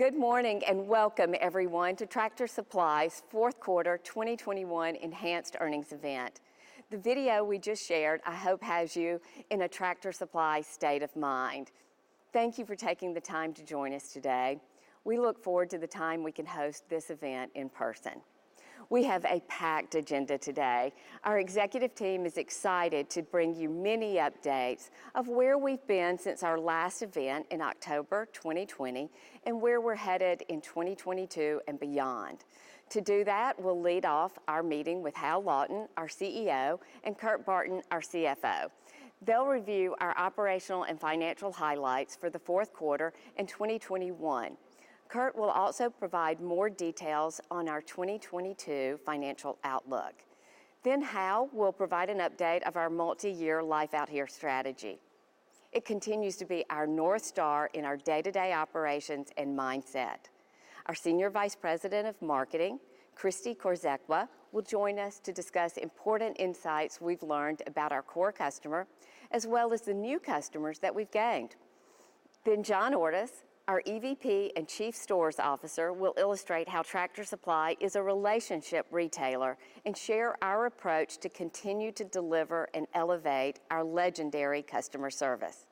Good morning, and welcome everyone to Tractor Supply's fourth quarter 2021 enhanced earnings event. The video we just shared, I hope, has you in a Tractor Supply state of mind. Thank you for taking the time to join us today. We look forward to the time we can host this event in person. We have a packed agenda today. Our executive team is excited to bring you many updates of where we've been since our last event in October 2020, and where we're headed in 2022 and beyond. To do that, we'll lead off our meeting with Hal Lawton, our CEO, and Kurt Barton, our CFO. They'll review our operational and financial highlights for the fourth quarter in 2021. Kurt will also provide more details on our 2022 financial outlook. Hal will provide an update of our multi-year Life Out Here strategy. It continues to be our North Star in our day-to-day operations and mindset. Our Senior Vice President of Marketing, Christi Korzekwa, will join us to discuss important insights we've learned about our core customer, as well as the new customers that we've gained. John Ordus, our EVP and Chief Stores Officer, will illustrate how Tractor Supply is a relationship retailer and share our approach to continue to deliver and elevate our legendary customer service.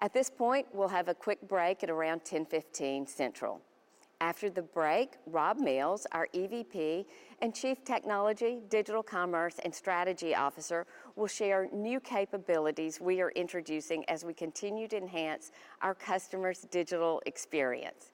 At this point, we'll have a quick break at around 10:15 Central. After the break, Rob Mills, our EVP and Chief Technology, Digital Commerce, and Strategy Officer, will share new capabilities we are introducing as we continue to enhance our customers' digital experience.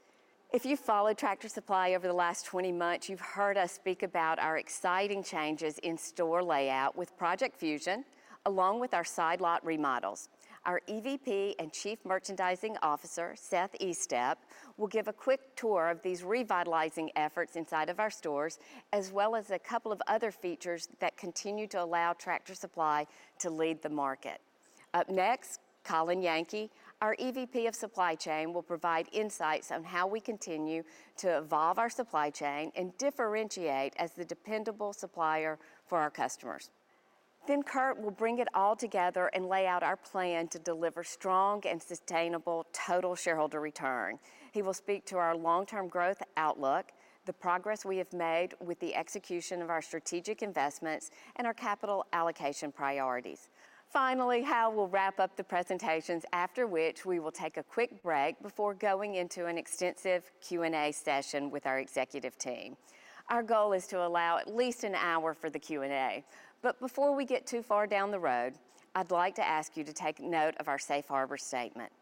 If you've followed Tractor Supply over the last 20 months, you've heard us speak about our exciting changes in store layout with Project Fusion, along with our Side Lot remodels. Our EVP and Chief Merchandising Officer, Seth Estep, will give a quick tour of these revitalizing efforts inside of our stores, as well as a couple of other features that continue to allow Tractor Supply to lead the market. Up next, Colin Yankee, our EVP of Supply Chain, will provide insights on how we continue to evolve our supply chain and differentiate as the dependable supplier for our customers. Then Kurt will bring it all together and lay out our plan to deliver strong and sustainable total shareholder return. He will speak to our long-term growth outlook, the progress we have made with the execution of our strategic investments, and our capital allocation priorities. Finally, Hal will wrap up the presentations, after which we will take a quick break before going into an extensive Q&A session with our executive team. Our goal is to allow at least an hour for the Q&A. Before we get too far down the road, I'd like to ask you to take note of our safe harbor statement.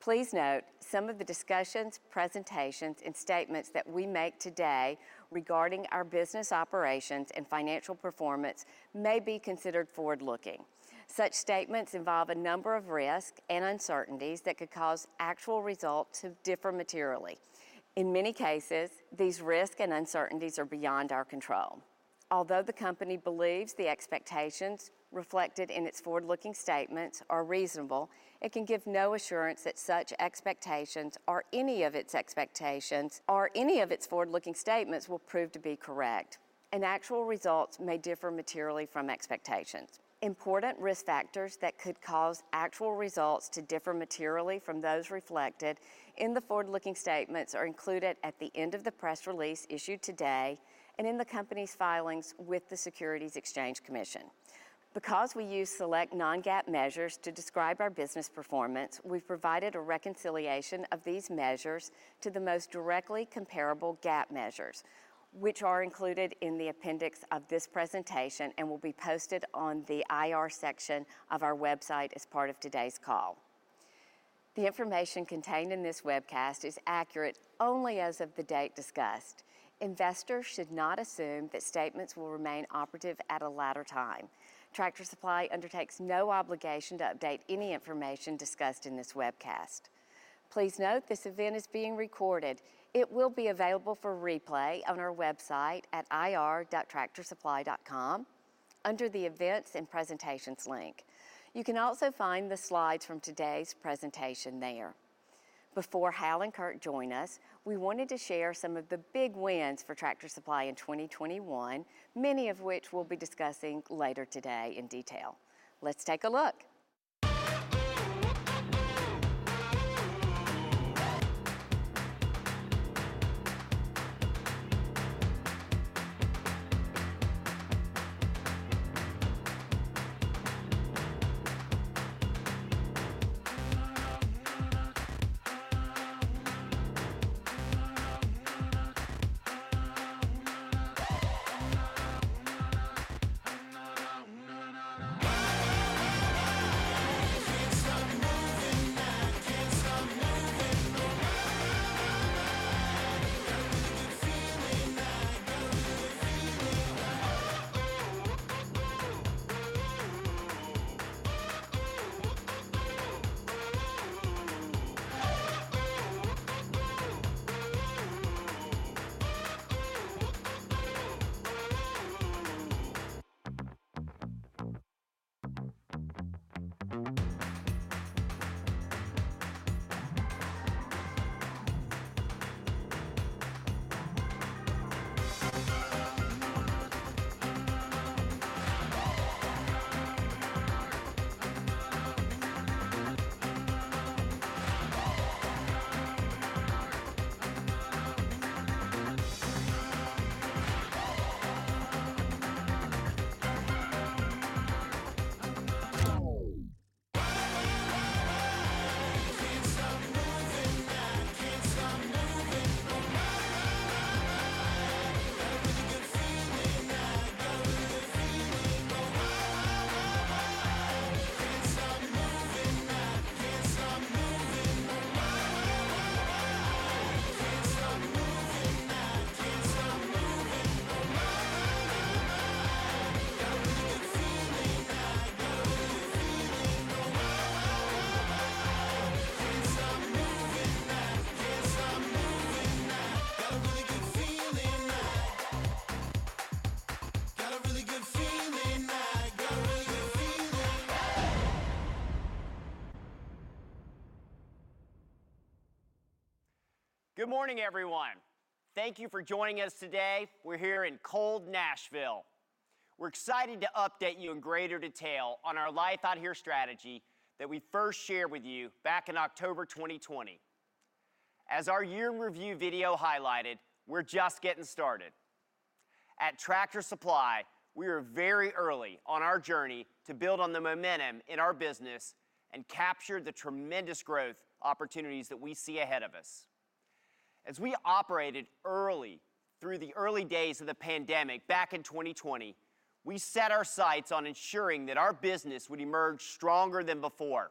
Please note, some of the discussions, presentations, and statements that we make today regarding our business operations and financial performance may be considered forward-looking. Such statements involve a number of risks and uncertainties that could cause actual results to differ materially. In many cases, these risks and uncertainties are beyond our control. Although the company believes the expectations reflected in its forward-looking statements are reasonable, it can give no assurance that such expectations or any of its expectations or any of its forward-looking statements will prove to be correct. Actual results may differ materially from expectations. Important risk factors that could cause actual results to differ materially from those reflected in the forward-looking statements are included at the end of the press release issued today and in the company's filings with the Securities and Exchange Commission. Because we use select non-GAAP measures to describe our business performance, we've provided a reconciliation of these measures to the most directly comparable GAAP measures, which are included in the appendix of this presentation and will be posted on the IR section of our website as part of today's call. The information contained in this webcast is accurate only as of the date discussed. Investors should not assume that statements will remain operative at a later time. Tractor Supply undertakes no obligation to update any information discussed in this webcast. Please note this event is being recorded. It will be available for replay on our website at ir.tractorsupply.com under the Events and Presentations link. You can also find the slides from today's presentation there. Before Hal and Kurt join us, we wanted to share some of the big wins for Tractor Supply in 2021, many of which we'll be discussing later today in detail. Let's take a look. Good morning, everyone. Thank you for joining us today. We're here in cold Nashville. We're excited to update you in greater detail on our Life Out Here strategy that we first shared with you back in October 2020. As our year in review video highlighted, we're just getting started. At Tractor Supply, we are very early on our journey to build on the momentum in our business and capture the tremendous growth opportunities that we see ahead of us. As we operated early through the early days of the pandemic back in 2020, we set our sights on ensuring that our business would emerge stronger than before.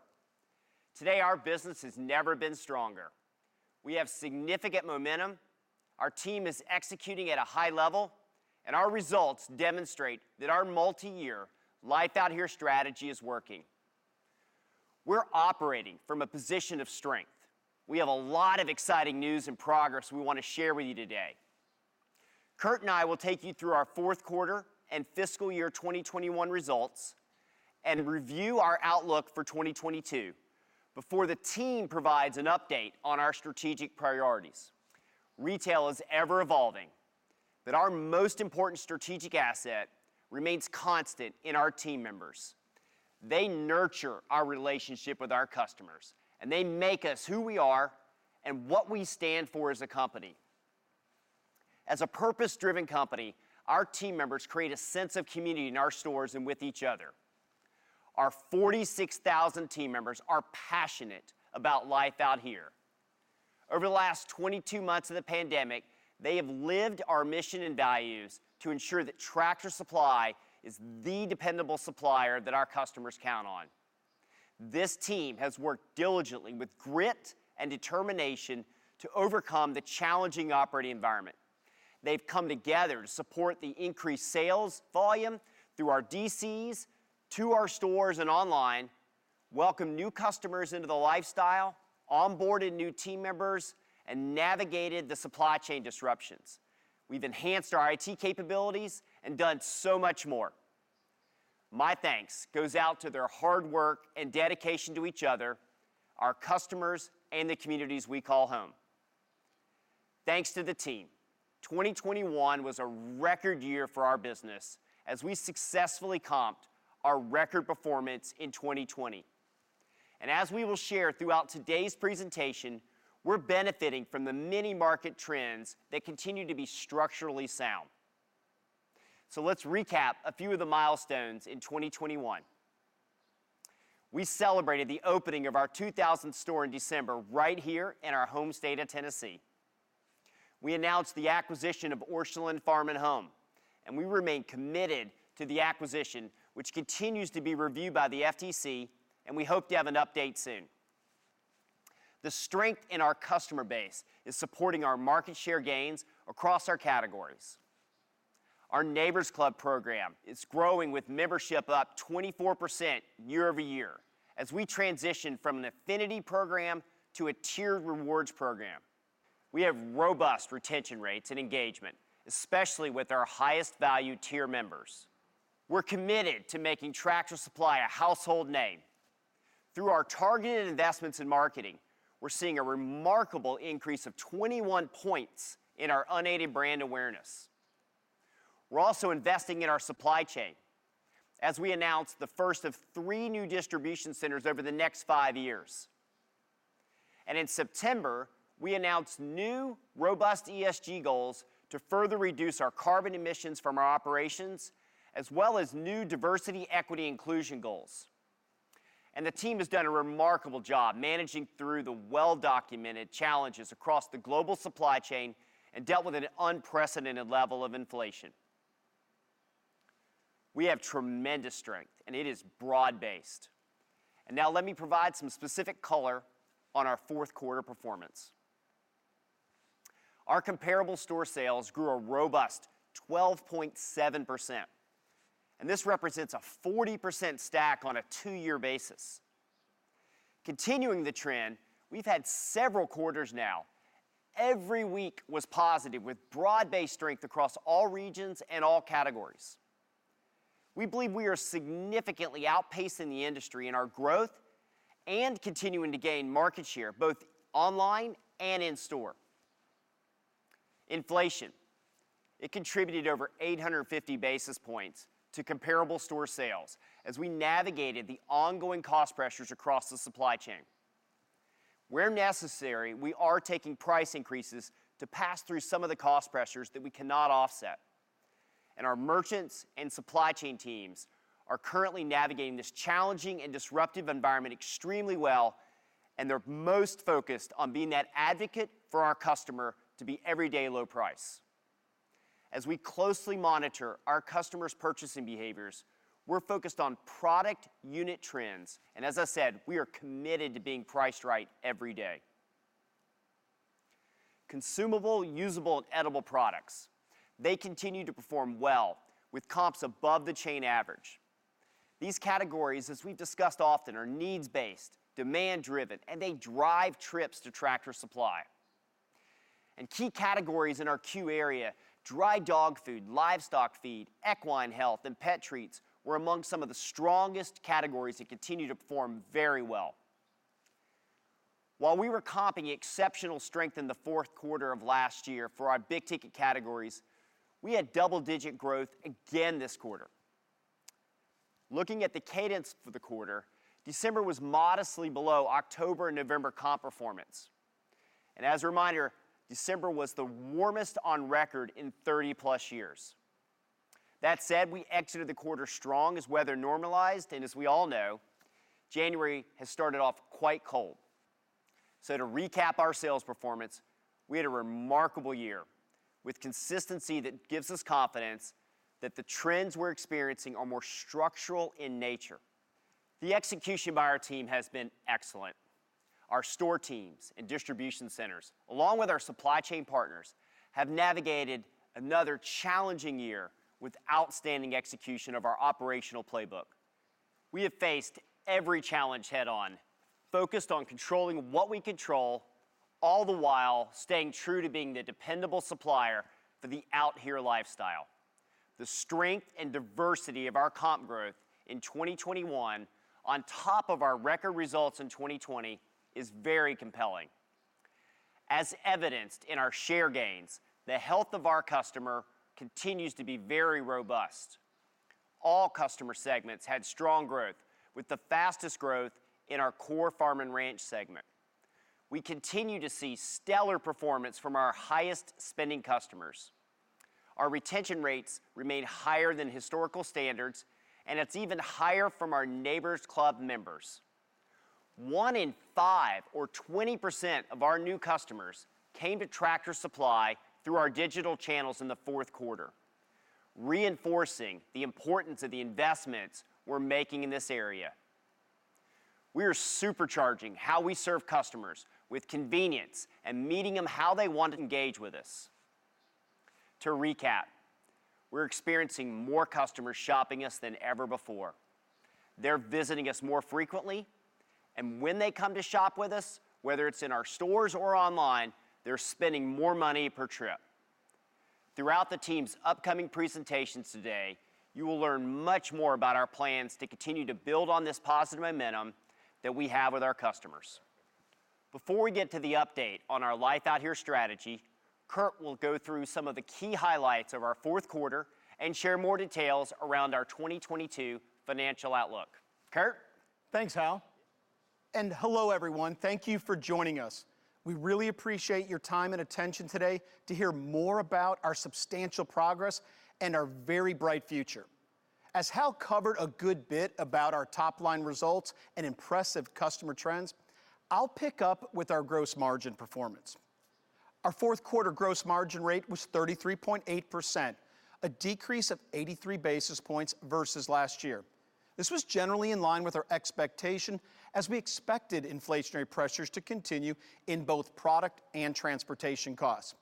Today, our business has never been stronger. We have significant momentum, our team is executing at a high level, and our results demonstrate that our multi-year Life Out Here strategy is working. We're operating from a position of strength. We have a lot of exciting news and progress we wanna share with you today. Kurt and I will take you through our fourth quarter and fiscal year 2021 results and review our outlook for 2022 before the team provides an update on our strategic priorities. Retail is ever evolving, but our most important strategic asset remains constant in our team members. They nurture our relationship with our customers, and they make us who we are and what we stand for as a company. As a purpose-driven company, our team members create a sense of community in our stores and with each other. Our 46,000 team members are passionate about Life Out Here. Over the last 22 months of the pandemic, they have lived our mission and values to ensure that Tractor Supply is the dependable supplier that our customers count on. This team has worked diligently with grit and determination to overcome the challenging operating environment. They've come together to support the increased sales volume through our DCs, to our stores and online, welcomed new customers into the lifestyle, onboarded new team members, and navigated the supply chain disruptions. We've enhanced our IT capabilities and done so much more. My thanks goes out to their hard work and dedication to each other, our customers, and the communities we call home. Thanks to the team, 2021 was a record year for our business as we successfully comped our record performance in 2020. As we will share throughout today's presentation, we're benefiting from the many market trends that continue to be structurally sound. Let's recap a few of the milestones in 2021. We celebrated the opening of our 2,000th store in December right here in our home state of Tennessee. We announced the acquisition of Orscheln Farm and Home, and we remain committed to the acquisition, which continues to be reviewed by the FTC, and we hope to have an update soon. The strength in our customer base is supporting our market share gains across our categories. Our Neighbor's Club program is growing with membership up 24% year over year. As we transition from an affinity program to a tiered rewards program, we have robust retention rates and engagement, especially with our highest value tier members. We're committed to making Tractor Supply a household name. Through our targeted investments in marketing, we're seeing a remarkable increase of 21 points in our unaided brand awareness. We're also investing in our supply chain as we announce the first of three new distribution centers over the next five years. In September, we announced new, robust ESG goals to further reduce our carbon emissions from our operations, as well as new diversity equity inclusion goals. The team has done a remarkable job managing through the well-documented challenges across the global supply chain and dealt with an unprecedented level of inflation. We have tremendous strength, and it is broad-based. Now let me provide some specific color on our fourth quarter performance. Our comparable store sales grew a robust 12.7%, and this represents a 40% stack on a two-year basis. Continuing the trend, we've had several quarters now. Every week was positive with broad-based strength across all regions and all categories. We believe we are significantly outpacing the industry in our growth and continuing to gain market share, both online and in store. Inflation contributed over 850 basis points to comparable store sales as we navigated the ongoing cost pressures across the supply chain. Where necessary, we are taking price increases to pass through some of the cost pressures that we cannot offset. Our merchants and supply chain teams are currently navigating this challenging and disruptive environment extremely well, and they're most focused on being that advocate for our customer to be everyday low price. As we closely monitor our customers' purchasing behaviors, we're focused on product unit trends. As I said, we are committed to being priced right every day. Consumable, usable, and edible products, they continue to perform well with comps above the chain average. These categories, as we've discussed often, are needs-based, demand-driven, and they drive trips to Tractor Supply. Key categories in our C.U.E. area, dry dog food, livestock feed, equine health, and pet treats were among some of the strongest categories that continue to perform very well. While we were comping exceptional strength in the fourth quarter of last year for our big-ticket categories, we had double-digit growth again this quarter. Looking at the cadence for the quarter, December was modestly below October and November comp performance. As a reminder, December was the warmest on record in 30+ years. That said, we exited the quarter strong as weather normalized, and as we all know, January has started off quite cold. To recap our sales performance, we had a remarkable year with consistency that gives us confidence that the trends we're experiencing are more structural in nature. The execution by our team has been excellent. Our store teams and distribution centers, along with our supply chain partners, have navigated another challenging year with outstanding execution of our operational playbook. We have faced every challenge head-on, focused on controlling what we control, all the while staying true to being the dependable supplier for the out here lifestyle. The strength and diversity of our comp growth in 2021 on top of our record results in 2020 is very compelling. As evidenced in our share gains, the health of our customer continues to be very robust. All customer segments had strong growth, with the fastest growth in our core farm and ranch segment. We continue to see stellar performance from our highest-spending customers. Our retention rates remain higher than historical standards, and it's even higher from our Neighbor's Club members. One in five or 20% of our new customers came to Tractor Supply through our digital channels in the fourth quarter, reinforcing the importance of the investments we're making in this area. We are supercharging how we serve customers with convenience and meeting them how they want to engage with us. To recap, we're experiencing more customers shopping us than ever before. They're visiting us more frequently, and when they come to shop with us, whether it's in our stores or online, they're spending more money per trip. Throughout the team's upcoming presentations today, you will learn much more about our plans to continue to build on this positive momentum that we have with our customers. Before we get to the update on our Life Out Here strategy, Kurt will go through some of the key highlights of our fourth quarter and share more details around our 2022 financial outlook. Kurt? Thanks, Hal. Hello, everyone. Thank you for joining us. We really appreciate your time and attention today to hear more about our substantial progress and our very bright future. As Hal covered a good bit about our top-line results and impressive customer trends, I'll pick up with our gross margin performance. Our fourth quarter gross margin rate was 33.8%, a decrease of 83 basis points versus last year. This was generally in line with our expectation as we expected inflationary pressures to continue in both product and transportation costs.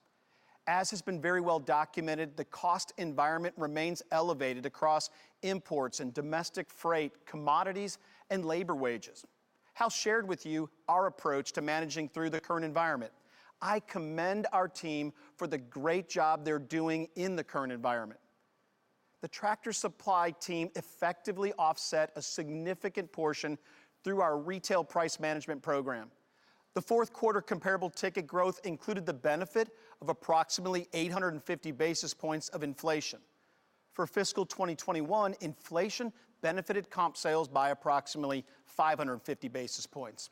As has been very well documented, the cost environment remains elevated across imports and domestic freight commodities and labor wages. Hal shared with you our approach to managing through the current environment. I commend our team for the great job they're doing in the current environment. The Tractor Supply team effectively offset a significant portion through our retail price management program. The fourth quarter comparable ticket growth included the benefit of approximately 850 basis points of inflation. For fiscal 2021, inflation benefited comp sales by approximately 550 basis points.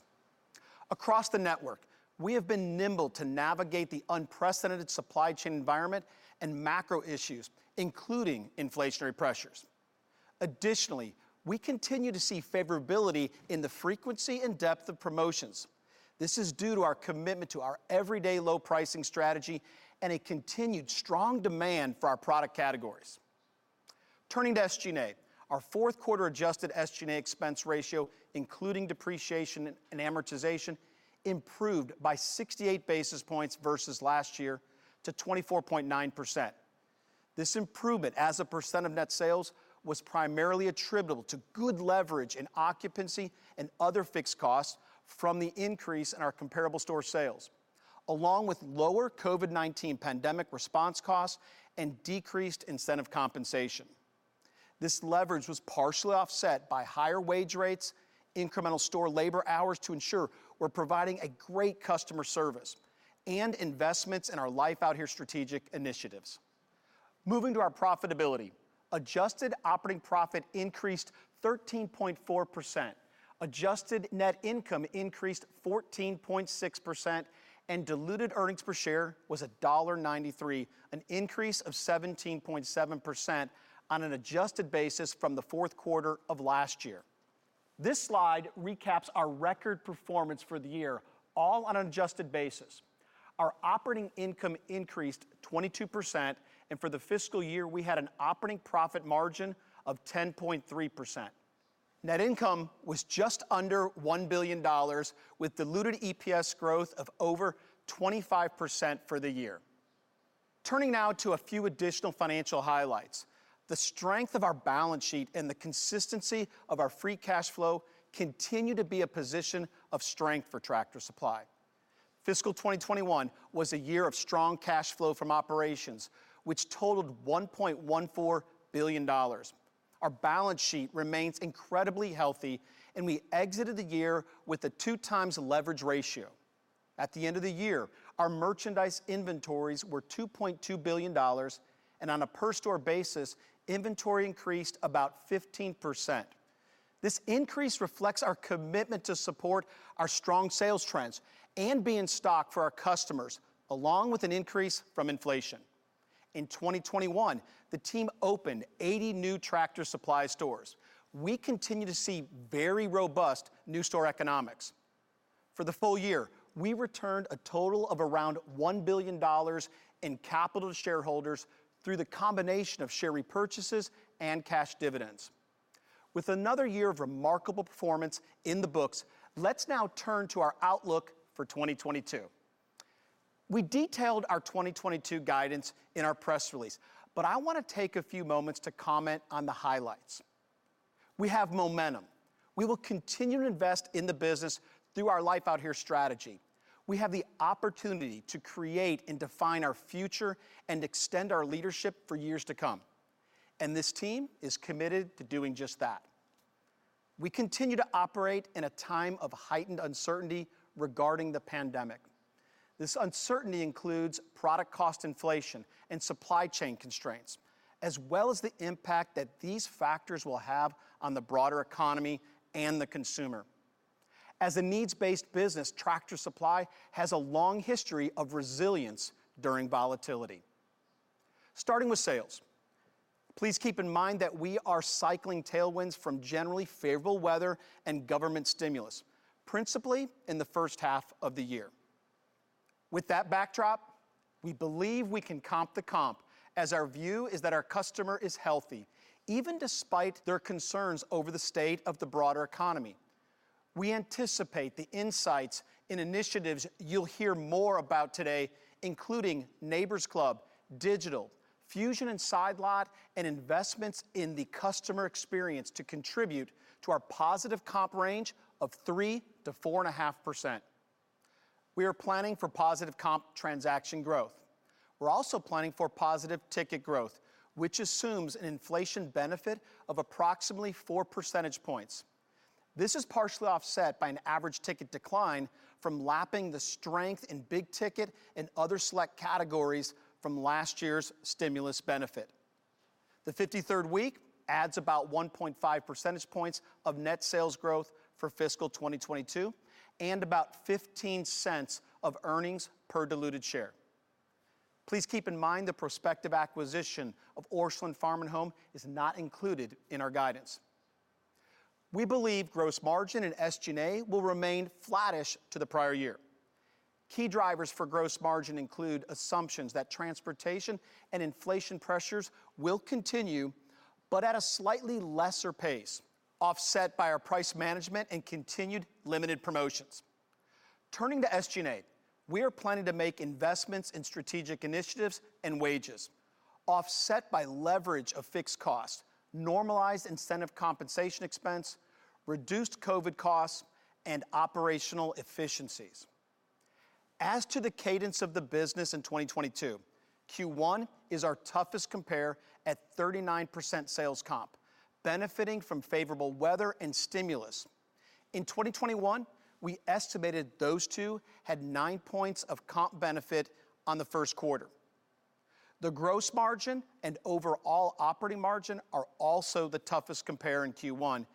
Across the network, we have been nimble to navigate the unprecedented supply chain environment and macro issues, including inflationary pressures. Additionally, we continue to see favorability in the frequency and depth of promotions. This is due to our commitment to our everyday low pricing strategy and a continued strong demand for our product categories. Turning to SG&A, our fourth quarter adjusted SG&A expense ratio, including depreciation and amortization, improved by 68 basis points versus last year to 24.9%. This improvement as a percent of net sales was primarily attributable to good leverage in occupancy and other fixed costs from the increase in our comparable store sales, along with lower COVID-19 pandemic response costs and decreased incentive compensation. This leverage was partially offset by higher wage rates, incremental store labor hours to ensure we're providing a great customer service, and investments in our Life Out Here strategic initiatives. Moving to our profitability, adjusted operating profit increased 13.4%. Adjusted net income increased 14.6%, and diluted earnings per share was $1.93, an increase of 17.7% on an adjusted basis from the fourth quarter of last year. This slide recaps our record performance for the year, all on an adjusted basis. Our operating income increased 22%, and for the fiscal year, we had an operating profit margin of 10.3%. Net income was just under $1 billion with diluted EPS growth of over 25% for the year. Turning now to a few additional financial highlights. The strength of our balance sheet and the consistency of our free cash flow continue to be a position of strength for Tractor Supply. Fiscal 2021 was a year of strong cash flow from operations, which totaled $1.14 billion. Our balance sheet remains incredibly healthy, and we exited the year with a 2x leverage ratio. At the end of the year, our merchandise inventories were $2.2 billion, and on a per store basis, inventory increased about 15%. This increase reflects our commitment to support our strong sales trends and be in stock for our customers, along with an increase from inflation. In 2021, the team opened 80 new Tractor Supply stores. We continue to see very robust new store economics. For the full year, we returned a total of around $1 billion in capital to shareholders through the combination of share repurchases and cash dividends. With another year of remarkable performance in the books, let's now turn to our outlook for 2022. We detailed our 2022 guidance in our press release, but I wanna take a few moments to comment on the highlights. We have momentum. We will continue to invest in the business through our Life Out Here strategy. We have the opportunity to create and define our future and extend our leadership for years to come, and this team is committed to doing just that. We continue to operate in a time of heightened uncertainty regarding the pandemic. This uncertainty includes product cost inflation and supply chain constraints, as well as the impact that these factors will have on the broader economy and the consumer. As a needs-based business, Tractor Supply has a long history of resilience during volatility. Starting with sales, please keep in mind that we are cycling tailwinds from generally favorable weather and government stimulus, principally in the first half of the year. With that backdrop, we believe we can comp the comp, as our view is that our customer is healthy, even despite their concerns over the state of the broader economy. We anticipate the insights and initiatives you'll hear more about today, including Neighbor's Club, digital, Fusion and Side Lot, and investments in the customer experience to contribute to our positive comp range of 3%-4.5%. We are planning for positive comp transaction growth. We're also planning for positive ticket growth, which assumes an inflation benefit of approximately 4% points. This is partially offset by an average ticket decline from lapping the strength in big ticket and other select categories from last year's stimulus benefit. The 53rd week adds about 1.5% points of net sales growth for fiscal 2022 and about $0.15 of earnings per diluted share. Please keep in mind the prospective acquisition of Orscheln Farm and Home is not included in our guidance. We believe gross margin and SG&A will remain flattish to the prior year. Key drivers for gross margin include assumptions that transportation and inflation pressures will continue, but at a slightly lesser pace, offset by our price management and continued limited promotions. Turning to SG&A, we are planning to make investments in strategic initiatives and wages, offset by leverage of fixed costs, normalized incentive compensation expense, reduced COVID costs, and operational efficiencies. As to the cadence of the business in 2022, Q1 is our toughest compare at 39% sales comp, benefiting from favorable weather and stimulus. In 2021, we estimated those two had nine points of comp benefit on the first quarter. The gross margin and overall operating margin are also the toughest compare in Q1,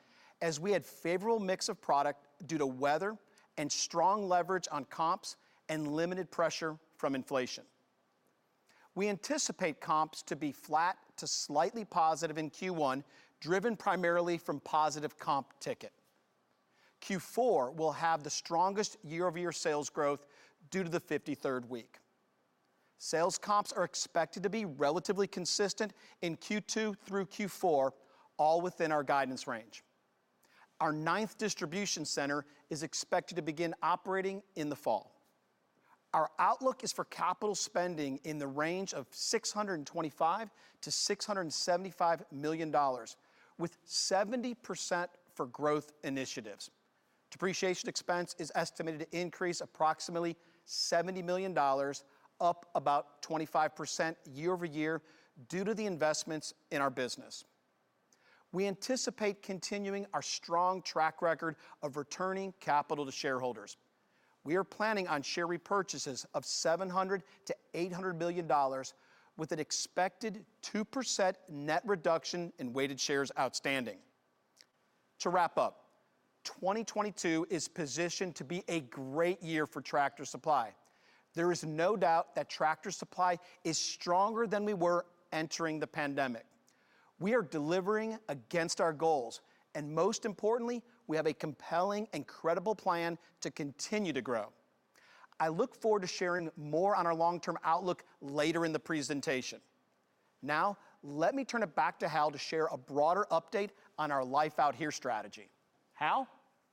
as we had favorable mix of product due to weather and strong leverage on comps and limited pressure from inflation. We anticipate comps to be flat to slightly positive in Q1, driven primarily from positive comp ticket. Q4 will have the strongest year-over-year sales growth due to the 53rd week. Sales comps are expected to be relatively consistent in Q2 through Q4, all within our guidance range. Our ninth distribution center is expected to begin operating in the fall. Our outlook is for capital spending in the range of $625 million-$675 million, with 70% for growth initiatives. Depreciation expense is estimated to increase approximately $70 million, up about 25% year over year due to the investments in our business. We anticipate continuing our strong track record of returning capital to shareholders. We are planning on share repurchases of $700 million-$800 million with an expected 2% net reduction in weighted shares outstanding. To wrap up, 2022 is positioned to be a great year for Tractor Supply. There is no doubt that Tractor Supply is stronger than we were entering the pandemic. We are delivering against our goals, and most importantly, we have a compelling and credible plan to continue to grow. I look forward to sharing more on our long-term outlook later in the presentation. Now, let me turn it back to Hal to share a broader update on our Life Out Here strategy. Hal?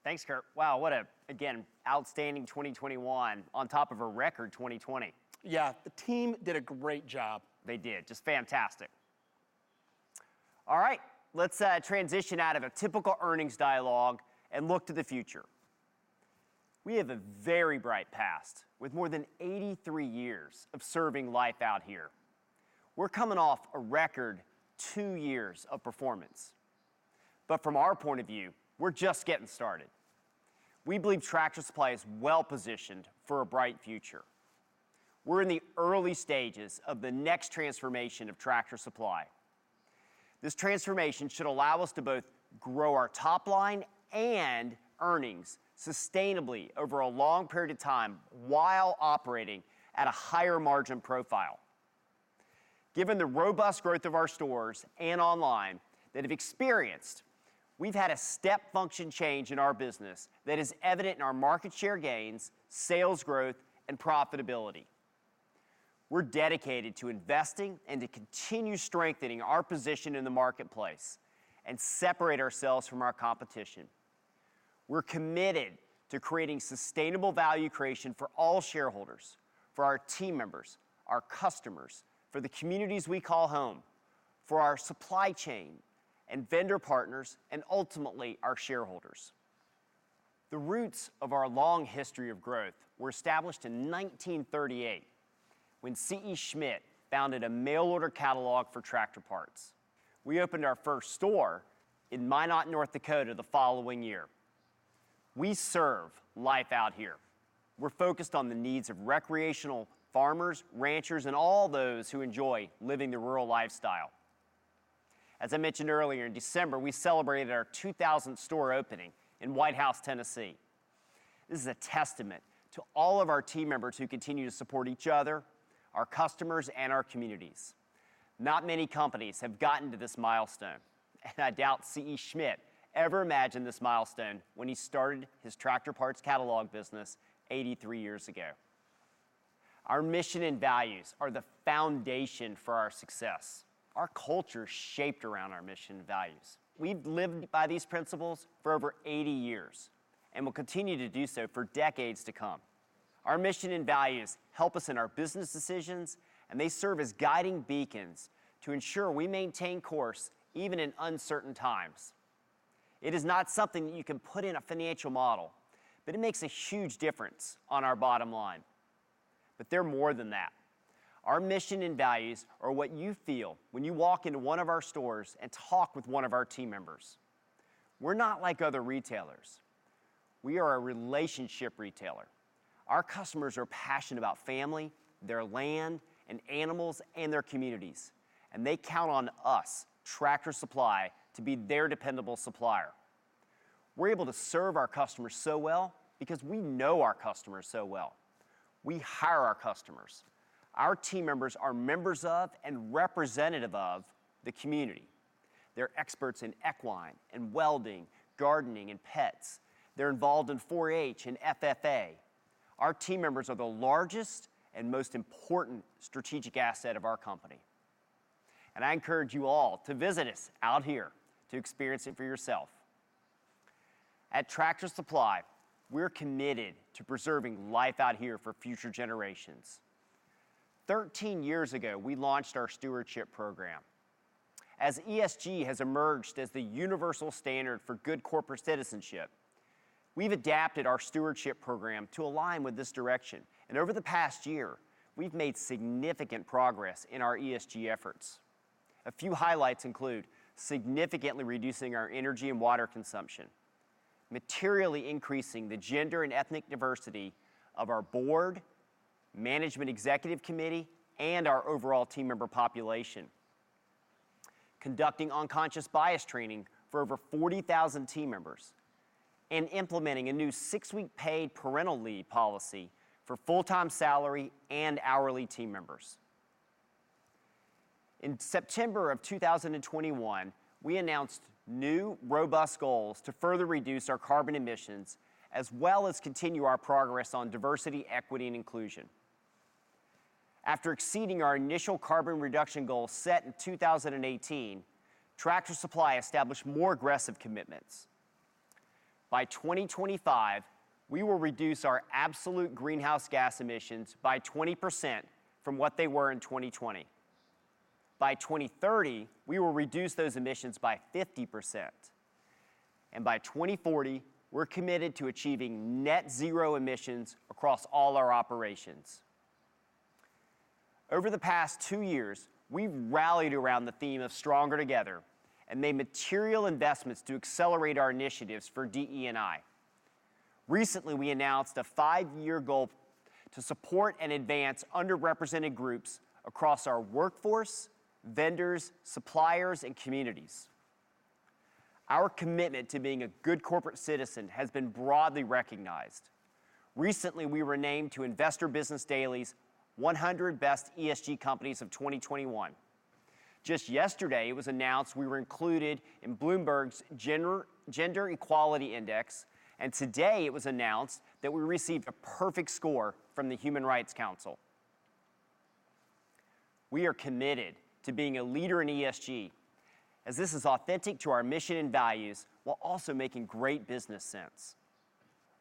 Thanks, Kurt. Wow, what a, again, outstanding 2021 on top of a record 2020. Yeah, the team did a great job. They did. Just fantastic. All right. Let's transition out of a typical earnings dialogue and look to the future. We have a very bright past with more than 83 years of serving Life Out Here. We're coming off a record two years of performance. From our point of view, we're just getting started. We believe Tractor Supply is well-positioned for a bright future. We're in the early stages of the next transformation of Tractor Supply. This transformation should allow us to both grow our top line and earnings sustainably over a long period of time while operating at a higher margin profile. Given the robust growth of our stores and online that have experienced, we've had a step function change in our business that is evident in our market share gains, sales growth, and profitability. We're dedicated to investing and to continue strengthening our position in the marketplace and separate ourselves from our competition. We're committed to creating sustainable value creation for all shareholders, for our team members, our customers, for the communities we call home, for our supply chain and vendor partners, and ultimately, our shareholders. The roots of our long history of growth were established in 1938 when C.E. Schmidt founded a mail-order catalog for tractor parts. We opened our first store in Minot, North Dakota, the following year. We serve Life Out Here. We're focused on the needs of recreational farmers, ranchers, and all those who enjoy living the rural lifestyle. As I mentioned earlier, in December, we celebrated our 2000th store opening in White House, Tennessee. This is a testament to all of our team members who continue to support each other, our customers, and our communities. Not many companies have gotten to this milestone, and I doubt C.E. Schmidt ever imagined this milestone when he started his tractor parts catalog business 83 years ago. Our mission and values are the foundation for our success. Our culture's shaped around our mission values. We've lived by these principles for over 80 years and will continue to do so for decades to come. Our mission and values help us in our business decisions, and they serve as guiding beacons to ensure we maintain course even in uncertain times. It is not something that you can put in a financial model, but it makes a huge difference on our bottom line. But they're more than that. Our mission and values are what you feel when you walk into one of our stores and talk with one of our team members. We're not like other retailers. We are a relationship retailer. Our customers are passionate about family, their land, and animals, and their communities, and they count on us, Tractor Supply, to be their dependable supplier. We're able to serve our customers so well because we know our customers so well. We hire our customers. Our team members are members of and representative of the community. They're experts in equine and welding, gardening, and pets. They're involved in 4H and FFA. Our team members are the largest and most important strategic asset of our company. I encourage you all to visit us out here to experience it for yourself. At Tractor Supply, we're committed to preserving Life Out Here for future generations. 13 years ago, we launched our stewardship program. As ESG has emerged as the universal standard for good corporate citizenship, we've adapted our stewardship program to align with this direction. Over the past year, we've made significant progress in our ESG efforts. A few highlights include significantly reducing our energy and water consumption, materially increasing the gender and ethnic diversity of our board, management executive committee, and our overall team member population, conducting unconscious bias training for over 40,000 team members, and implementing a new six-week paid parental leave policy for full-time salary and hourly team members. In September of 2021, we announced new, robust goals to further reduce our carbon emissions, as well as continue our progress on diversity, equity, and inclusion. After exceeding our initial carbon reduction goal set in 2018, Tractor Supply established more aggressive commitments. By 2025, we will reduce our absolute greenhouse gas emissions by 20% from what they were in 2020. By 2030, we will reduce those emissions by 50%. By 2040, we're committed to achieving net zero emissions across all our operations. Over the past two years, we've rallied around the theme of Stronger Together and made material investments to accelerate our initiatives for DE&I. Recently, we announced a five-year goal to support and advance underrepresented groups across our workforce, vendors, suppliers, and communities. Our commitment to being a good corporate citizen has been broadly recognized. Recently, we were named to Investor's Business Daily's 100 Best ESG Companies of 2021. Just yesterday, it was announced we were included in Bloomberg's Gender-Equality Index, and today it was announced that we received a perfect score from the Human Rights Campaign. We are committed to being a leader in ESG, as this is authentic to our mission and values, while also making great business sense.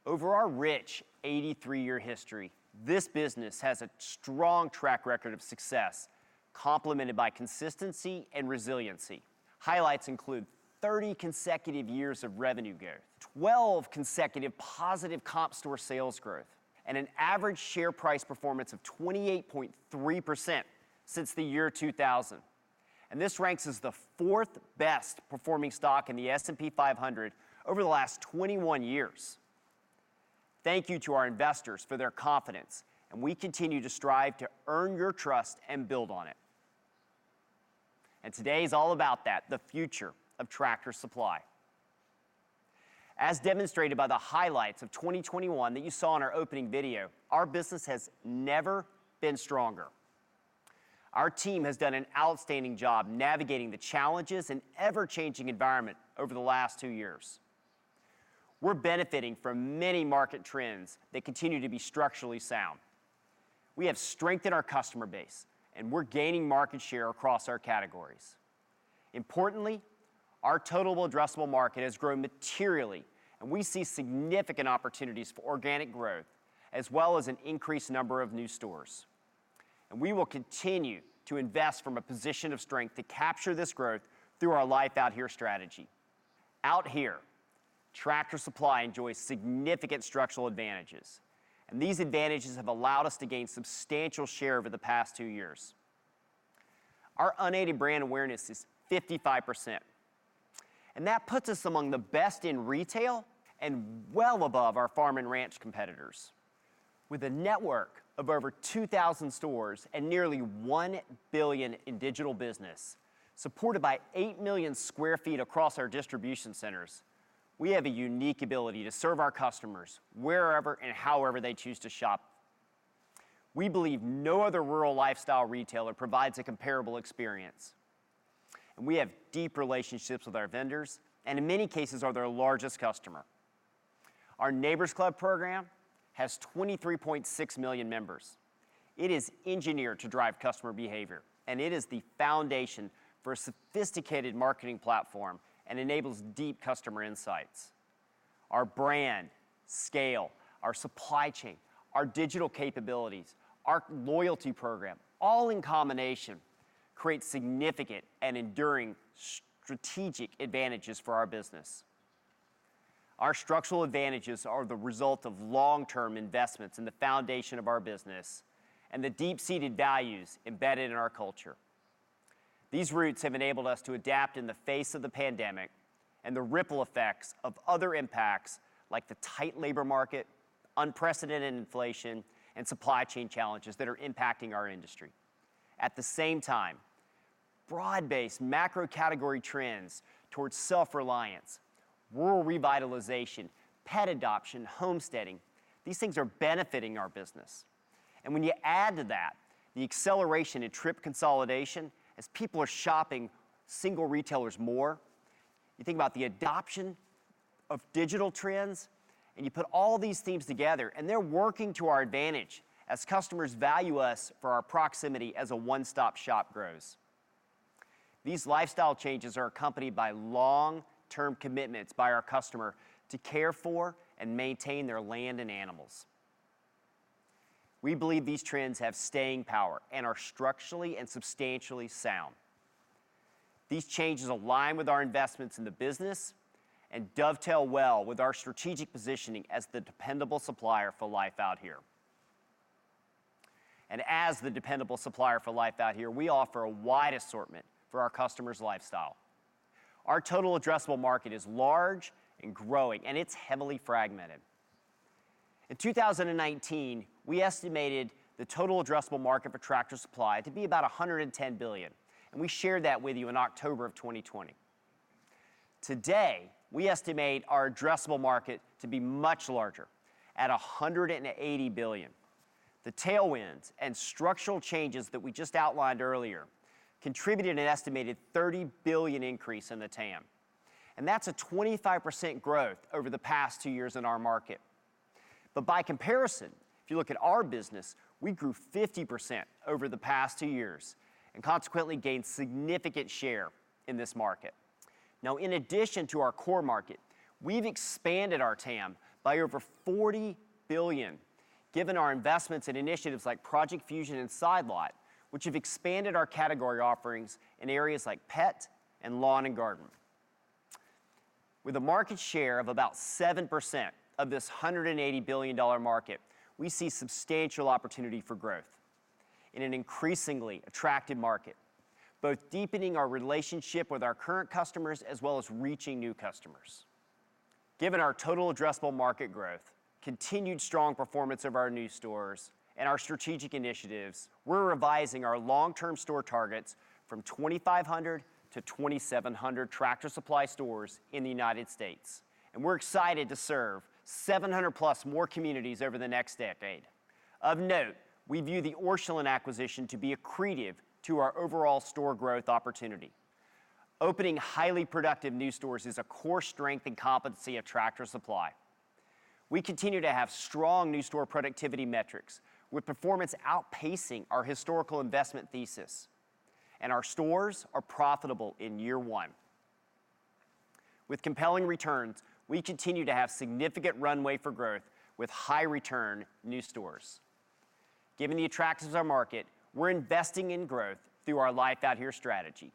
Over our rich 83-year history, this business has a strong track record of success, complemented by consistency and resiliency. Highlights include 30 consecutive years of revenue growth, 12 consecutive positive comp store sales growth, and an average share price performance of 28.3% since the year 2000. This ranks as the 4th best performing stock in the S&P 500 over the last 21 years. Thank you to our investors for their confidence, and we continue to strive to earn your trust and build on it. Today is all about that, the future of Tractor Supply. As demonstrated by the highlights of 2021 that you saw in our opening video, our business has never been stronger. Our team has done an outstanding job navigating the challenges and ever-changing environment over the last two years. We're benefiting from many market trends that continue to be structurally sound. We have strengthened our customer base, and we're gaining market share across our categories. Importantly, our total addressable market has grown materially, and we see significant opportunities for organic growth, as well as an increased number of new stores. We will continue to invest from a position of strength to capture this growth through our Life Out Here strategy. Out here, Tractor Supply enjoys significant structural advantages, and these advantages have allowed us to gain substantial share over the past two years. Our unaided brand awareness is 55%, and that puts us among the best in retail and well above our farm and ranch competitors. With a network of over 2,000 stores and nearly $1 billion in digital business, supported by 8 million sq ft across our distribution centers, we have a unique ability to serve our customers wherever and however they choose to shop. We believe no other rural lifestyle retailer provides a comparable experience. We have deep relationships with our vendors, and in many cases are their largest customer. Our Neighbor's Club program has 23.6 million members. It is engineered to drive customer behavior, and it is the foundation for a sophisticated marketing platform and enables deep customer insights. Our brand, scale, our supply chain, our digital capabilities, our loyalty program, all in combination create significant and enduring strategic advantages for our business. Our structural advantages are the result of long-term investments in the foundation of our business and the deep-seated values embedded in our culture. These roots have enabled us to adapt in the face of the pandemic and the ripple effects of other impacts like the tight labor market, unprecedented inflation, and supply chain challenges that are impacting our industry. At the same time, broad-based macro category trends towards self-reliance, rural revitalization, pet adoption, homesteading, these things are benefiting our business. When you add to that the acceleration in trip consolidation as people are shopping single retailers more, you think about the adoption of digital trends, and you put all these themes together and they're working to our advantage as customers value us for our proximity as a one-stop-shop grows. These lifestyle changes are accompanied by long-term commitments by our customer to care for and maintain their land and animals. We believe these trends have staying power and are structurally and substantially sound. These changes align with our investments in the business and dovetail well with our strategic positioning as the dependable supplier for Life Out Here. As the dependable supplier for Life Out Here, we offer a wide assortment for our customers' lifestyle. Our total addressable market is large and growing, and it's heavily fragmented. In 2019, we estimated the total addressable market for Tractor Supply to be about $110 billion, and we shared that with you in October 2020. Today, we estimate our addressable market to be much larger at $180 billion. The tailwinds and structural changes that we just outlined earlier contributed an estimated $30 billion increase in the TAM, and that's a 25% growth over the past two years in our market. By comparison, if you look at our business, we grew 50% over the past two years and consequently gained significant share in this market. Now, in addition to our core market, we've expanded our TAM by over $40 billion, given our investments in initiatives like Project Fusion and Side Lot, which have expanded our category offerings in areas like pet and lawn and garden. With a market share of about 7% of this $180 billion market, we see substantial opportunity for growth in an increasingly attractive market, both deepening our relationship with our current customers as well as reaching new customers. Given our total addressable market growth, continued strong performance of our new stores, and our strategic initiatives, we're revising our long-term store targets from 2,500-2,700 Tractor Supply stores in the U.S., and we're excited to serve 700+ more communities over the next decade. Of note, we view the Orscheln acquisition to be accretive to our overall store growth opportunity. Opening highly productive new stores is a core strength and competency of Tractor Supply. We continue to have strong new store productivity metrics, with performance outpacing our historical investment thesis, and our stores are profitable in year one. With compelling returns, we continue to have significant runway for growth with high-return new stores. Given the attractiveness of our market, we're investing in growth through our Life Out Here strategy.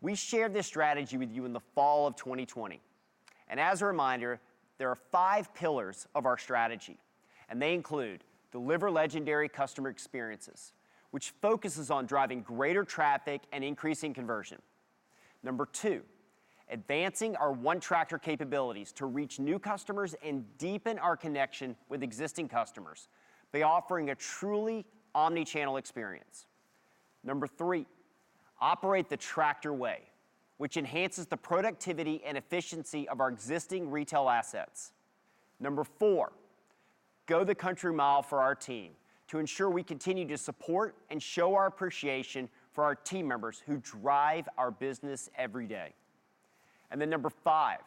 We shared this strategy with you in the fall of 2020, and as a reminder, there are five pillars of our strategy, and they include Deliver Legendary Customer Experiences, which focuses on driving greater traffic and increasing conversion. Number two, advancing our One Tractor capabilities to reach new customers and deepen our connection with existing customers by offering a truly omni-channel experience. Number three, Operate the Tractor Way, which enhances the productivity and efficiency of our existing retail assets. Number four, Go the Country Mile for our team to ensure we continue to support and show our appreciation for our team members who drive our business every day. Number five,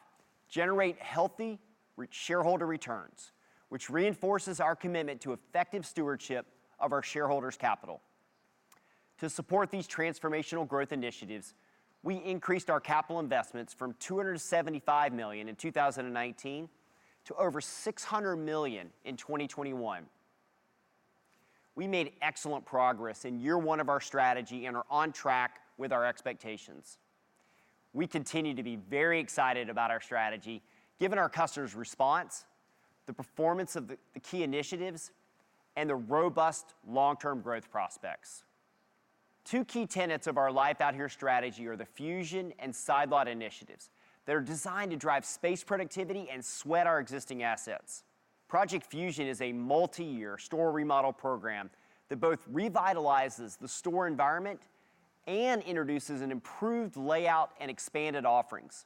generate healthy shareholder returns, which reinforces our commitment to effective stewardship of our shareholders' capital. To support these transformational growth initiatives, we increased our capital investments from $275 million in 2019 to over $600 million in 2021. We made excellent progress in year one of our strategy and are on track with our expectations. We continue to be very excited about our strategy, given our customers' response, the performance of the key initiatives, and the robust long-term growth prospects. Two key tenets of our Life Out Here strategy are the Fusion and Side Lot initiatives that are designed to drive space productivity and sweat our existing assets. Project Fusion is a multiyear store remodel program that both revitalizes the store environment and introduces an improved layout and expanded offerings.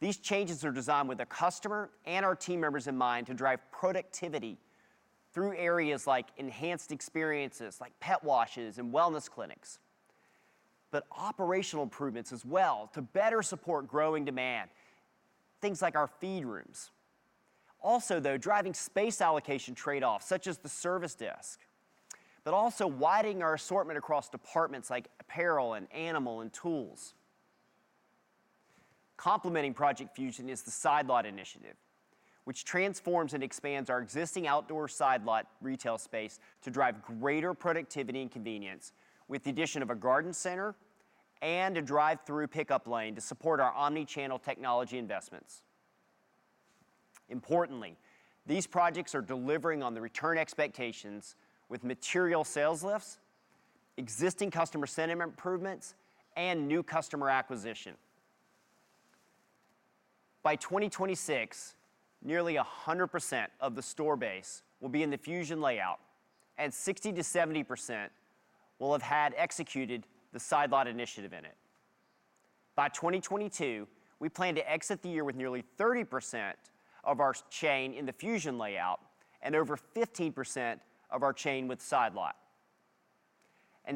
These changes are designed with the customer and our team members in mind to drive productivity through areas like enhanced experiences, like pet washes and wellness clinics. Operational improvements as well to better support growing demand, things like our feed rooms. Also, though, driving space allocation trade-offs such as the service desk, but also widening our assortment across departments like apparel and animal and tools. Complementing Project Fusion is the Side Lot initiative, which transforms and expands our existing outdoor Side Lot retail space to drive greater productivity and convenience with the addition of a garden center and a drive-through pickup lane to support our omni-channel technology investments. Importantly, these projects are delivering on the return expectations with material sales lifts, existing customer sentiment improvements, and new customer acquisition. By 2026, nearly 100% of the store base will be in the Fusion layout, and 60%-70% will have had executed the Side Lot initiative in it. By 2022, we plan to exit the year with nearly 30% of our chain in the Fusion layout and over 15% of our chain with Side Lot.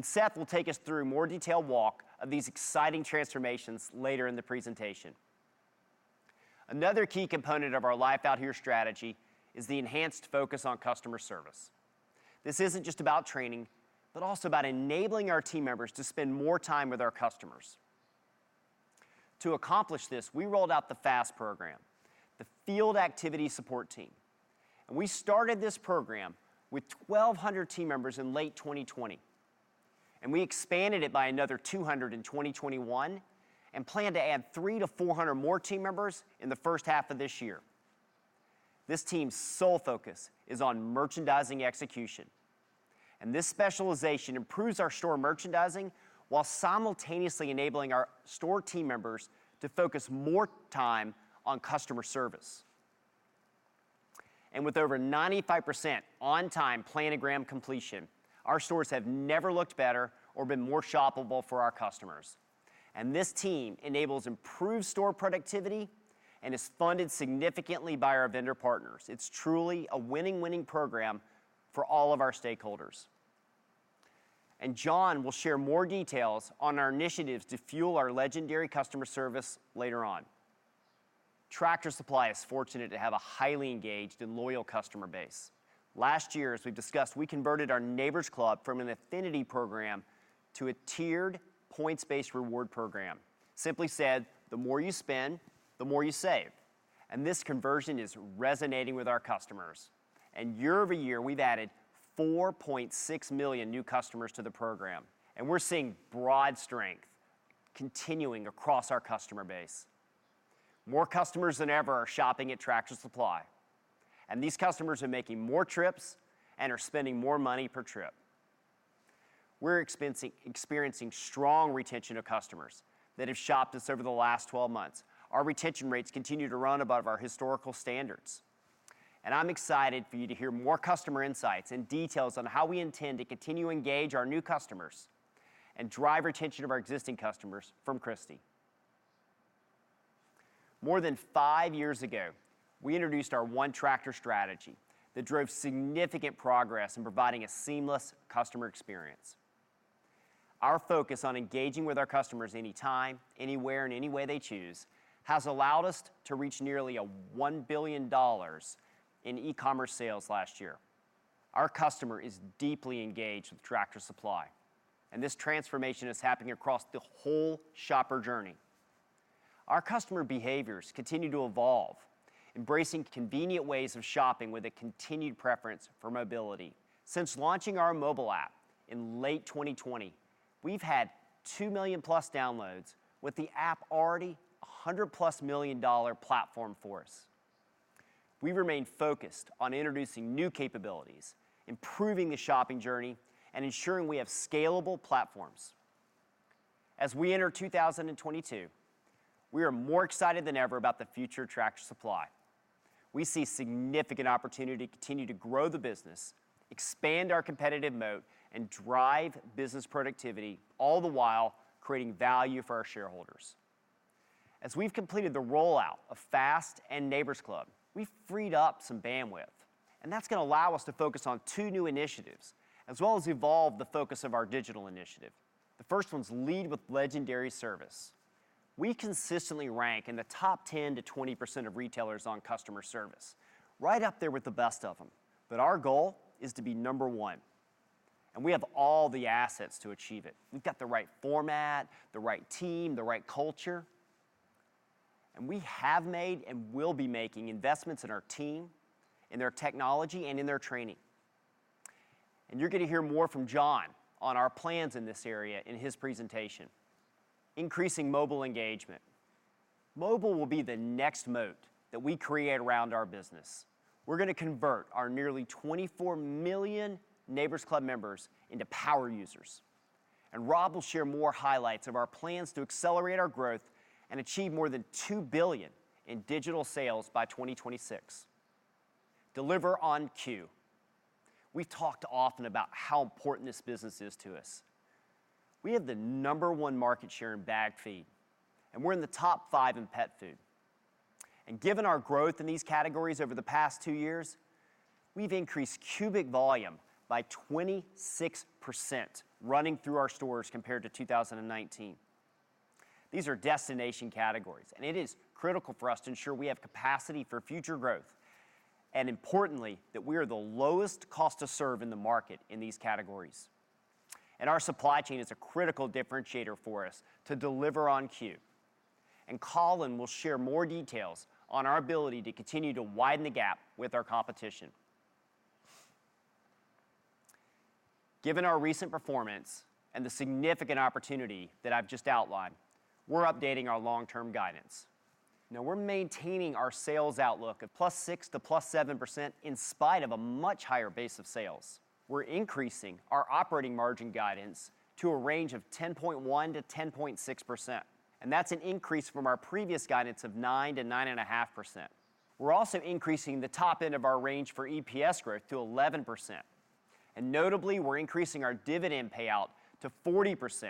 Seth will take us through a more detailed walk of these exciting transformations later in the presentation. Another key component of our Life Out Here strategy is the enhanced focus on customer service. This isn't just about training, but also about enabling our team members to spend more time with our customers. To accomplish this, we rolled out the FAST program, the Field Activity Support Team, and we started this program with 1,200 team members in late 2020, and we expanded it by another 200 in 2021 and plan to add 300-400 more team members in the first half of this year. This team's sole focus is on merchandising execution, and this specialization improves our store merchandising while simultaneously enabling our store team members to focus more time on customer service. With over 95% on-time planogram completion, our stores have never looked better or been more shoppable for our customers. This team enables improved store productivity and is funded significantly by our vendor partners. It's truly a winning program for all of our stakeholders. John will share more details on our initiatives to fuel our legendary customer service later on. Tractor Supply is fortunate to have a highly engaged and loyal customer base. Last year, as we've discussed, we converted our Neighbor's Club from an affinity program to a tiered points-based reward program. Simply said, the more you spend, the more you save. This conversion is resonating with our customers. Year over year, we've added 4.6 million new customers to the program, and we're seeing broad strength continuing across our customer base. More customers than ever are shopping at Tractor Supply, and these customers are making more trips and are spending more money per trip. We're experiencing strong retention of customers that have shopped us over the last 12 months. Our retention rates continue to run above our historical standards. I'm excited for you to hear more customer insights and details on how we intend to continue to engage our new customers and drive retention of our existing customers from Christi. More than 5 years ago, we introduced our One Tractor strategy that drove significant progress in providing a seamless customer experience. Our focus on engaging with our customers anytime, anywhere, and any way they choose has allowed us to reach nearly $1 billion in e-commerce sales last year. Our customer is deeply engaged with Tractor Supply, and this transformation is happening across the whole shopper journey. Our customer behaviors continue to evolve, embracing convenient ways of shopping with a continued preference for mobility. Since launching our mobile app in late 2020, we've had 2 million-plus downloads, with the app already a $100 million-plus platform for us. We remain focused on introducing new capabilities, improving the shopping journey, and ensuring we have scalable platforms. As we enter 2022, we are more excited than ever about the future of Tractor Supply. We see significant opportunity to continue to grow the business, expand our competitive moat, and drive business productivity, all the while creating value for our shareholders. As we've completed the rollout of FAST and Neighbor's Club, we've freed up some bandwidth, and that's going to allow us to focus on two new initiatives, as well as evolve the focus of our digital initiative. The first one's Lead with Legendary Service. We consistently rank in the top 10%-20% of retailers on customer service, right up there with the best of them. Our goal is to be number 1, and we have all the assets to achieve it. We've got the right format, the right team, the right culture. We have made and will be making investments in our team, in their technology, and in their training. You're going to hear more from John on our plans in this area in his presentation. Increasing mobile engagement. Mobile will be the next moat that we create around our business. We're going to convert our nearly 24 million Neighbor's Club members into power users. Rob will share more highlights of our plans to accelerate our growth and achieve more than $2 billion in digital sales by 2026. Deliver on CUE. We've talked often about how important this business is to us. We have the No. 1 market share in bagged feed, and we're in the top five in pet food. Given our growth in these categories over the past two years, we've increased cubic volume by 26% running through our stores compared to 2019. These are destination categories, and it is critical for us to ensure we have capacity for future growth, and importantly, that we are the lowest cost to serve in the market in these categories. Our supply chain is a critical differentiator for us to deliver on CUE. Colin will share more details on our ability to continue to widen the gap with our competition. Given our recent performance and the significant opportunity that I've just outlined, we're updating our long-term guidance. Now, we're maintaining our sales outlook of +6% to +7% in spite of a much higher base of sales. We're increasing our operating margin guidance to a range of 10.1%-10.6%, and that's an increase from our previous guidance of 9%-9.5%. We're also increasing the top end of our range for EPS growth to 11%. Notably, we're increasing our dividend payout to 40%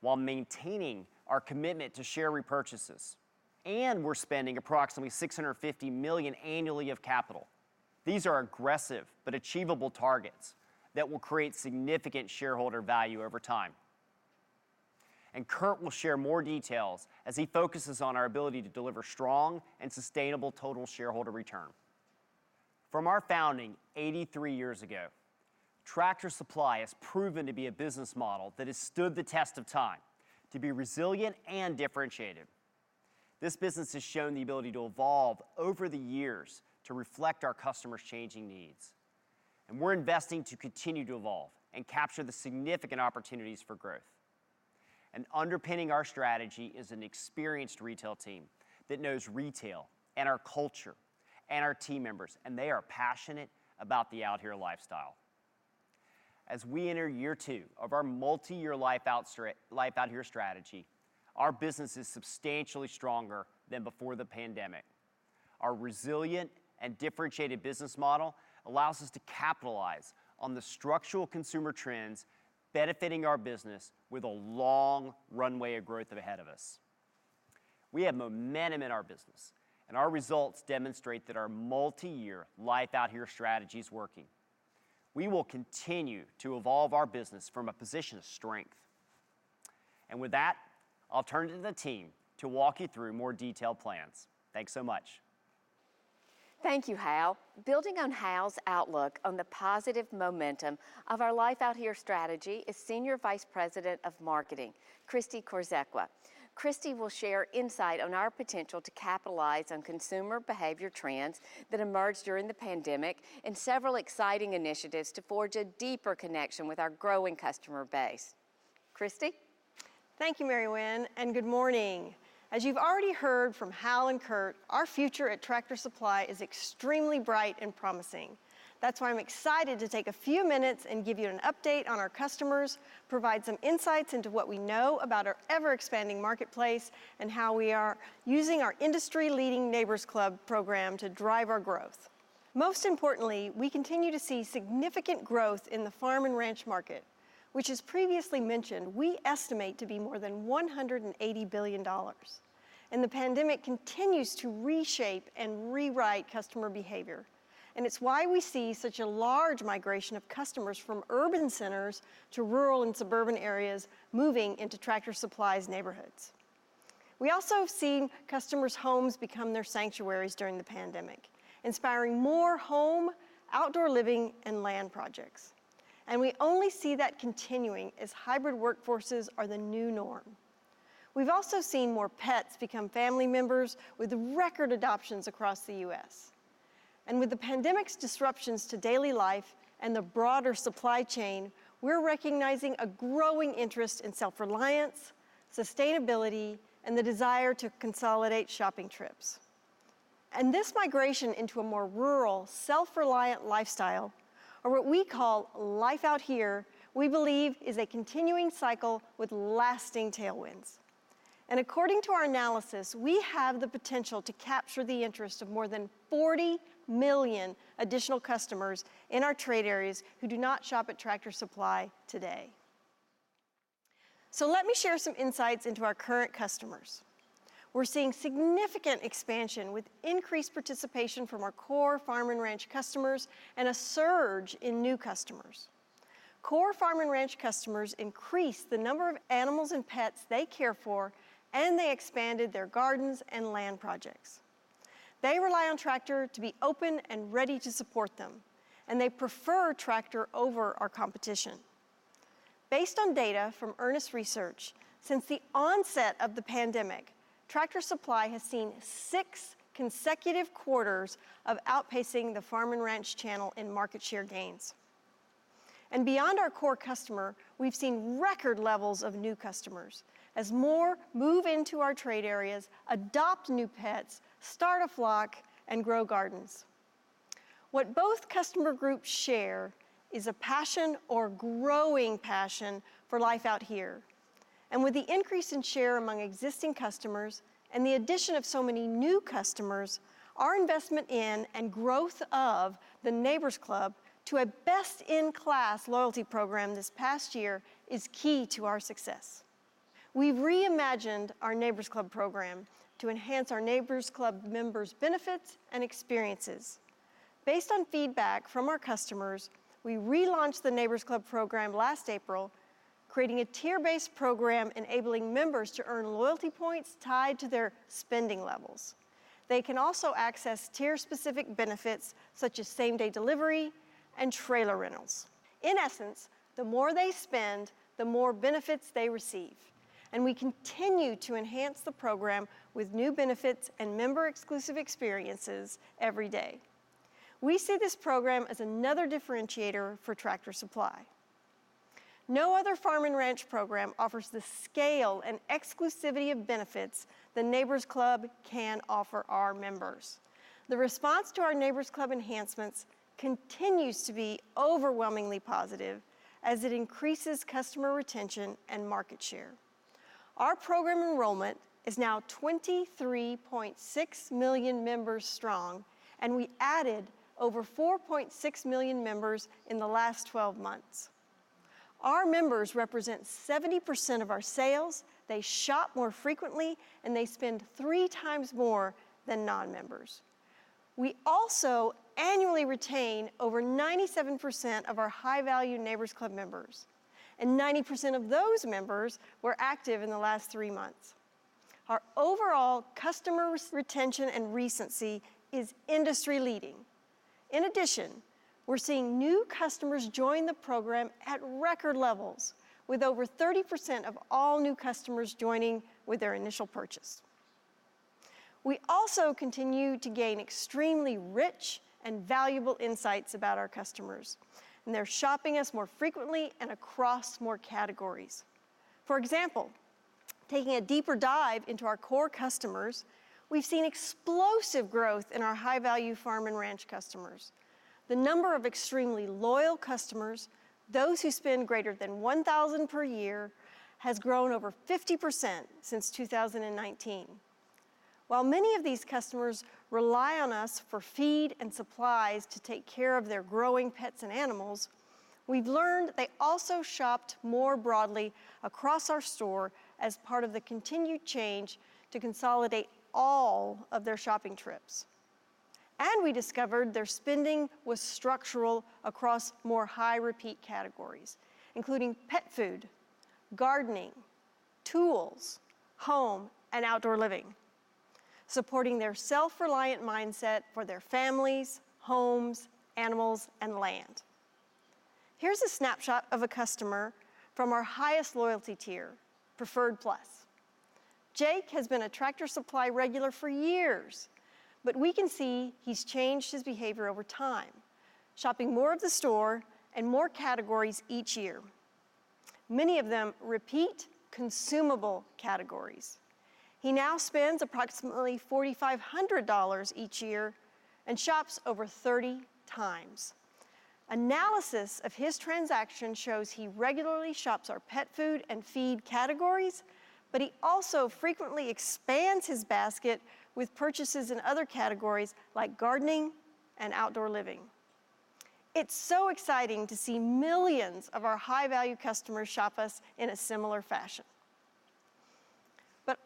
while maintaining our commitment to share repurchases. We're spending approximately $650 million annually of capital. These are aggressive but achievable targets that will create significant shareholder value over time. Kurt will share more details as he focuses on our ability to deliver strong and sustainable total shareholder return. From our founding 83 years ago, Tractor Supply has proven to be a business model that has stood the test of time to be resilient and differentiated. This business has shown the ability to evolve over the years to reflect our customers' changing needs. We're investing to continue to evolve and capture the significant opportunities for growth. Underpinning our strategy is an experienced retail team that knows retail and our culture and our team members, and they are passionate about the Out Here lifestyle. As we enter year two of our multiyear Life Out Here strategy, our business is substantially stronger than before the pandemic. Our resilient and differentiated business model allows us to capitalize on the structural consumer trends benefiting our business with a long runway of growth ahead of us. We have momentum in our business, and our results demonstrate that our multiyear Life Out Here strategy is working. We will continue to evolve our business from a position of strength. With that, I'll turn it to the team to walk you through more detailed plans. Thanks so much. Thank you, Hal. Building on Hal's outlook on the positive momentum of our Life Out Here strategy is Senior Vice President of Marketing, Christi Korzekwa. Christi will share insight on our potential to capitalize on consumer behavior trends that emerged during the pandemic, and several exciting initiatives to forge a deeper connection with our growing customer base. Christi? Thank you, Mary Winn, and good morning. As you've already heard from Hal and Kurt, our future at Tractor Supply is extremely bright and promising. That's why I'm excited to take a few minutes and give you an update on our customers, provide some insights into what we know about our ever-expanding marketplace, and how we are using our industry-leading Neighbor's Club program to drive our growth. Most importantly, we continue to see significant growth in the farm and ranch market, which as previously mentioned, we estimate to be more than $180 billion. The pandemic continues to reshape and rewrite customer behavior, and it's why we see such a large migration of customers from urban centers to rural and suburban areas moving into Tractor Supply's neighborhoods. We also have seen customers' homes become their sanctuaries during the pandemic, inspiring more home, outdoor living, and land projects. We only see that continuing as hybrid workforces are the new norm. We've also seen more pets become family members with record adoptions across the U.S. With the pandemic's disruptions to daily life and the broader supply chain, we're recognizing a growing interest in self-reliance, sustainability, and the desire to consolidate shopping trips. This migration into a more rural, self-reliant lifestyle, or what we call Life Out Here, we believe is a continuing cycle with lasting tailwinds. According to our analysis, we have the potential to capture the interest of more than 40 million additional customers in our trade areas who do not shop at Tractor Supply today. Let me share some insights into our current customers. We're seeing significant expansion with increased participation from our core farm and ranch customers, and a surge in new customers. Core farm and ranch customers increased the number of animals and pets they care for, and they expanded their gardens and land projects. They rely on Tractor to be open and ready to support them, and they prefer Tractor over our competition. Based on data from Earnest Research, since the onset of the pandemic, Tractor Supply has seen six consecutive quarters of outpacing the farm and ranch channel in market share gains. Beyond our core customer, we've seen record levels of new customers as more move into our trade areas, adopt new pets, start a flock, and grow gardens. What both customer groups share is a passion or growing passion for Life Out Here. With the increase in share among existing customers and the addition of so many new customers, our investment in and growth of the Neighbor's Club to a best-in-class loyalty program this past year is key to our success. We've reimagined our Neighbor's Club program to enhance our Neighbor's Club members' benefits and experiences. Based on feedback from our customers, we relaunched the Neighbor's Club program last April, creating a tier-based program enabling members to earn loyalty points tied to their spending levels. They can also access tier-specific benefits such as same-day delivery and trailer rentals. In essence, the more they spend, the more benefits they receive, and we continue to enhance the program with new benefits and member-exclusive experiences every day. We see this program as another differentiator for Tractor Supply. No other farm and ranch program offers the scale and exclusivity of benefits the Neighbor's Club can offer our members. The response to our Neighbor's Club enhancements continues to be overwhelmingly positive as it increases customer retention and market share. Our program enrollment is now 23.6 million members strong, and we added over 4.6 million members in the last 12 months. Our members represent 70% of our sales, they shop more frequently, and they spend three times more than non-members. We also annually retain over 97% of our high-value Neighbor's Club members, and 90% of those members were active in the last three months. Our overall customers' retention and recency is industry-leading. In addition, we're seeing new customers join the program at record levels, with over 30% of all new customers joining with their initial purchase. We also continue to gain extremely rich and valuable insights about our customers, and they're shopping us more frequently and across more categories. For example, taking a deeper dive into our core customers, we've seen explosive growth in our high-value farm and ranch customers. The number of extremely loyal customers, those who spend greater than $1,000 per year, has grown over 50% since 2019. While many of these customers rely on us for feed and supplies to take care of their growing pets and animals, we've learned they also shopped more broadly across our store as part of the continued change to consolidate all of their shopping trips. We discovered their spending was structural across more high repeat categories including pet food, gardening tools, home and outdoor living supporting their self-reliant mindset for their families, homes, animals, and land. Here's a snapshot of a customer from our highest loyalty tier Preferred Plus. Jake has been a Tractor Supply regular for years, but we can see he's changed his behavior over time, shopping more of the store and more categories each year, many of them repeat consumable categories. He now spends approximately $4,500 each year and shops over 30 times. Analysis of his transaction shows he regularly shops our pet food and feed categories, but he also frequently expands his basket with purchases in other categories like gardening and outdoor living. It's so exciting to see millions of our high-value customers shop us in a similar fashion.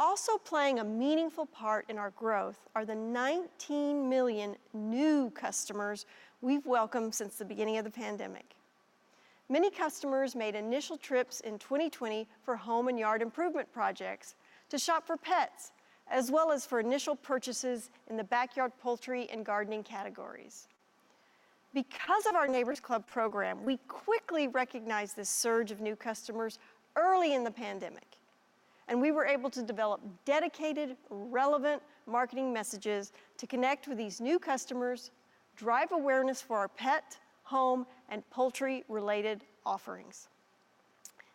Also playing a meaningful part in our growth are the 19 million new customers we've welcomed since the beginning of the pandemic. Many customers made initial trips in 2020 for home and yard improvement projects to shop for pets as well as for initial purchases in the backyard poultry and gardening categories. Because of our Neighbor's Club program, we quickly recognized this surge of new customers early in the pandemic and we were able to develop dedicated relevant marketing messages to connect with these new customers, drive awareness for our pet, home and poultry related offerings.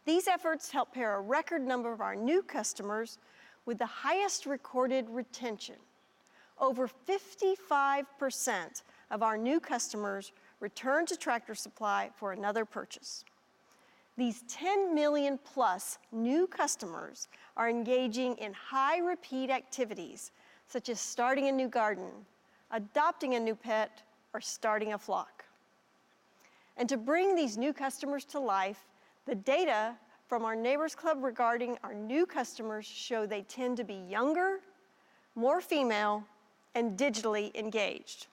These efforts help pair a record number of our new customers with the highest recorded retention. Over 55% of our new customers return to Tractor Supply for another purchase. These 10 million plus new customers are engaging in high repeat activities such as starting a new garden, adopting a new pet or starting a flock. To bring these new customers to life, the data from our Neighbor's Club regarding our new customers show they tend to be younger, more female, and digitally engaged.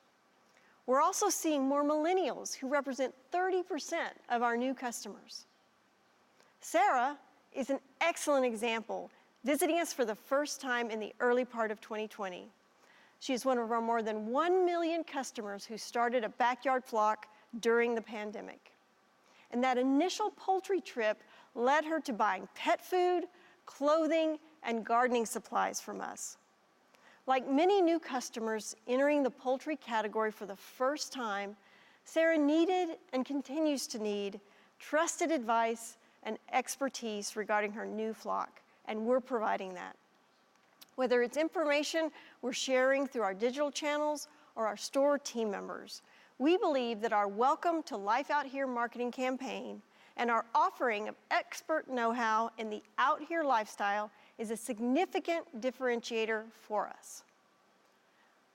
We're also seeing more millennials who represent 30% of our new customers. Sarah is an excellent example, visiting us for the first time in the early part of 2020. She is one of our more than 1 million customers who started a backyard flock during the pandemic, and that initial poultry trip led her to buying pet food, clothing, and gardening supplies from us. Like many new customers entering the poultry category for the first time, Sarah needed and continues to need trusted advice and expertise regarding her new flock, and we're providing that whether it's information we're sharing through our digital channels or our store team members. We believe that our Welcome to Life Out Here marketing campaign and our offering of expert know-how in the Out Here lifestyle is a significant differentiator for us.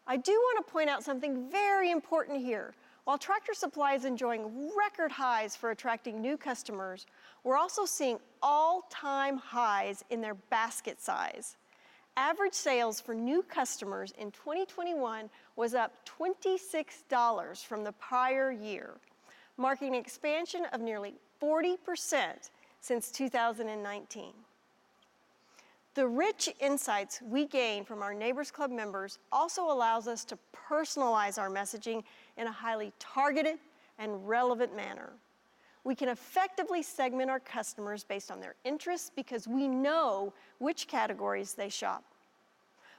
I do want to point out something very important here. While Tractor Supply is enjoying record highs for attracting new customers, we're also seeing all-time highs in their basket size. Average sales for new customers in 2021 was up $26 from the prior year, marking an expansion of nearly 40% since 2019. The rich insights we gain from our Neighbor's Club members also allows us to personalize our messaging in a highly targeted and relevant manner. We can effectively segment our customers based on their interests because we know which categories they shop.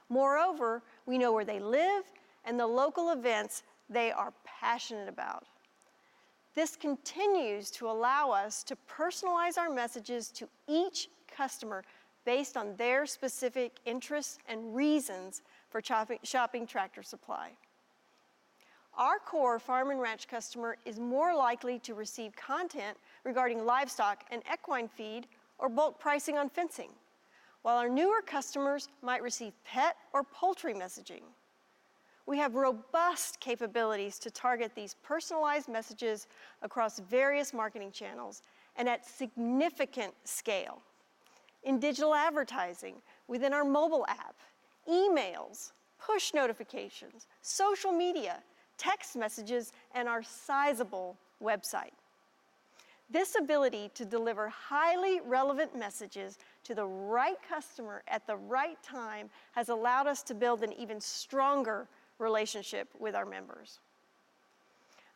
Moreover, we know where they live and the local events, they are passionate about. This continues to allow us to personalize our messages to each customer based on their specific interests and reasons for choosing to shop at Tractor Supply. Our core farm and ranch customer is more likely to receive content regarding livestock and equine feed or bulk pricing on fencing while our newer customers might receive pet or poultry messaging. We have robust capabilities to target these personalized messages across various marketing channels and at significant scale in digital advertising within our mobile app, emails, push notifications, social media, text messages, and our sizable website. This ability to deliver highly relevant messages to the right customer at the right time has allowed us to build an even stronger relationship with our members.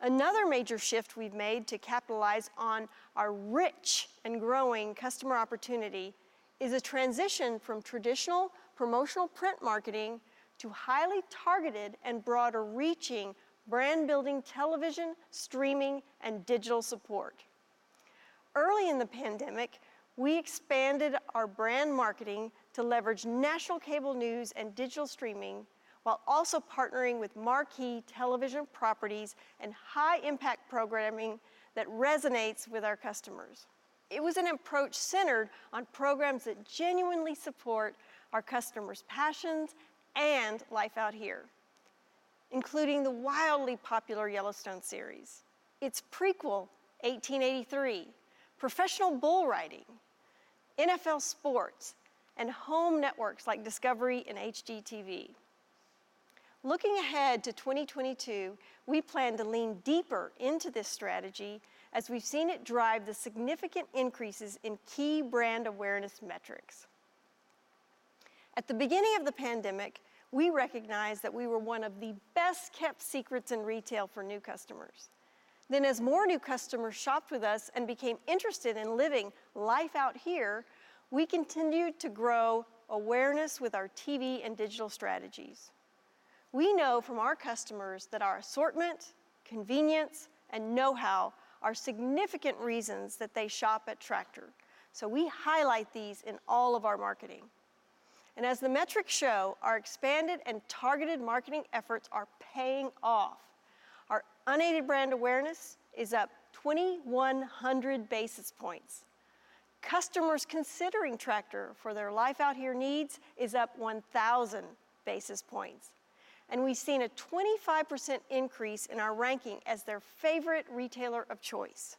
Another major shift we've made to capitalize on our rich and growing customer opportunity is a transition from traditional promotional print marketing to highly targeted and broader-reaching brand-building television streaming and digital support. Early in the pandemic we expanded our brand marketing to leverage national cable news and digital streaming while also partnering with marquee television properties and high-impact programming that resonates with our customers. It was an approach centered on programs that genuinely support our customers' passions and Life Out Here including the wildly popular Yellowstone series, its prequel 1883, Professional Bull Riders, NFL sports, and home networks like Discovery and HGTV. Looking ahead to 2022, we plan to lean deeper into this strategy as we've seen it drive the significant increases in key brand awareness metrics. At the beginning of the pandemic, we recognized that we were one of the best-kept secrets in retail for new customers. As more new customers shopped with us and became interested in living Life Out Here, we continued to grow awareness with our TV and digital strategies. We know from our customers that our assortment, convenience, and know-how are significant reasons that they shop at Tractor, so we highlight these in all of our marketing. As the metrics show, our expanded and targeted marketing efforts are paying off. Our unaided brand awareness is up 2,100 basis points. Customers considering Tractor for their Life Out Here needs is up 1,000 basis points. We've seen a 25% increase in our ranking as their favorite retailer of choice.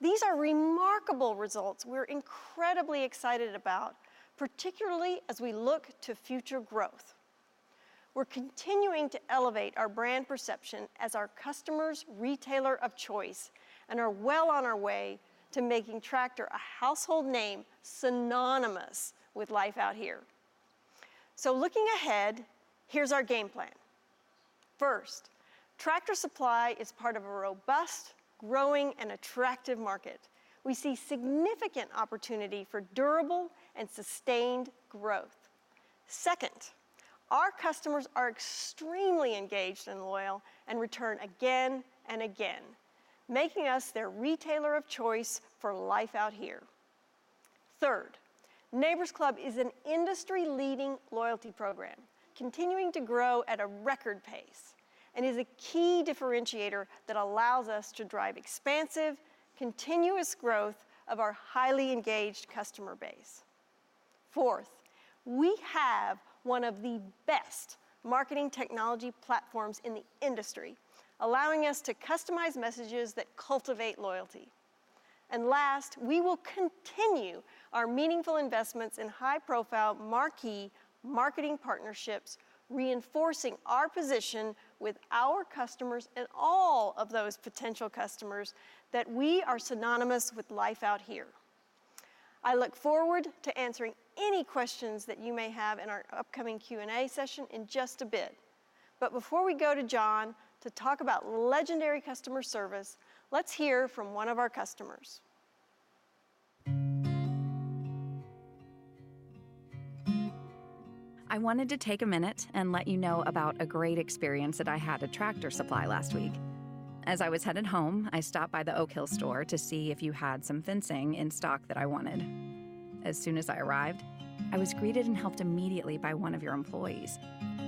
These are remarkable results we're incredibly excited about, particularly as we look to future growth. We're continuing to elevate our brand perception as our customers' retailer of choice and are well on our way to making Tractor a household name synonymous with Life Out Here. Looking ahead, here's our game plan. First, Tractor Supply is part of a robust, growing, and attractive market. We see significant opportunity for durable and sustained growth. Second, our customers are extremely engaged and loyal and return again and again, making us their retailer of choice for Life Out Here. Third, Neighbor's Club is an industry-leading loyalty program continuing to grow at a record pace and is a key differentiator that allows us to drive expansive, continuous growth of our highly engaged customer base. Fourth, we have one of the best marketing technology platforms in the industry, allowing us to customize messages that cultivate loyalty. Last, we will continue our meaningful investments in high-profile marquee marketing partnerships, reinforcing our position with our customers and all of those potential customers that we are synonymous with Life Out Here. I look forward to answering any questions that you may have in our upcoming Q&A session in just a bit. Before we go to John to talk about legendary customer service, let's hear from one of our customers. I wanted to take a minute and let you know about a great experience that I had at Tractor Supply last week. As I was headed home, I stopped by the Oak Hill store to see if you had some fencing in stock that I wanted. As soon as I arrived, I was greeted and helped immediately by one of your employees.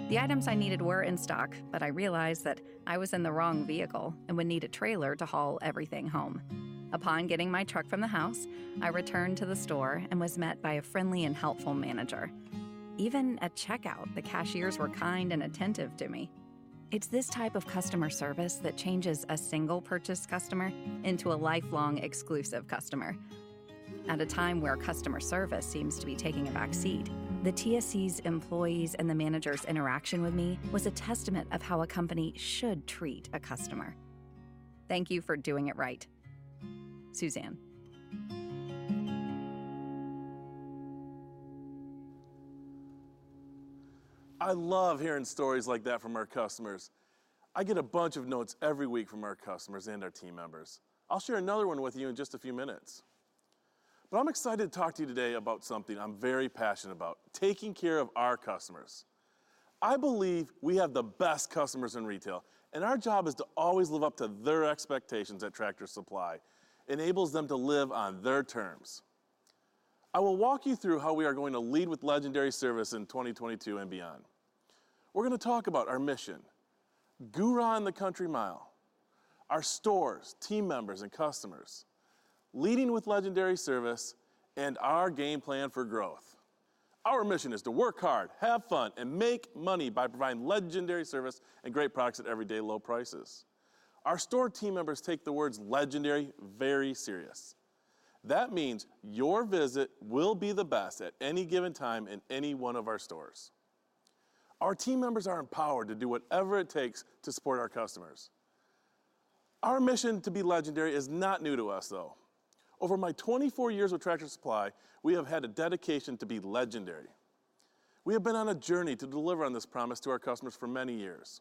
The items I needed were in stock, but I realized that I was in the wrong vehicle and would need a trailer to haul everything home. Upon getting my truck from the house, I returned to the store and was met by a friendly and helpful manager. Even at checkout, the cashiers were kind and attentive to me. It's this type of customer service that changes a single purchase customer into a lifelong exclusive customer. At a time where customer service seems to be taking a back seat, the TSC's employees and the manager's interaction with me was a testament of how a company should treat a customer. Thank you for doing it right. Suzanne. I love hearing stories like that from our customers. I get a bunch of notes every week from our customers and our team members. I'll share another one with you in just a few minutes. I'm excited to talk to you today about something I'm very passionate about, taking care of our customers. I believe we have the best customers in retail, and our job is to always live up to their expectations that Tractor Supply enables them to live on their terms. I will walk you through how we are going to lead with legendary service in 2022 and beyond. We're going to talk about our mission, GURA on the Country Mile, our stores, team members, and customers, leading with legendary service, and our game plan for growth. Our mission is to work hard, have fun, and make money by providing legendary service and great products at everyday low prices. Our store team members take the words legendary very seriously. That means your visit will be the best at any given time in any one of our stores. Our team members are empowered to do whatever it takes to support our customers. Our mission to be legendary is not new to us, though. Over my 24 years with Tractor Supply, we have had a dedication to be legendary. We have been on a journey to deliver on this promise to our customers for many years.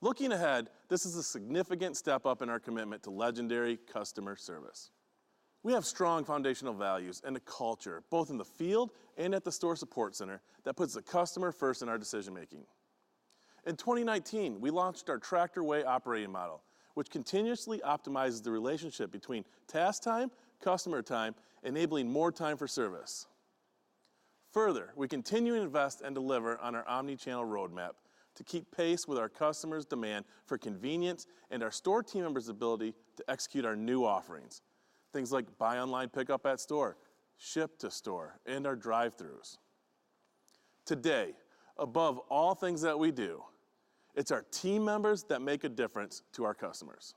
Looking ahead, this is a significant step up in our commitment to legendary customer service. We have strong foundational values and a culture, both in the field and at the Store Support Center, that puts the customer first in our decision-making. In 2019, we launched our Tractor Way operating model, which continuously optimizes the relationship between task time, customer time, enabling more time for service. Further, we continue to invest and deliver on our omni-channel roadmap to keep pace with our customers' demand for convenience and our store team members' ability to execute our new offerings. Things like buy online pickup at store, ship to store, and our drive-throughs. Today, above all things that we do, it's our team members that make a difference to our customers.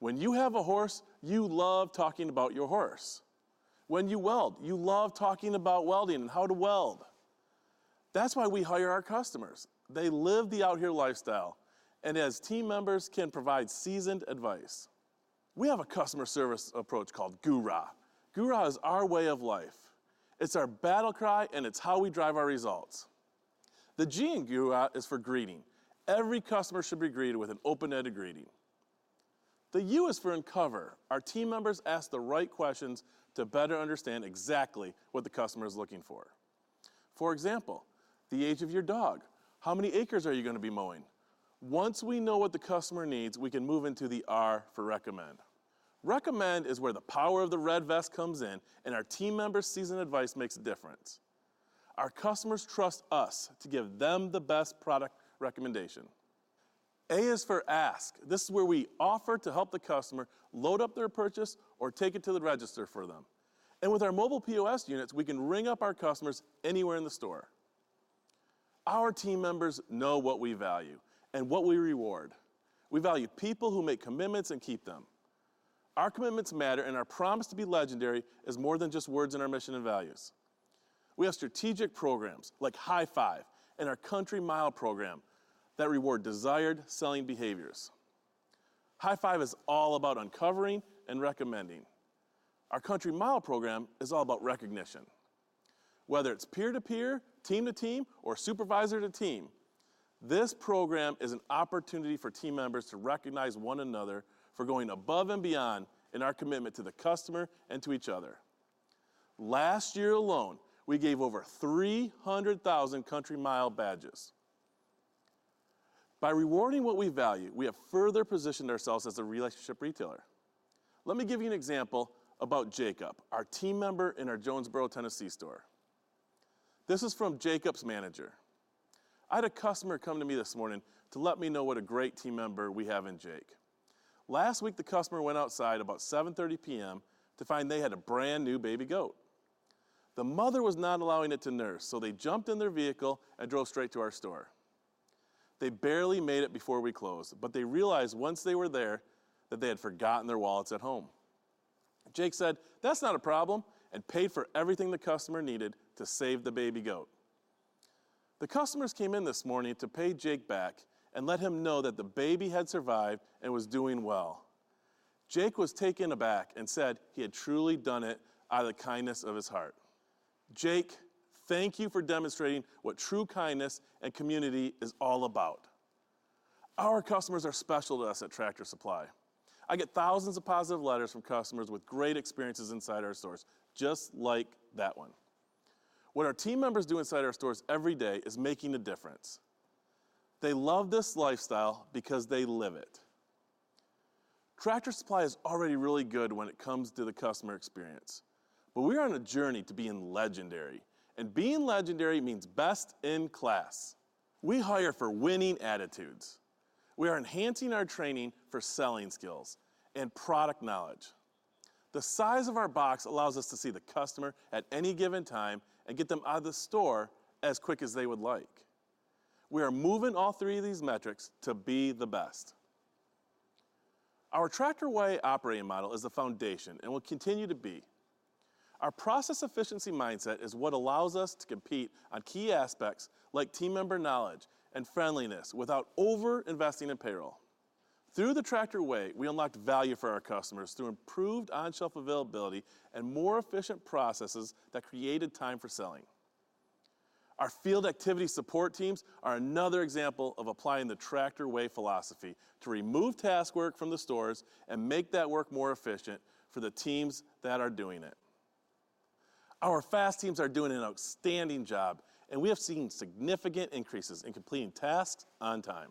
When you have a horse, you love talking about your horse. When you weld, you love talking about welding and how to weld. That's why we hire our customers. They live the Out Here lifestyle and as team members can provide seasoned advice. We have a customer service approach called GURA. GURA is our way of life. It's our battle cry, and it's how we drive our results. The G in GURA is for greeting. Every customer should be greeted with an open-ended greeting. The U is for uncover. Our team members ask the right questions to better understand exactly what the customer is looking for. For example, the age of your dog, how many acres are you gonna be mowing? Once we know what the customer needs, we can move into the R for recommend. Recommend is where the power of the red vest comes in, and our team members' seasoned advice makes a difference. Our customers trust us to give them the best product recommendation. A is for ask. This is where we offer to help the customer load up their purchase or take it to the register for them. With our mobile POS units, we can ring up our customers anywhere in the store. Our team members know what we value and what we reward. We value people who make commitments and keep them. Our commitments matter and our promise to be legendary is more than just words in our mission and values. We have strategic programs like High Five and our Country Mile program that reward desired selling behaviors. High Five is all about uncovering and recommending. Our Country Mile program is all about recognition, whether it's peer to peer, team to team, or supervisor to team. This program is an opportunity for team members to recognize one another for going above and beyond in our commitment to the customer and to each other. Last year alone, we gave over 300,000 Country Mile badges. By rewarding what we value, we have further positioned ourselves as a relationship retailer. Let me give you an example about Jacob, our team member in our Jonesborough, Tennessee store. This is from Jacob's manager. "I had a customer come to me this morning to let me know what a great team member we have in Jake. Last week, the customer went outside about 7:30 P.M. to find they had a brand-new baby goat. The mother was not allowing it to nurse, so they jumped in their vehicle and drove straight to our store. They barely made it before we closed, but they realized once they were there that they had forgotten their wallets at home. Jake said, 'That's not a problem,' and paid for everything the customer needed to save the baby goat. The customers came in this morning to pay Jake back and let him know that the baby had survived and was doing well. Jake was taken aback and said he had truly done it out of the kindness of his heart. Jake, thank you for demonstrating what true kindness and community is all about. Our customers are special to us at Tractor Supply. I get thousands of positive letters from customers with great experiences inside our stores just like that one. What our team members do inside our stores every day is making a difference. They love this lifestyle because they live it. Tractor Supply is already really good when it comes to the customer experience, but we're on a journey to being legendary, and being legendary means best in class. We hire for winning attitudes. We are enhancing our training for selling skills and product knowledge. The size of our box allows us to see the customer at any given time and get them out of the store as quick as they would like. We are moving all three of these metrics to be the best. Our Tractor Way operating model is the foundation and will continue to be. Our process efficiency mindset is what allows us to compete on key aspects like team member knowledge and friendliness without over-investing in payroll. Through the Tractor Way, we unlocked value for our customers through improved on-shelf availability and more efficient processes that created time for selling. Our field activity support teams are another example of applying the Tractor Way philosophy to remove task work from the stores and make that work more efficient for the teams that are doing it. Our FAST teams are doing an outstanding job, and we have seen significant increases in completing tasks on time.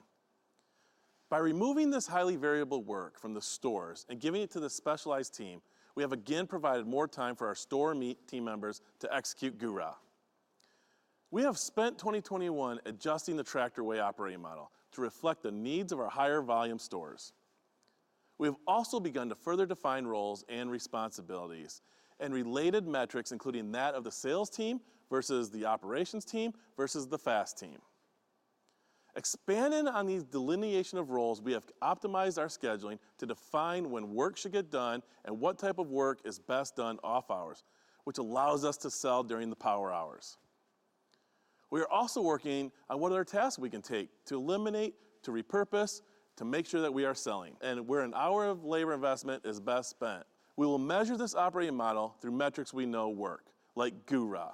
By removing this highly variable work from the stores and giving it to the specialized team, we have again provided more time for our store team members to execute GURA. We have spent 2021 adjusting the Tractor Way operating model to reflect the needs of our higher volume stores. We have also begun to further define roles and responsibilities and related metrics including that of the sales team versus the operations team versus the FAST team. Expanding on these delineations of roles, we have optimized our scheduling to define when work should get done and what type of work is best done off hours, which allows us to sell during the power hours. We are also working on what other tasks we can take to eliminate, to repurpose, to make sure that we are selling, and where an hour of labor investment is best spent. We will measure this operating model through metrics we know work like GURA,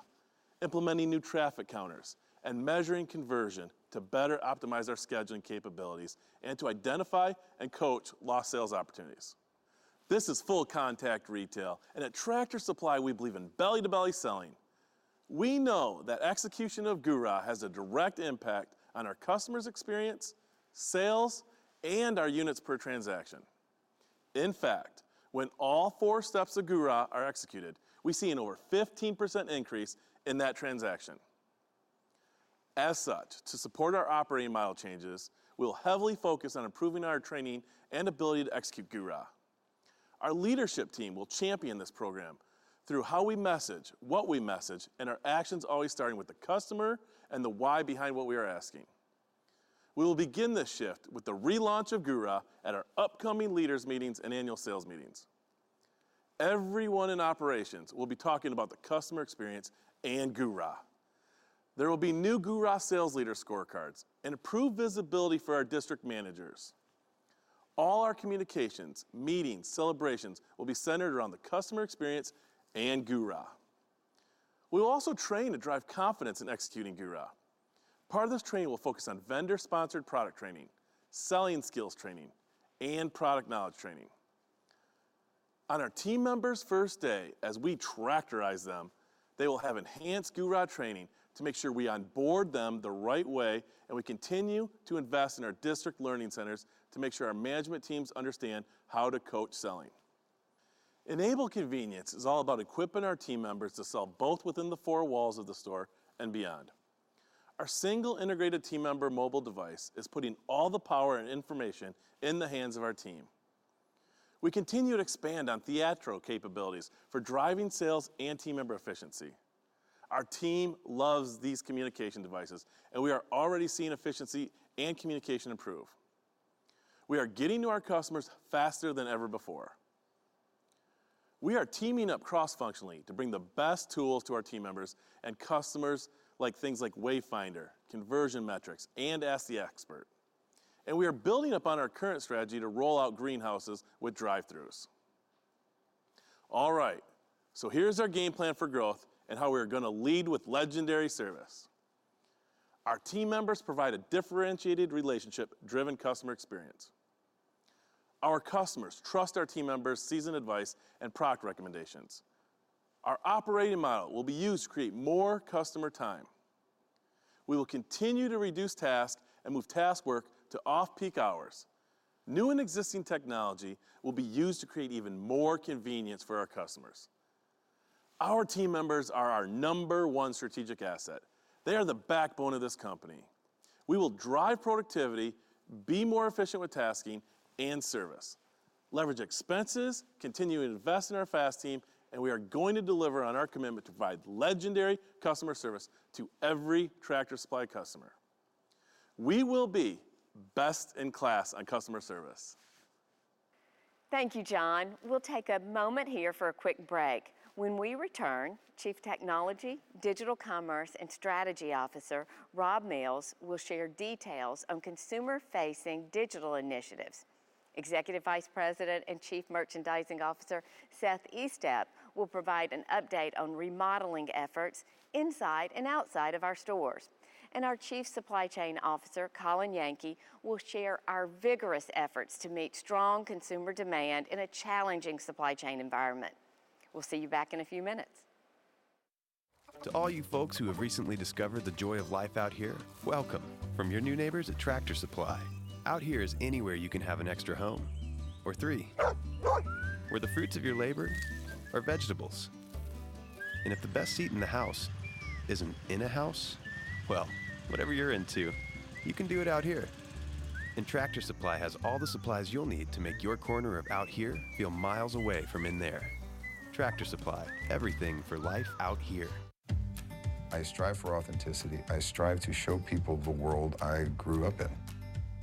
implementing new traffic counters, and measuring conversion to better optimize our scheduling capabilities and to identify and coach lost sales opportunities. This is full contact retail, and at Tractor Supply we believe in belly-to-belly selling. We know that execution of GURA has a direct impact on our customer's experience, sales, and our units per transaction. In fact, when all four steps of GURA are executed, we see an over 15% increase in that transaction. As such, to support our operating model changes, we'll heavily focus on improving our training and ability to execute GURA. Our leadership team will champion this program through how we message, what we message, and our actions always starting with the customer and the why behind what we are asking. We will begin this shift with the relaunch of GURA at our upcoming leaders' meetings and annual sales meetings. Everyone in operations will be talking about the customer experience and GURA. There will be new GURA sales leader scorecards and improved visibility for our district managers. All our communications, meetings, celebrations will be centered around the customer experience and GURA. We will also train to drive confidence in executing GURA. Part of this training will focus on vendor-sponsored product training, selling skills training, and product knowledge training. On our team members' first day, as we tractorize them, they will have enhanced GURA training to make sure we onboard them the right way, and we continue to invest in our district learning centers to make sure our management teams understand how to coach selling. Enable convenience is all about equipping our team members to sell both within the four walls of the store and beyond. Our single integrated team member mobile device is putting all the power and information in the hands of our team. We continue to expand on Theatro capabilities for driving sales and team member efficiency. Our team loves these communication devices, and we are already seeing efficiency and communication improve. We are getting to our customers faster than ever before. We are teaming up cross-functionally to bring the best tools to our team members and customers, like things like Wayfinder, conversion metrics, and Ask the Expert. We are building up on our current strategy to roll out greenhouses with drive-throughs. All right, here's our game plan for growth and how we are gonna lead with legendary service. Our team members provide a differentiated relationship-driven customer experience. Our customers trust our team members' seasoned advice and product recommendations. Our operating model will be used to create more customer time. We will continue to reduce tasks and move task work to off-peak hours. New and existing technology will be used to create even more convenience for our customers. Our team members are our number one strategic asset. They are the backbone of this company. We will drive productivity, be more efficient with tasking and service, leverage expenses, continue to invest in our FAST Team, and we are going to deliver on our commitment to provide legendary customer service to every Tractor Supply customer. We will be best in class on customer service. Thank you, John. We'll take a moment here for a quick break. When we return, Chief Technology, Digital Commerce, and Strategy Officer Rob Mills will share details on consumer-facing digital initiatives. Executive Vice President and Chief Merchandising Officer Seth Estep will provide an update on remodeling efforts inside and outside of our stores. Our Chief Supply Chain Officer Colin Yankee will share our vigorous efforts to meet strong consumer demand in a challenging supply chain environment. We'll see you back in a few minutes. To all you folks who have recently discovered the joy of Life Out Here, welcome from your new neighbors at Tractor Supply. Out here is anywhere you can have an extra home or three where the fruits of your labor are vegetables. If the best seat in the house isn't in a house, well, whatever you're into, you can do it out here. Tractor Supply has all the supplies you'll need to make your corner of out here feel miles away from in there. Tractor Supply, everything for Life Out Here. I strive for authenticity. I strive to show people the world I grew up in.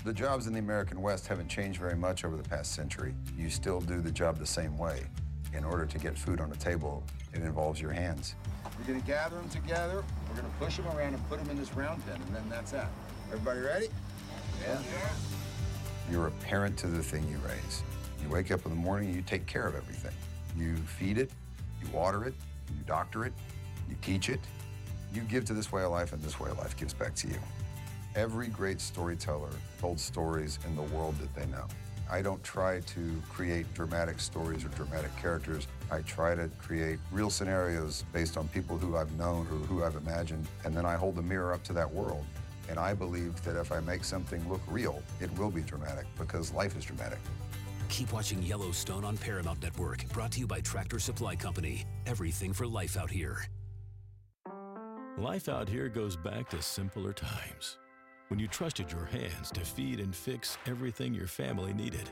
The jobs in the American West haven't changed very much over the past century. You still do the job the same way. In order to get food on the table, it involves your hands. We're gonna gather them together, we're gonna push them around, and put them in this round pen, and then that's that. Everybody ready? Yeah. You're a parent to the thing you raise. You wake up in the morning, and you take care of everything. You feed it, you water it, you doctor it, you teach it. You give to this way of life, and this way of life gives back to you. Every great storyteller told stories in the world that they know. I don't try to create dramatic stories or dramatic characters. I try to create real scenarios based on people who I've known or who I've imagined, and then I hold the mirror up to that world. I believe that if I make something look real, it will be dramatic because life is dramatic. Keep watching Yellowstone on Paramount Network. Brought to you by Tractor Supply Company. Everything for Life Out Here. Life Out Here goes back to simpler times when you trusted your hands to feed and fix everything your family needed.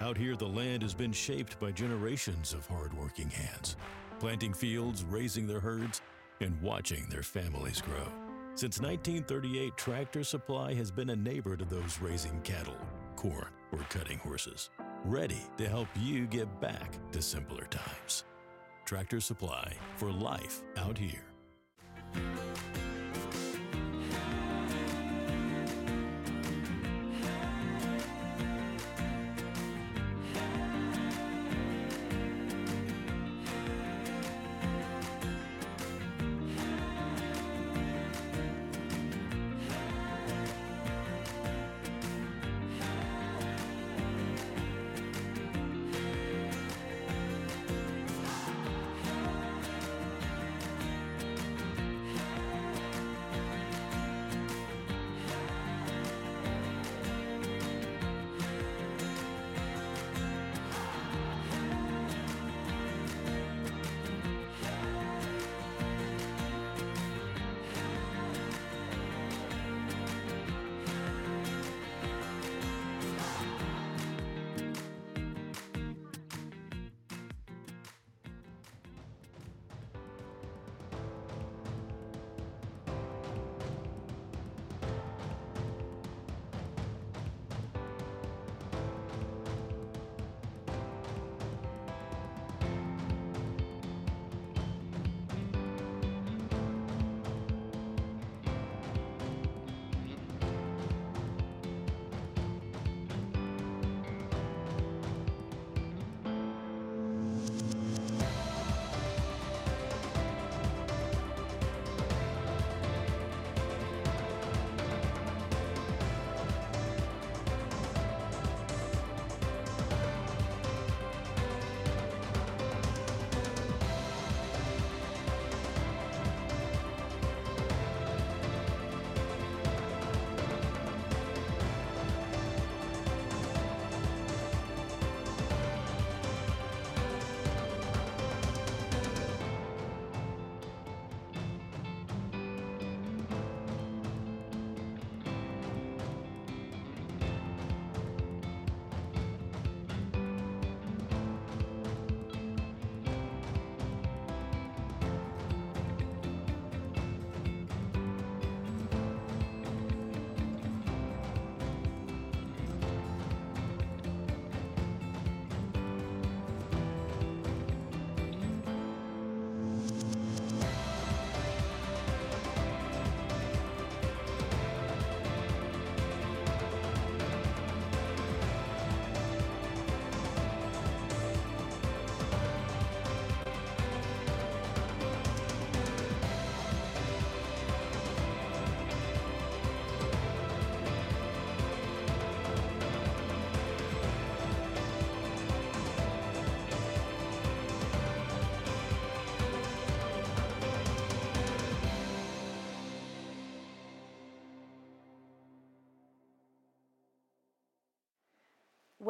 Out here, the land has been shaped by generations of hardworking hands, planting fields, raising their herds, and watching their families grow. Since 1938, Tractor Supply has been a neighbor to those raising cattle, corn, or cutting horses, ready to help you get back to simpler times. Tractor Supply for Life Out Here.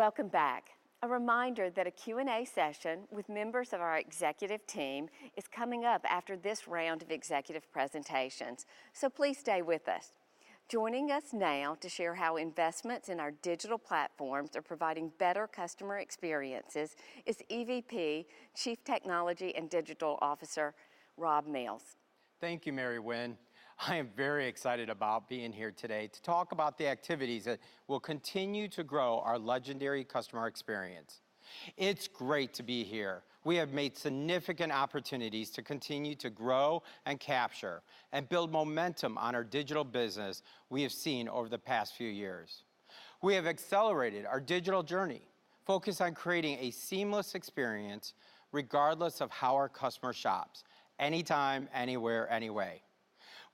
Hey. Welcome back. A reminder that a Q&A session with members of our executive team is coming up after this round of executive presentations. Please stay with us. Joining us now to share how investments in our digital platforms are providing better customer experiences is EVP, Chief Technology and Digital Officer, Rob Mills. Thank you, Mary Winn. I am very excited about being here today to talk about the activities that will continue to grow our legendary customer experience. It's great to be here. We have significant opportunities to continue to grow and capture and build momentum on our digital business we have seen over the past few years. We have accelerated our digital journey, focused on creating a seamless experience regardless of how our customer shops, anytime, anywhere, any way.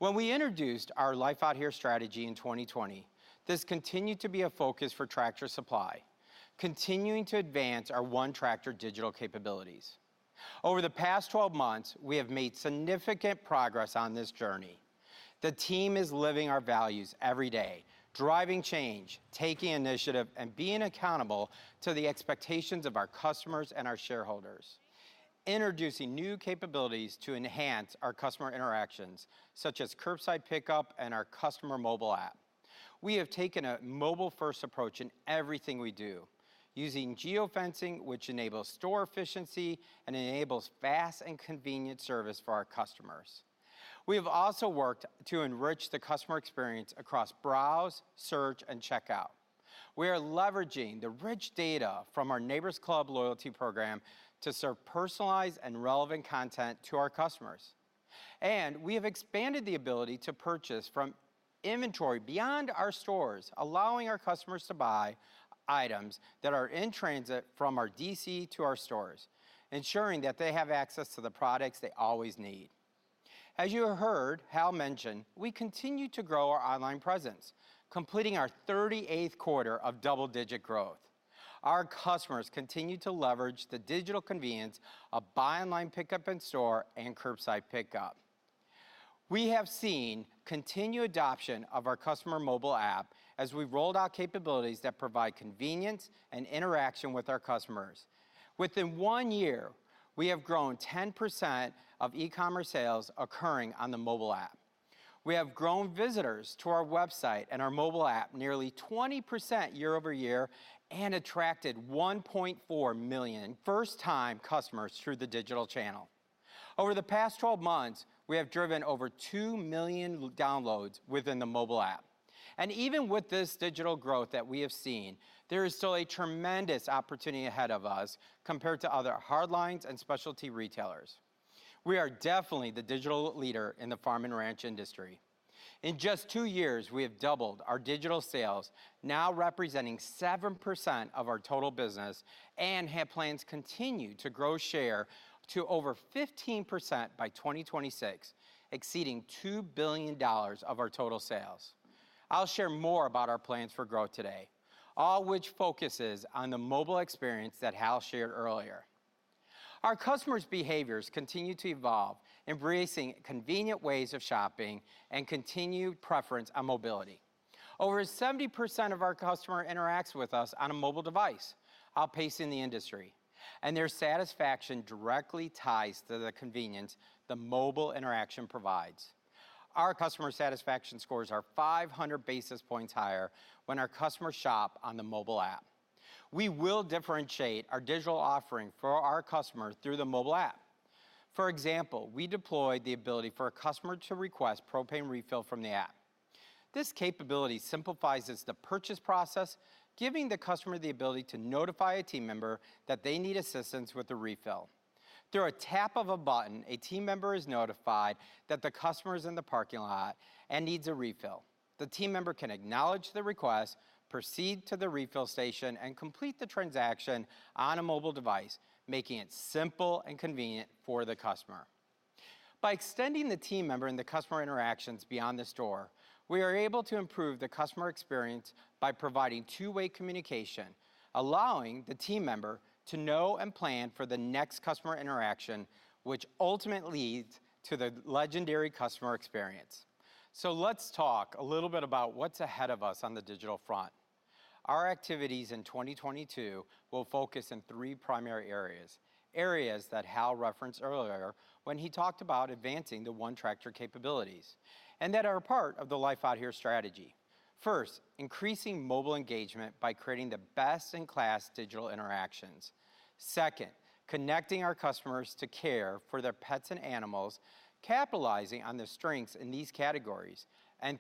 When we introduced our Life Out Here strategy in 2020, this continued to be a focus for Tractor Supply, continuing to advance our One Tractor digital capabilities. Over the past 12 months, we have made significant progress on this journey. The team is living our values every day, driving change, taking initiative, and being accountable to the expectations of our customers and our shareholders. Introducing new capabilities to enhance our customer interactions, such as curbside pickup and our customer mobile app. We have taken a mobile-first approach in everything we do, using geofencing, which enables store efficiency and enables fast and convenient service for our customers. We have also worked to enrich the customer experience across browse, search, and checkout. We are leveraging the rich data from our Neighbor's Club loyalty program to serve personalized and relevant content to our customers. We have expanded the ability to purchase from inventory beyond our stores, allowing our customers to buy items that are in transit from our DC to our stores, ensuring that they have access to the products they always need. As you have heard Hal mention, we continue to grow our online presence, completing our thirty-eighth quarter of double-digit growth. Our customers continue to leverage the digital convenience of buy online pickup in store and curbside pickup. We have seen continued adoption of our customer mobile app as we've rolled out capabilities that provide convenience and interaction with our customers. Within one year, we have grown 10% of e-commerce sales occurring on the mobile app. We have grown visitors to our website and our mobile app nearly 20% year-over-year and attracted 1.4 million first-time customers through the digital channel. Over the past 12 months, we have driven over 2 million downloads within the mobile app. Even with this digital growth that we have seen, there is still a tremendous opportunity ahead of us compared to other hard lines and specialty retailers. We are definitely the digital leader in the farm and ranch industry. In just two years, we have doubled our digital sales, now representing 7% of our total business, and have plans to continue to grow share to over 15% by 2026, exceeding $2 billion of our total sales. I'll share more about our plans for growth today, all which focuses on the mobile experience that Hal shared earlier. Our customers' behaviors continue to evolve, embracing convenient ways of shopping and continued preference on mobility. Over 70% of our customer interacts with us on a mobile device, outpacing the industry, and their satisfaction directly ties to the convenience the mobile interaction provides. Our customer satisfaction scores are 500 basis points higher when our customers shop on the mobile app. We will differentiate our digital offering for our customers through the mobile app. For example, we deployed the ability for a customer to request propane refill from the app. This capability simplifies the purchase process giving the customer the ability to notify a team member that they need assistance with the refill. Through a tap of a button, a team member is notified that the customer is in the parking lot and needs a refill. The team member can acknowledge the request, proceed to the refill station, and complete the transaction on a mobile device, making it simple and convenient for the customer. By extending the team member and the customer interactions beyond the store, we are able to improve the customer experience by providing two-way communication, allowing the team member to know and plan for the next customer interaction which ultimately leads to the legendary customer experience. Let's talk a little bit about what's ahead of us on the digital front. Our activities in 2022 will focus in three primary areas that Hal referenced earlier when he talked about advancing the One Tractor capabilities and that are a part of the Life Out Here Strategy. First, increasing mobile engagement by creating the best-in-class digital interactions. Second, connecting our customers to care for their pets and animals, capitalizing on the strengths in these categories.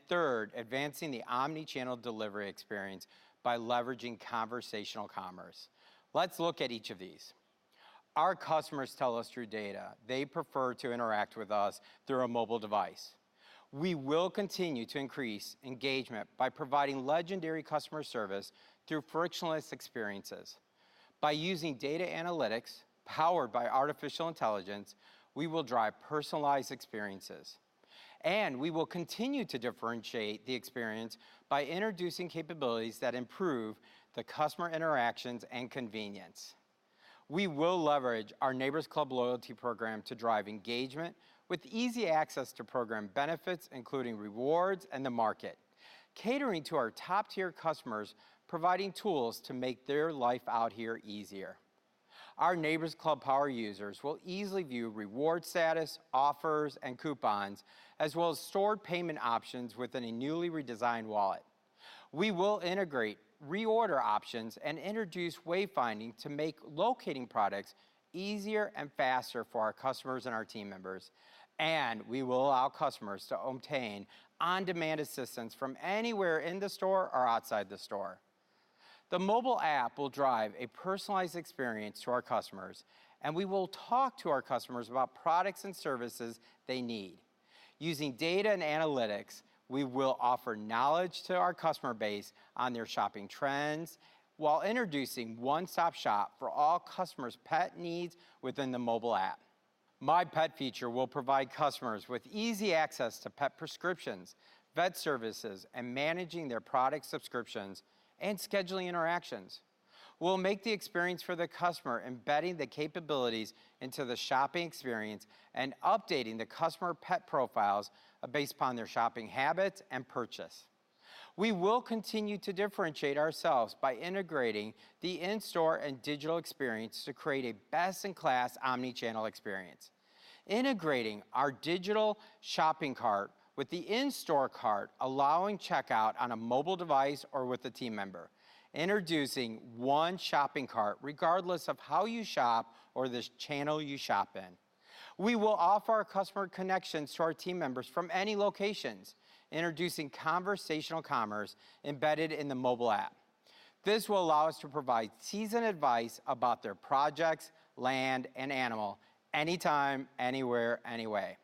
Third, advancing the omni-channel delivery experience by leveraging conversational commerce. Let's look at each of these. Our customers tell us through data they prefer to interact with us through a mobile device. We will continue to increase engagement by providing legendary customer service through frictionless experiences. By using data analytics powered by artificial intelligence, we will drive personalized experiences, and we will continue to differentiate the experience by introducing capabilities that improve the customer interactions and convenience. We will leverage our Neighbor's Club loyalty program to drive engagement with easy access to program benefits, including rewards and the market, catering to our top-tier customers, providing tools to make their Life Out Here easier. Our Neighbor's Club power users will easily view reward status, offers, and coupons, as well as stored payment options within a newly redesigned wallet. We will integrate reorder options and introduce Wayfinder to make locating products easier and faster for our customers and our team members, and we will allow customers to obtain on-demand assistance from anywhere in the store or outside the store. The mobile app will drive a personalized experience to our customers, and we will talk to our customers about products and services they need. Using data and analytics, we will offer knowledge to our customer base on their shopping trends while introducing one-stop-shop for all customers' pet needs within the mobile app. My Pet feature will provide customers with easy access to pet prescriptions, vet services, and managing their product subscriptions and scheduling interactions. We'll make the experience for the customer embedding the capabilities into the shopping experience and updating the customer pet profiles, based upon their shopping habits and purchase. We will continue to differentiate ourselves by integrating the in-store and digital experience to create a best-in-class omni-channel experience. Integrating our digital shopping cart with the in-store cart, allowing checkout on a mobile device or with a team member, introducing one shopping cart, regardless of how you shop or this channel you shop in. We will offer our customer connections to our team members from any locations, introducing conversational commerce embedded in the mobile app. This will allow us to provide seasoned advice about their projects, land, and animal anytime, anywhere, any way.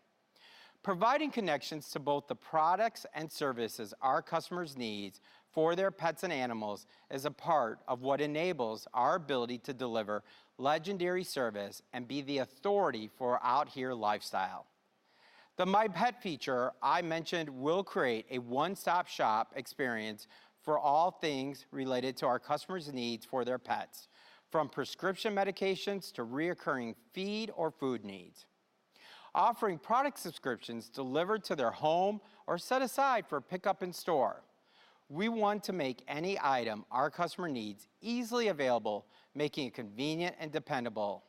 Providing connections to both the products and services our customers need for their pets and animals is a part of what enables our ability to deliver legendary service and be the authority for Out Here lifestyle. The My Pet feature I mentioned will create a one-stop-shop experience for all things related to our customers' needs for their pets from prescription medications to recurring feed or food needs, offering product subscriptions delivered to their home or set aside for pickup in store. We want to make any item our customer needs easily available, making it convenient and dependable.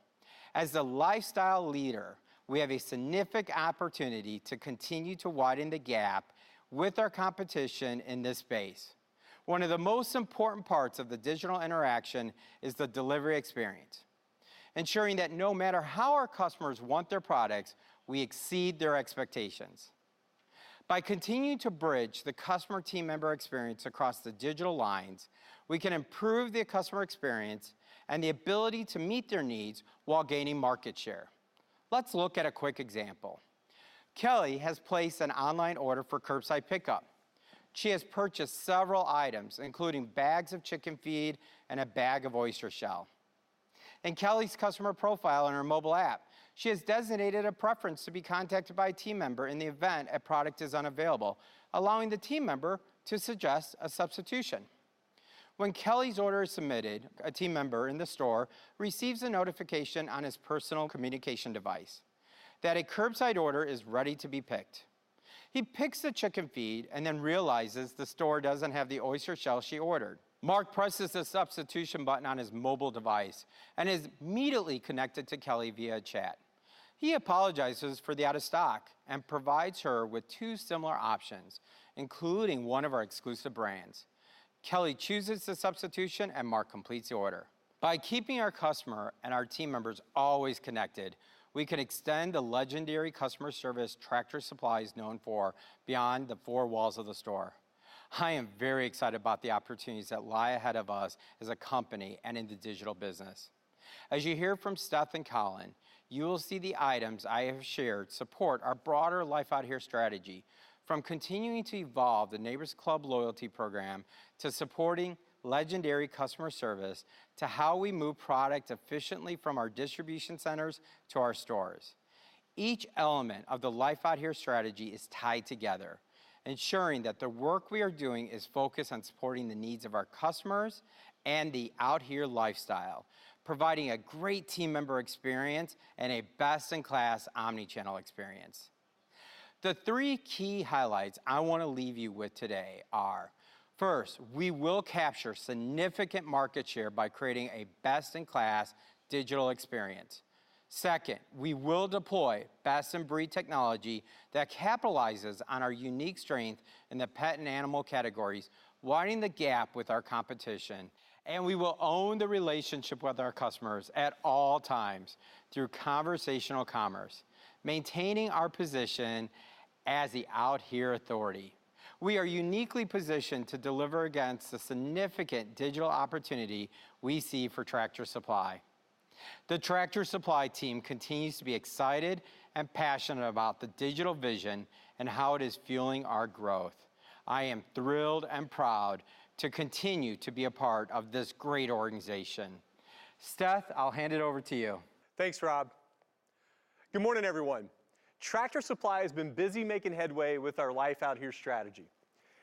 As the lifestyle leader, we have a significant opportunity to continue to widen the gap with our competition in this space. One of the most important parts of the digital interaction is the delivery experience, ensuring that no matter how our customers want their products, we exceed their expectations. By continuing to bridge the customer-team member experience across the digital lines, we can improve the customer experience and the ability to meet their needs while gaining market share. Let's look at a quick example. Kelly has placed an online order for curbside pickup. She has purchased several items, including bags of chicken feed and a bag of oyster shell. In Kelly's customer profile on her mobile app, she has designated a preference to be contacted by a team member in the event a product is unavailable, allowing the team member to suggest a substitution. When Kelly's order is submitted, a team member in the store receives a notification on his personal communication device that a curbside order is ready to be picked. He picks the chicken feed and then realizes the store doesn't have the oyster shell she ordered. Mark presses the substitution button on his mobile device and is immediately connected to Kelly via chat. He apologizes for the out of stock and provides her with two similar options, including one of our exclusive brands. Kelly chooses the substitution, and Mark completes the order. By keeping our customer and our team members always connected, we can extend the legendary customer service Tractor Supply is known for beyond the four walls of the store. I am very excited about the opportunities that lie ahead of us as a company and in the digital business. As you hear from Seth Estep and Colin Yankee, you will see the items I have shared support our broader Life Out Here strategy, from continuing to evolve the Neighbor's Club loyalty program, to supporting legendary customer service, to how we move product efficiently from our distribution centers to our stores. Each element of the Life Out Here strategy is tied together, ensuring that the work we are doing is focused on supporting the needs of our customers and the Out Here lifestyle, providing a great team member experience and a best-in-class omni-channel experience. The three key highlights I want to leave you with today are, first, we will capture significant market share by creating a best-in-class digital experience. Second, we will deploy best-in-breed technology that capitalizes on our unique strength in the pet and animal categories, widening the gap with our competition. We will own the relationship with our customers at all times through conversational commerce, maintaining our position as the Out Here authority. We are uniquely positioned to deliver against the significant digital opportunity we see for Tractor Supply. The Tractor Supply team continues to be excited and passionate about the digital vision and how it is fueling our growth. I am thrilled and proud to continue to be a part of this great organization. Seth, I'll hand it over to you. Thanks, Rob. Good morning, everyone. Tractor Supply has been busy making headway with our Life Out Here Strategy.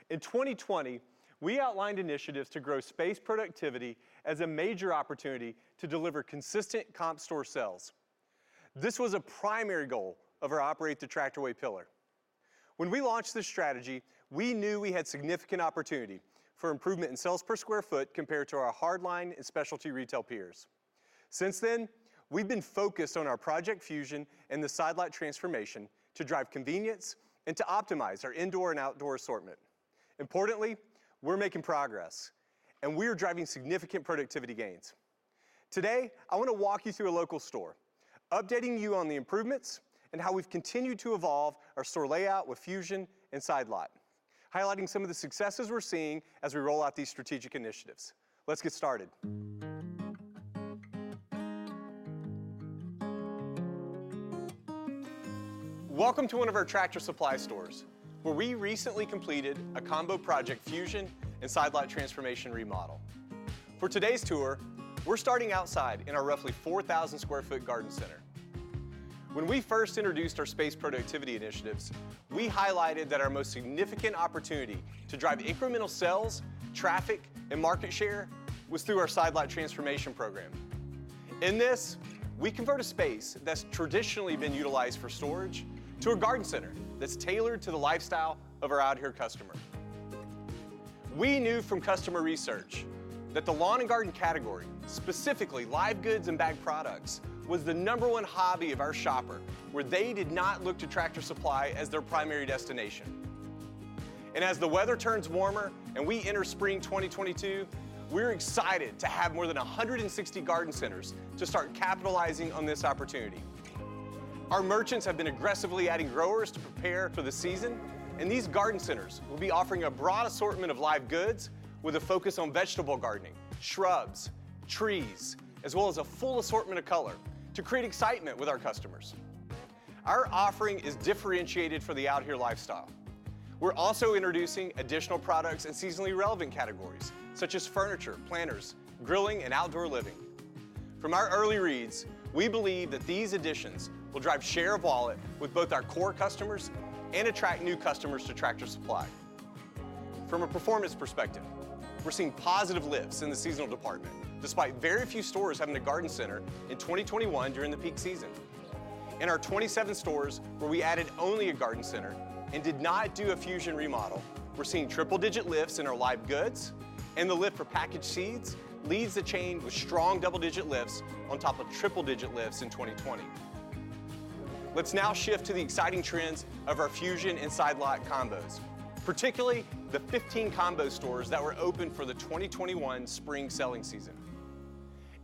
In 2020, we outlined initiatives to grow space productivity as a major opportunity to deliver consistent comp store sales. This was a primary goal of our Operating the Tractor Way pillar. When we launched this strategy, we knew we had significant opportunity for improvement in sales per square foot compared to our hard line and specialty retail peers. Since then, we've been focused on our Project Fusion and the Side Lot transformation to drive convenience and to optimize our indoor and outdoor assortment. Importantly, we're making progress, and we are driving significant productivity gains. Today, I want to walk you through a local store, updating you on the improvements and how we've continued to evolve our store layout with Fusion and Side Lot, highlighting some of the successes we're seeing as we roll out these strategic initiatives. Let's get started. Welcome to one of our Tractor Supply stores, where we recently completed a combo Project Fusion and Side Lot transformation remodel. For today's tour, we're starting outside in our roughly 4,000 sq ft garden center. When we first introduced our space productivity initiatives, we highlighted that our most significant opportunity to drive incremental sales, traffic, and market share was through our Side Lot transformation program. In this, we convert a space that's traditionally been utilized for storage to a garden center that's tailored to the lifestyle of our Out Here customer. We knew from customer research that the lawn and garden category, specifically live goods and bagged products, was the number one hobby of our shopper where they did not look to Tractor Supply as their primary destination. As the weather turns warmer and we enter spring 2022, we're excited to have more than 160 garden centers to start capitalizing on this opportunity. Our merchants have been aggressively adding growers to prepare for the season, and these garden centers will be offering a broad assortment of live goods with a focus on vegetable gardening, shrubs, trees, as well as a full assortment of color to create excitement with our customers. Our offering is differentiated for the Out Here lifestyle. We're also introducing additional products in seasonally relevant categories such as furniture, planters, grilling, and outdoor living. From our early reads, we believe that these additions will drive share of wallet with both our core customers and attract new customers to Tractor Supply. From a performance perspective, we're seeing positive lifts in the seasonal department, despite very few stores having a garden center in 2021 during the peak season. In our 27 stores where we added only a garden center and did not do a Fusion remodel, we're seeing triple-digit lifts in our live goods, and the lift for packaged seeds leaving the chain with strong double-digit lifts on top of triple-digit lifts in 2020. Let's now shift to the exciting trends of our Fusion and Side Lot combos, particularly the 15 combo stores that were open for the 2021 spring selling season.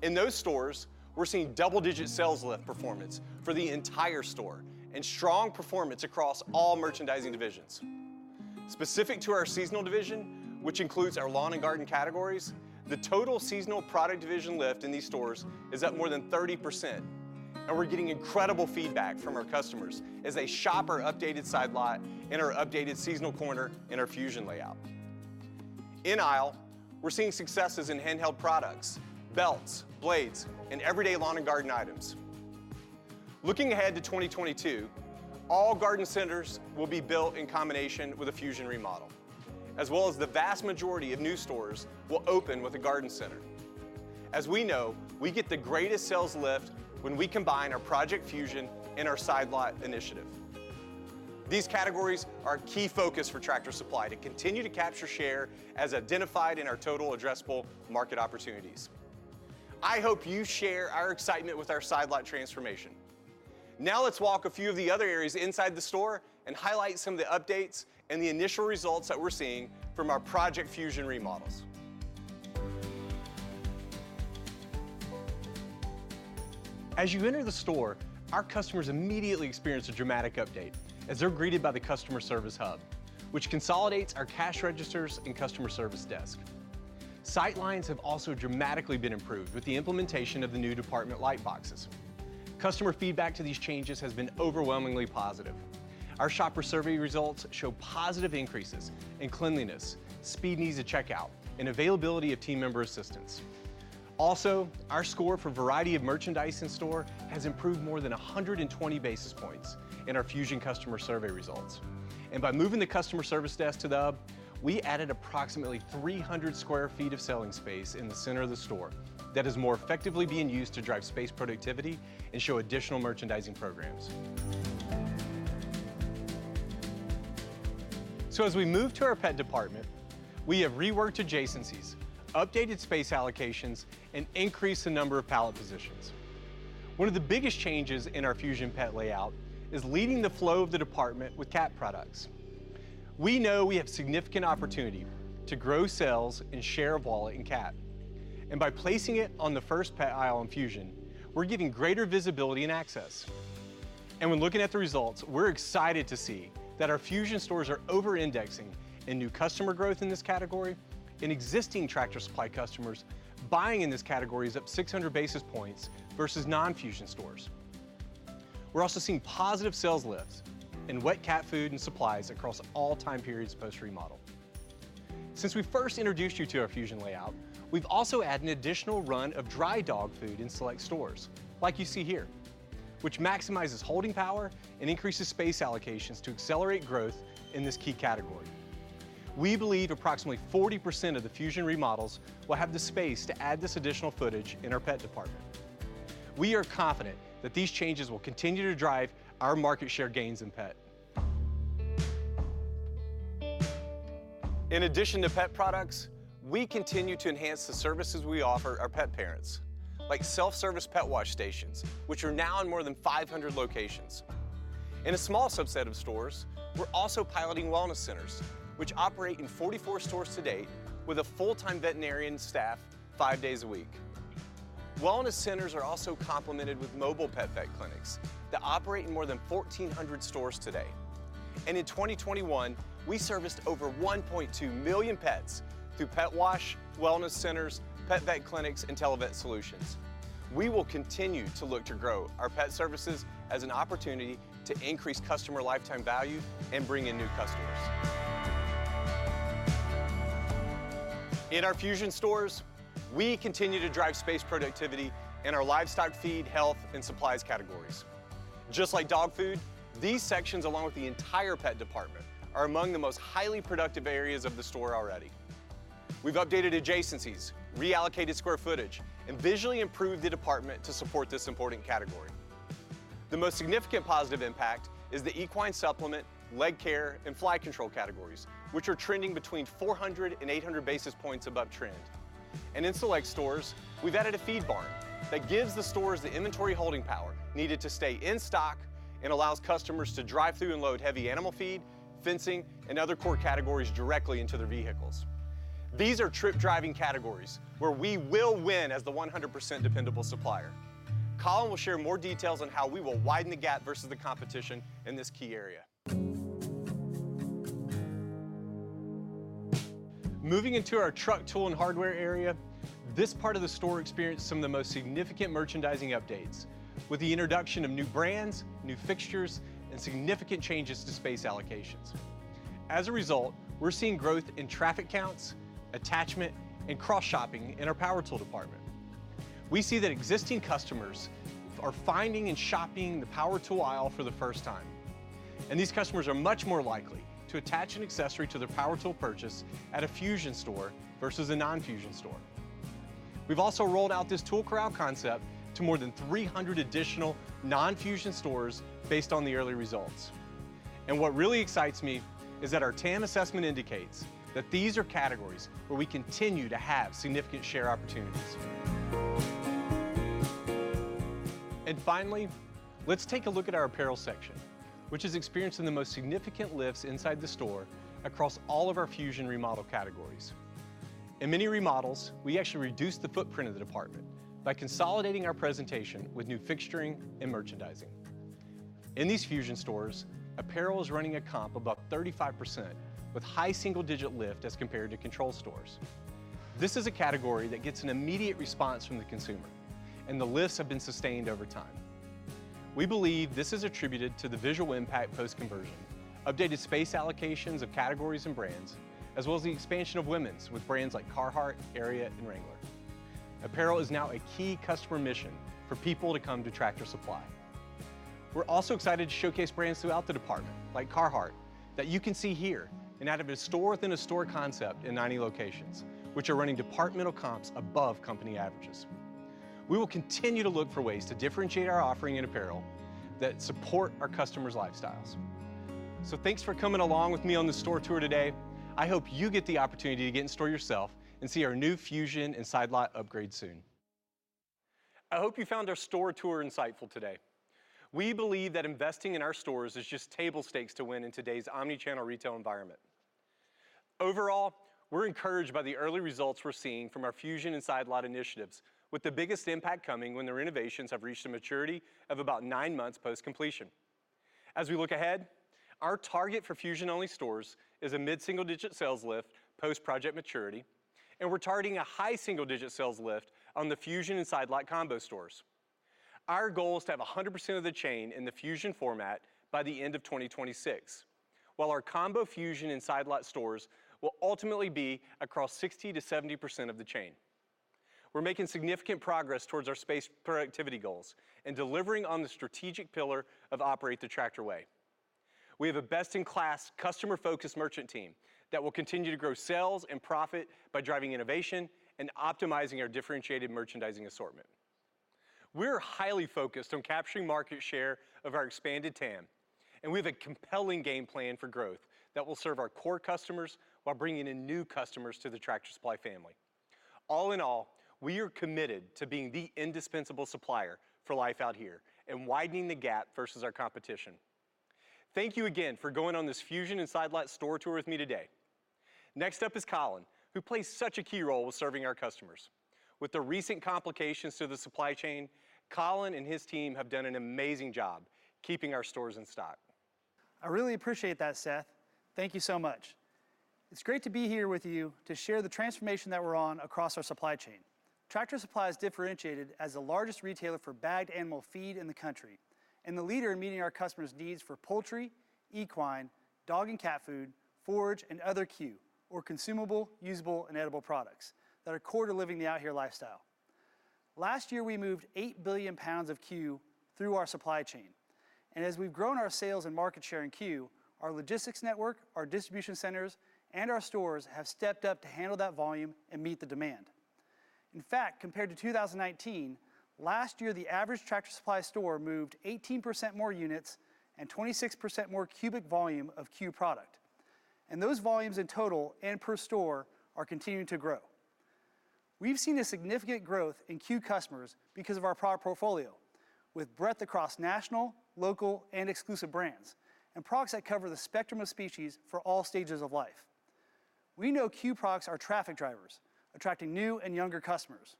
In those stores, we're seeing double-digit sales lift performance for the entire store and strong performance across all merchandising divisions. Specific to our seasonal division, which includes our lawn and garden categories, the total seasonal product division lift in these stores is up more than 30%, and we're getting incredible feedback from our customers as they shop our updated Side Lot and our updated seasonal corner in our Fusion layout. In aisle, we're seeing successes in handheld products, belts, blades, and everyday lawn and garden items. Looking ahead to 2022, all garden centers will be built in combination with a Fusion remodel, as well as the vast majority of new stores will open with a garden center. As we know, we get the greatest sales lift when we combine our Project Fusion and our Side Lot initiative. These categories are a key focus for Tractor Supply to continue to capture share as identified in our total addressable market opportunities. I hope you share our excitement with our Side Lot transformation. Now let's walk a few of the other areas inside the store and highlight some of the updates and the initial results that we're seeing from our Project Fusion remodels. As you enter the store, our customers immediately experience a dramatic update as they're greeted by the customer service hub, which consolidates our cash registers and customer service desk. Sight lines have also dramatically been improved with the implementation of the new department light boxes. Customer feedback to these changes has been overwhelmingly positive. Our shopper survey results show positive increases in cleanliness, speed and ease of checkout, and availability of team member assistance. Also, our score for variety of merchandise in store has improved more than 120 basis points in our Fusion customer survey results. By moving the customer service desk to the hub, we added approximately 300 sq ft of selling space in the center of the store that is more effectively being used to drive space productivity and show additional merchandising programs. As we move to our pet department, we have reworked adjacencies, updated space allocations, and increased the number of pallet positions. One of the biggest changes in our Fusion pet layout is leading the flow of the department with cat products. We know we have significant opportunity to grow sales and share of wallet in cat. By placing it on the first pet aisle in Fusion, we're giving greater visibility and access. When looking at the results, we're excited to see that our Fusion stores are over-indexing in new customer growth in this category and existing Tractor Supply customers buying in this category is up 600 basis points versus non-Fusion stores. We're also seeing positive sales lifts in wet cat food and supplies across all time periods post remodel. Since we first introduced you to our Fusion layout, we've also added an additional run of dry dog food in select stores, like you see here, which maximizes holding power and increases space allocations to accelerate growth in this key category. We believe approximately 40% of the Fusion remodels will have the space to add this additional footage in our pet department. We are confident that these changes will continue to drive our market share gains in pet. In addition to pet products, we continue to enhance the services we offer our pet parents, like self-service pet wash stations, which are now in more than 500 locations. In a small subset of stores, we're also piloting wellness centers, which operate in 44 stores to date with a full-time veterinarian staff five days a week. Wellness centers are also complemented with mobile pet vet clinics that operate in more than 1,400 stores today. In 2021, we serviced over 1.2 million pets through pet wash, wellness centers, pet vet clinics, and televet solutions. We will continue to look to grow our pet services as an opportunity to increase customer lifetime value and bring in new customers. In our Fusion stores, we continue to drive space productivity in our livestock feed, health, and supplies categories. Just like dog food, these sections, along with the entire pet department, are among the most highly productive areas of the store already. We've updated adjacencies, reallocated square footage, and visually improved the department to support this important category. The most significant positive impact is the equine supplement, leg care, and fly control categories, which are trending between 400 and 800 basis points above trend. In select stores, we've added a feed barn that gives the stores the inventory holding power needed to stay in stock and allows customers to drive through and load heavy animal feed, fencing, and other core categories directly into their vehicles. These are trip-driving categories where we will win as the 100% dependable supplier. Colin will share more details on how we will widen the gap versus the competition in this key area. Moving into our truck, tool, and hardware area, this part of the store experienced some of the most significant merchandising updates with the introduction of new brands, new fixtures, and significant changes to space allocations. As a result, we're seeing growth in traffic counts, attachment, and cross-shopping in our power tool department. We see that existing customers are finding and shopping the power tool aisle for the first time, and these customers are much more likely to attach an accessory to their power tool purchase at a Fusion store versus a non-Fusion store. We've also rolled out this tool corral concept to more than 300 additional non-Fusion stores based on the early results. What really excites me is that our TAM assessment indicates that these are categories where we continue to have significant share opportunities. Finally, let's take a look at our apparel section, which is experiencing the most significant lifts inside the store across all of our Fusion remodel categories. In many remodels, we actually reduced the footprint of the department by consolidating our presentation with new fixturing and merchandising. In these Fusion stores, apparel is running a comp above 35% with high single-digit lift as compared to control stores. This is a category that gets an immediate response from the consumer, and the lifts have been sustained over time. We believe this is attributed to the visual impact post-conversion, updated space allocations of categories and brands, as well as the expansion of women's with brands like Carhartt, Ariat, and Wrangler. Apparel is now a key customer mission for people to come to Tractor Supply. We're also excited to showcase brands throughout the department, like Carhartt, that you can see here in our store-within-a-store concept in 90 locations, which are running departmental comps above company averages. We will continue to look for ways to differentiate our offering in apparel that support our customers' lifestyles. Thanks for coming along with me on this store tour today. I hope you get the opportunity to get in store yourself and see our new Fusion and Side Lot upgrade soon. I hope you found our store tour insightful today. We believe that investing in our stores is just table stakes to win in today's omni-channel retail environment. Overall, we're encouraged by the early results we're seeing from our Fusion and Side Lot initiatives, with the biggest impact coming when the renovations have reached a maturity of about nine months post-completion. As we look ahead, our target for Fusion-only stores is a mid-single-digit sales lift post project maturity, and we're targeting a high single-digit sales lift on the Fusion and Side Lot combo stores. Our goal is to have 100% of the chain in the Fusion format by the end of 2026, while our combo Fusion and Side Lot stores will ultimately be across 60%-70% of the chain. We're making significant progress towards our space productivity goals and delivering on the strategic pillar of Operating the Tractor Way. We have a best-in-class customer-focused merchant team that will continue to grow sales and profit by driving innovation and optimizing our differentiated merchandising assortment. We're highly focused on capturing market share of our expanded TAM, and we have a compelling game plan for growth that will serve our core customers while bringing in new customers to the Tractor Supply family. All in all, we are committed to being the indispensable supplier for Life Out Here and widening the gap versus our competition. Thank you again for going on this Fusion and Side Lot store tour with me today. Next up is Colin, who plays such a key role with serving our customers. With the recent complications to the supply chain, Colin and his team have done an amazing job keeping our stores in stock. I really appreciate that, Seth. Thank you so much. It's great to be here with you to share the transformation that we're on across our supply chain. Tractor Supply is differentiated as the largest retailer for bagged animal feed in the country and the leader in meeting our customers' needs for poultry, equine, dog and cat food, forage, and other CUE, or consumable, usable, and edible products that are core to living the out here lifestyle. Last year, we moved 8 billion pounds of CUE through our supply chain. As we've grown our sales and market share in CUE, our logistics network, our distribution centers, and our stores have stepped up to handle that volume and meet the demand. In fact, compared to 2019, last year, the average Tractor Supply store moved 18% more units and 26% more cubic volume of CUE product. Those volumes in total and per store are continuing to grow. We've seen a significant growth in CUE customers because of our product portfolio with breadth across national, local, and exclusive brands and products that cover the spectrum of species for all stages of life. We know CUE products are traffic drivers, attracting new and younger customers.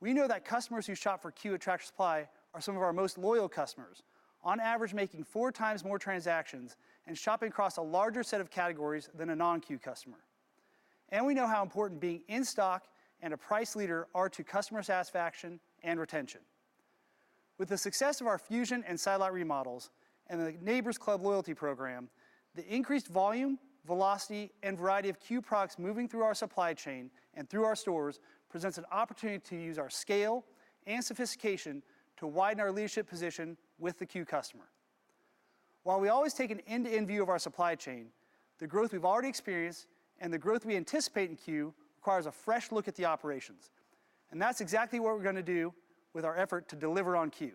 We know that customers who shop for CUE at Tractor Supply are some of our most loyal customers, on average making four times more transactions and shopping across a larger set of categories than a non-CUE customer. We know how important being in-stock and a price leader are to customer satisfaction and retention. With the success of our Fusion and Side Lot remodels and the Neighbor's Club loyalty program, the increased volume, velocity, and variety of CUE products moving through our supply chain and through our stores presents an opportunity to use our scale and sophistication to widen our leadership position with the CUE customer. While we always take an end-to-end view of our supply chain, the growth we've already experienced and the growth we anticipate in CUE requires a fresh look at the operations, and that's exactly what we're going to do with our effort to deliver on CUE.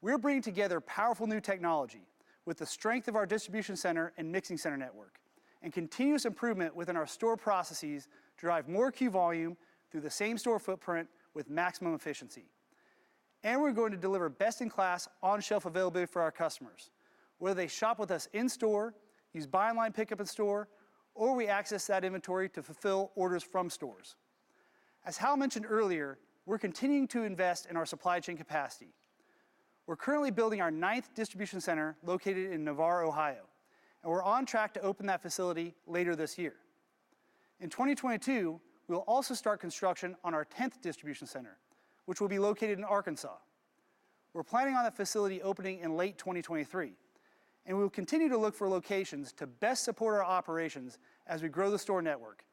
We're bringing together powerful new technology with the strength of our distribution center and mixing center network, and continuous improvement within our store processes drive more CUE volume through the same store footprint with maximum efficiency. We're going to deliver best-in-class on-shelf availability for our customers, whether they shop with us in store, use buy online, pickup in store, or we access that inventory to fulfill orders from stores. As Hal mentioned earlier, we're continuing to invest in our supply chain capacity. We're currently building our ninth distribution center located in Navarre, Ohio, and we're on track to open that facility later this year. In 2022, we'll also start construction on our tenth distribution center, which will be located in Arkansas. We're planning on that facility opening in late 2023, and we will continue to look for locations to best support our operations as we grow the store network,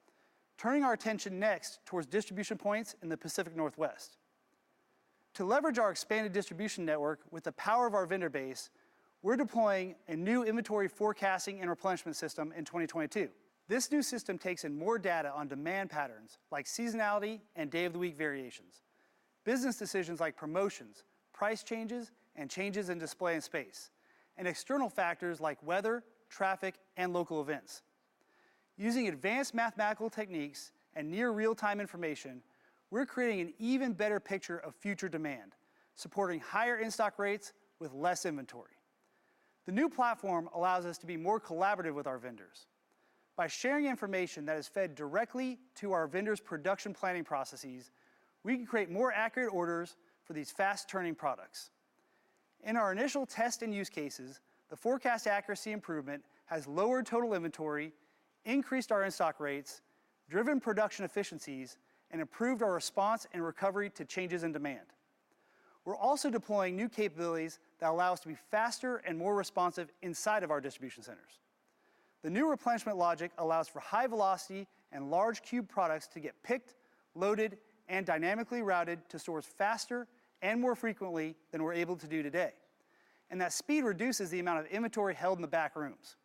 turning our attention next towards distribution points in the Pacific Northwest. To leverage our expanded distribution network with the power of our vendor base, we're deploying a new inventory forecasting and replenishment system in 2022. This new system takes in more data on demand patterns like seasonality and day-of-the-week variations, business decisions like promotions, price changes, and changes in display and space, and external factors like weather, traffic, and local events. Using advanced mathematical techniques and near real-time information, we're creating an even better picture of future demand, supporting higher in-stock rates with less inventory. The new platform allows us to be more collaborative with our vendors. By sharing information that is fed directly to our vendors' production planning processes, we can create more accurate orders for these fast-turning products. In our initial test and use cases, the forecast accuracy improvement has lowered total inventory, increased our in-stock rates, driven production efficiencies, and improved our response and recovery to changes in demand. We're also deploying new capabilities that allow us to be faster and more responsive inside of our distribution centers. The new replenishment logic allows for high velocity and large CUE products to get picked, loaded, and dynamically routed to stores faster and more frequently than we're able to do today. And that speed reduces the amount of inventory held in the back rooms.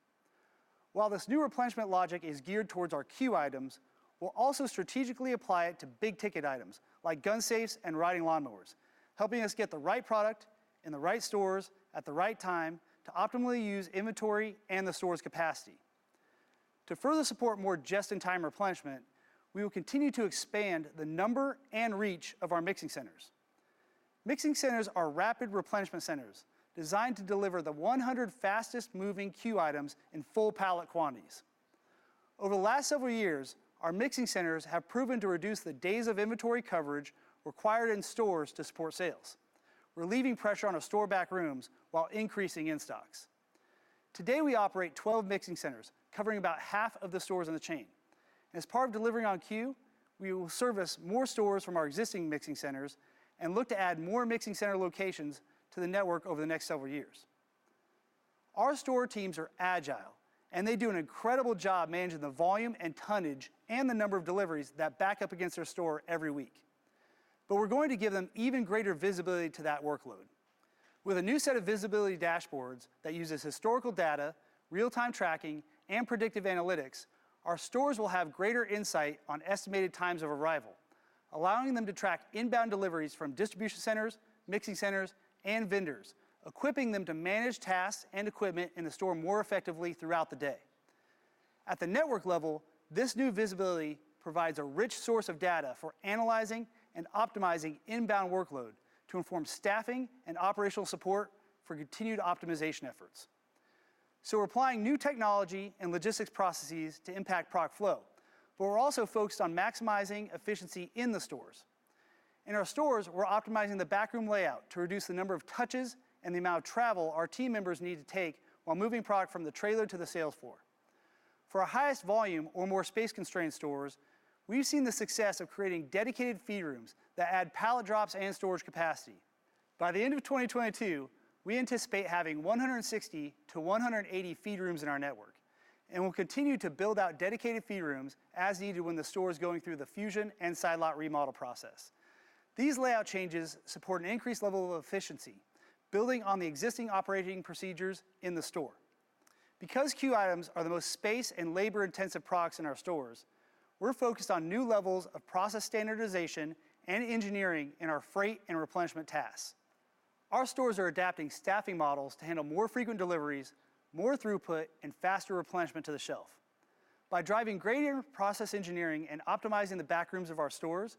While this new replenishment logic is geared towards our CUE items, we'll also strategically apply it to big-ticket items like gun safes and riding lawnmowers, helping us get the right product in the right stores at the right time to optimally use inventory and the store's capacity. To further support more just-in-time replenishment, we will continue to expand the number and reach of our mixing centers. Mixing centers are rapid replenishment centers designed to deliver the 100 fastest-moving CUE items in full pallet quantities. Over the last several years, our mixing centers have proven to reduce the days of inventory coverage required in stores to support sales, relieving pressure on our store back rooms while increasing in-stocks. Today, we operate 12 mixing centers, covering about half of the stores in the chain. As part of delivering on CUE, we will service more stores from our existing mixing centers and look to add more mixing center locations to the network over the next several years. Our store teams are agile, and they do an incredible job managing the volume and tonnage and the number of deliveries that back up against their store every week. We're going to give them even greater visibility to that workload. With a new set of visibility dashboards that uses historical data, real-time tracking, and predictive analytics, our stores will have greater insight on estimated times of arrival, allowing them to track inbound deliveries from distribution centers, mixing centers, and vendors, equipping them to manage tasks and equipment in the store more effectively throughout the day. At the network level, this new visibility provides a rich source of data for analyzing and optimizing inbound workload to inform staffing and operational support for continued optimization efforts. We're applying new technology and logistics processes to impact product flow, but we're also focused on maximizing efficiency in the stores. In our stores, we're optimizing the backroom layout to reduce the number of touches and the amount of travel our team members need to take while moving product from the trailer to the sales floor. For our highest volume or more space-constrained stores, we've seen the success of creating dedicated feed rooms that add pallet drops and storage capacity. By the end of 2022, we anticipate having 160-180 feed rooms in our network, and we'll continue to build out dedicated feed rooms as needed when the store is going through the Fusion and Side Lot remodel process. These layout changes support an increased level of efficiency, building on the existing operating procedures in the store. Because CUE items are the most space and labor-intensive products in our stores, we're focused on new levels of process standardization and engineering in our freight and replenishment tasks. Our stores are adapting staffing models to handle more frequent deliveries, more throughput, and faster replenishment to the shelf. By driving greater process engineering and optimizing the back rooms of our stores,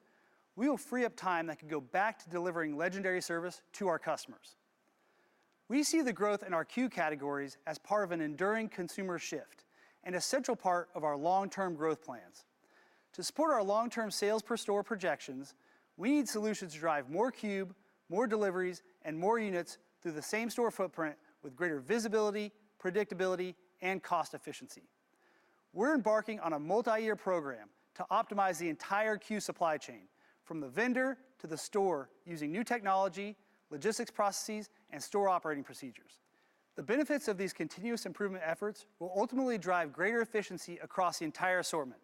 we will free up time that can go back to delivering legendary service to our customers. We see the growth in our CUE categories as part of an enduring consumer shift and a central part of our long-term growth plans. To support our long-term sales per store projections, we need solutions to drive more cube, more deliveries, and more units through the same store footprint with greater visibility, predictability, and cost efficiency. We're embarking on a multi-year program to optimize the entire CUE supply chain, from the vendor to the store, using new technology, logistics processes, and store operating procedures. The benefits of these continuous improvement efforts will ultimately drive greater efficiency across the entire assortment,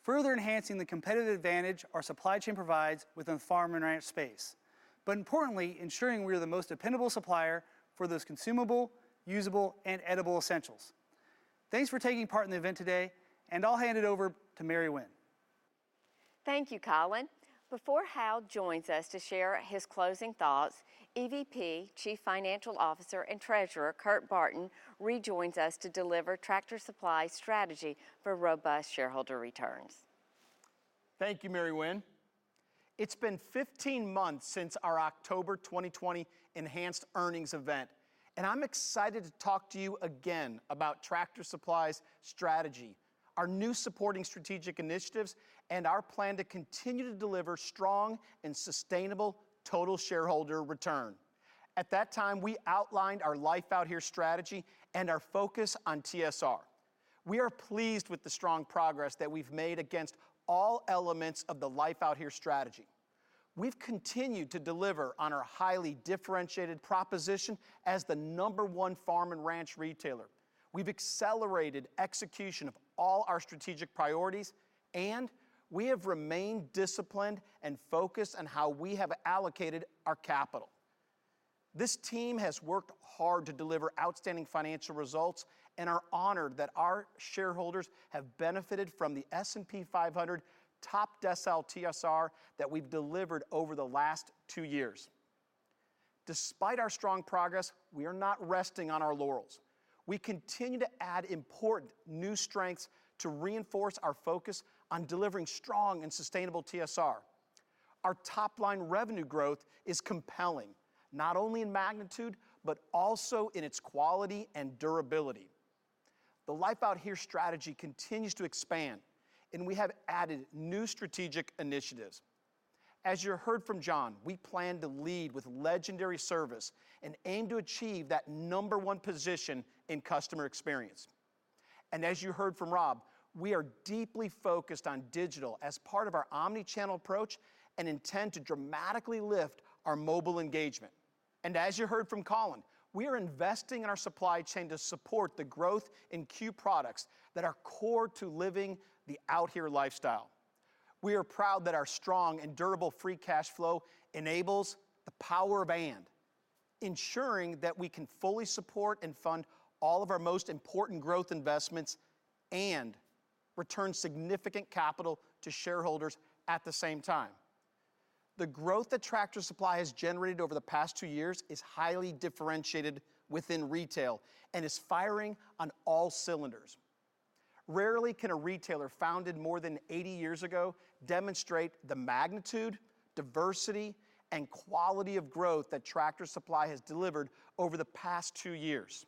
further enhancing the competitive advantage our supply chain provides within the farm and ranch space, but importantly, ensuring we are the most dependable supplier for those consumable, usable, and edible essentials. Thanks for taking part in the event today, and I'll hand it over to Mary Winn. Thank you, Colin. Before Hal joins us to share his closing thoughts, EVP, Chief Financial Officer, and Treasurer, Kurt Barton, rejoins us to deliver Tractor Supply's strategy for robust shareholder returns. Thank you, Mary Winn. It's been 15 months since our October 2020 enhanced earnings event, and I'm excited to talk to you again about Tractor Supply's strategy, our new supporting strategic initiatives, and our plan to continue to deliver strong and sustainable total shareholder return. At that time, we outlined our Life Out Here strategy and our focus on TSR. We are pleased with the strong progress that we've made against all elements of the Life Out Here strategy. We've continued to deliver on our highly differentiated proposition as the number one farm and ranch retailer. We've accelerated execution of all our strategic priorities, and we have remained disciplined and focused on how we have allocated our capital. This team has worked hard to deliver outstanding financial results and are honored that our shareholders have benefited from the S&P 500 top decile TSR that we've delivered over the last two years. Despite our strong progress, we are not resting on our laurels. We continue to add important new strengths to reinforce our focus on delivering strong and sustainable TSR. Our top-line revenue growth is compelling, not only in magnitude, but also in its quality and durability. The Life Out Here strategy continues to expand, and we have added new strategic initiatives. As you heard from John, we plan to lead with legendary service and aim to achieve that number one position in customer experience. As you heard from Rob, we are deeply focused on digital as part of our omnichannel approach and intend to dramatically lift our mobile engagement. As you heard from Colin, we are investing in our supply chain to support the growth in CUE products that are core to living the Out Here lifestyle. We are proud that our strong and durable free cash flow enables the power of ensuring that we can fully support and fund all of our most important growth investments and return significant capital to shareholders at the same time. The growth that Tractor Supply has generated over the past two years is highly differentiated within retail and is firing on all cylinders. Rarely can a retailer founded more than eighty years ago demonstrate the magnitude, diversity, and quality of growth that Tractor Supply has delivered over the past two years.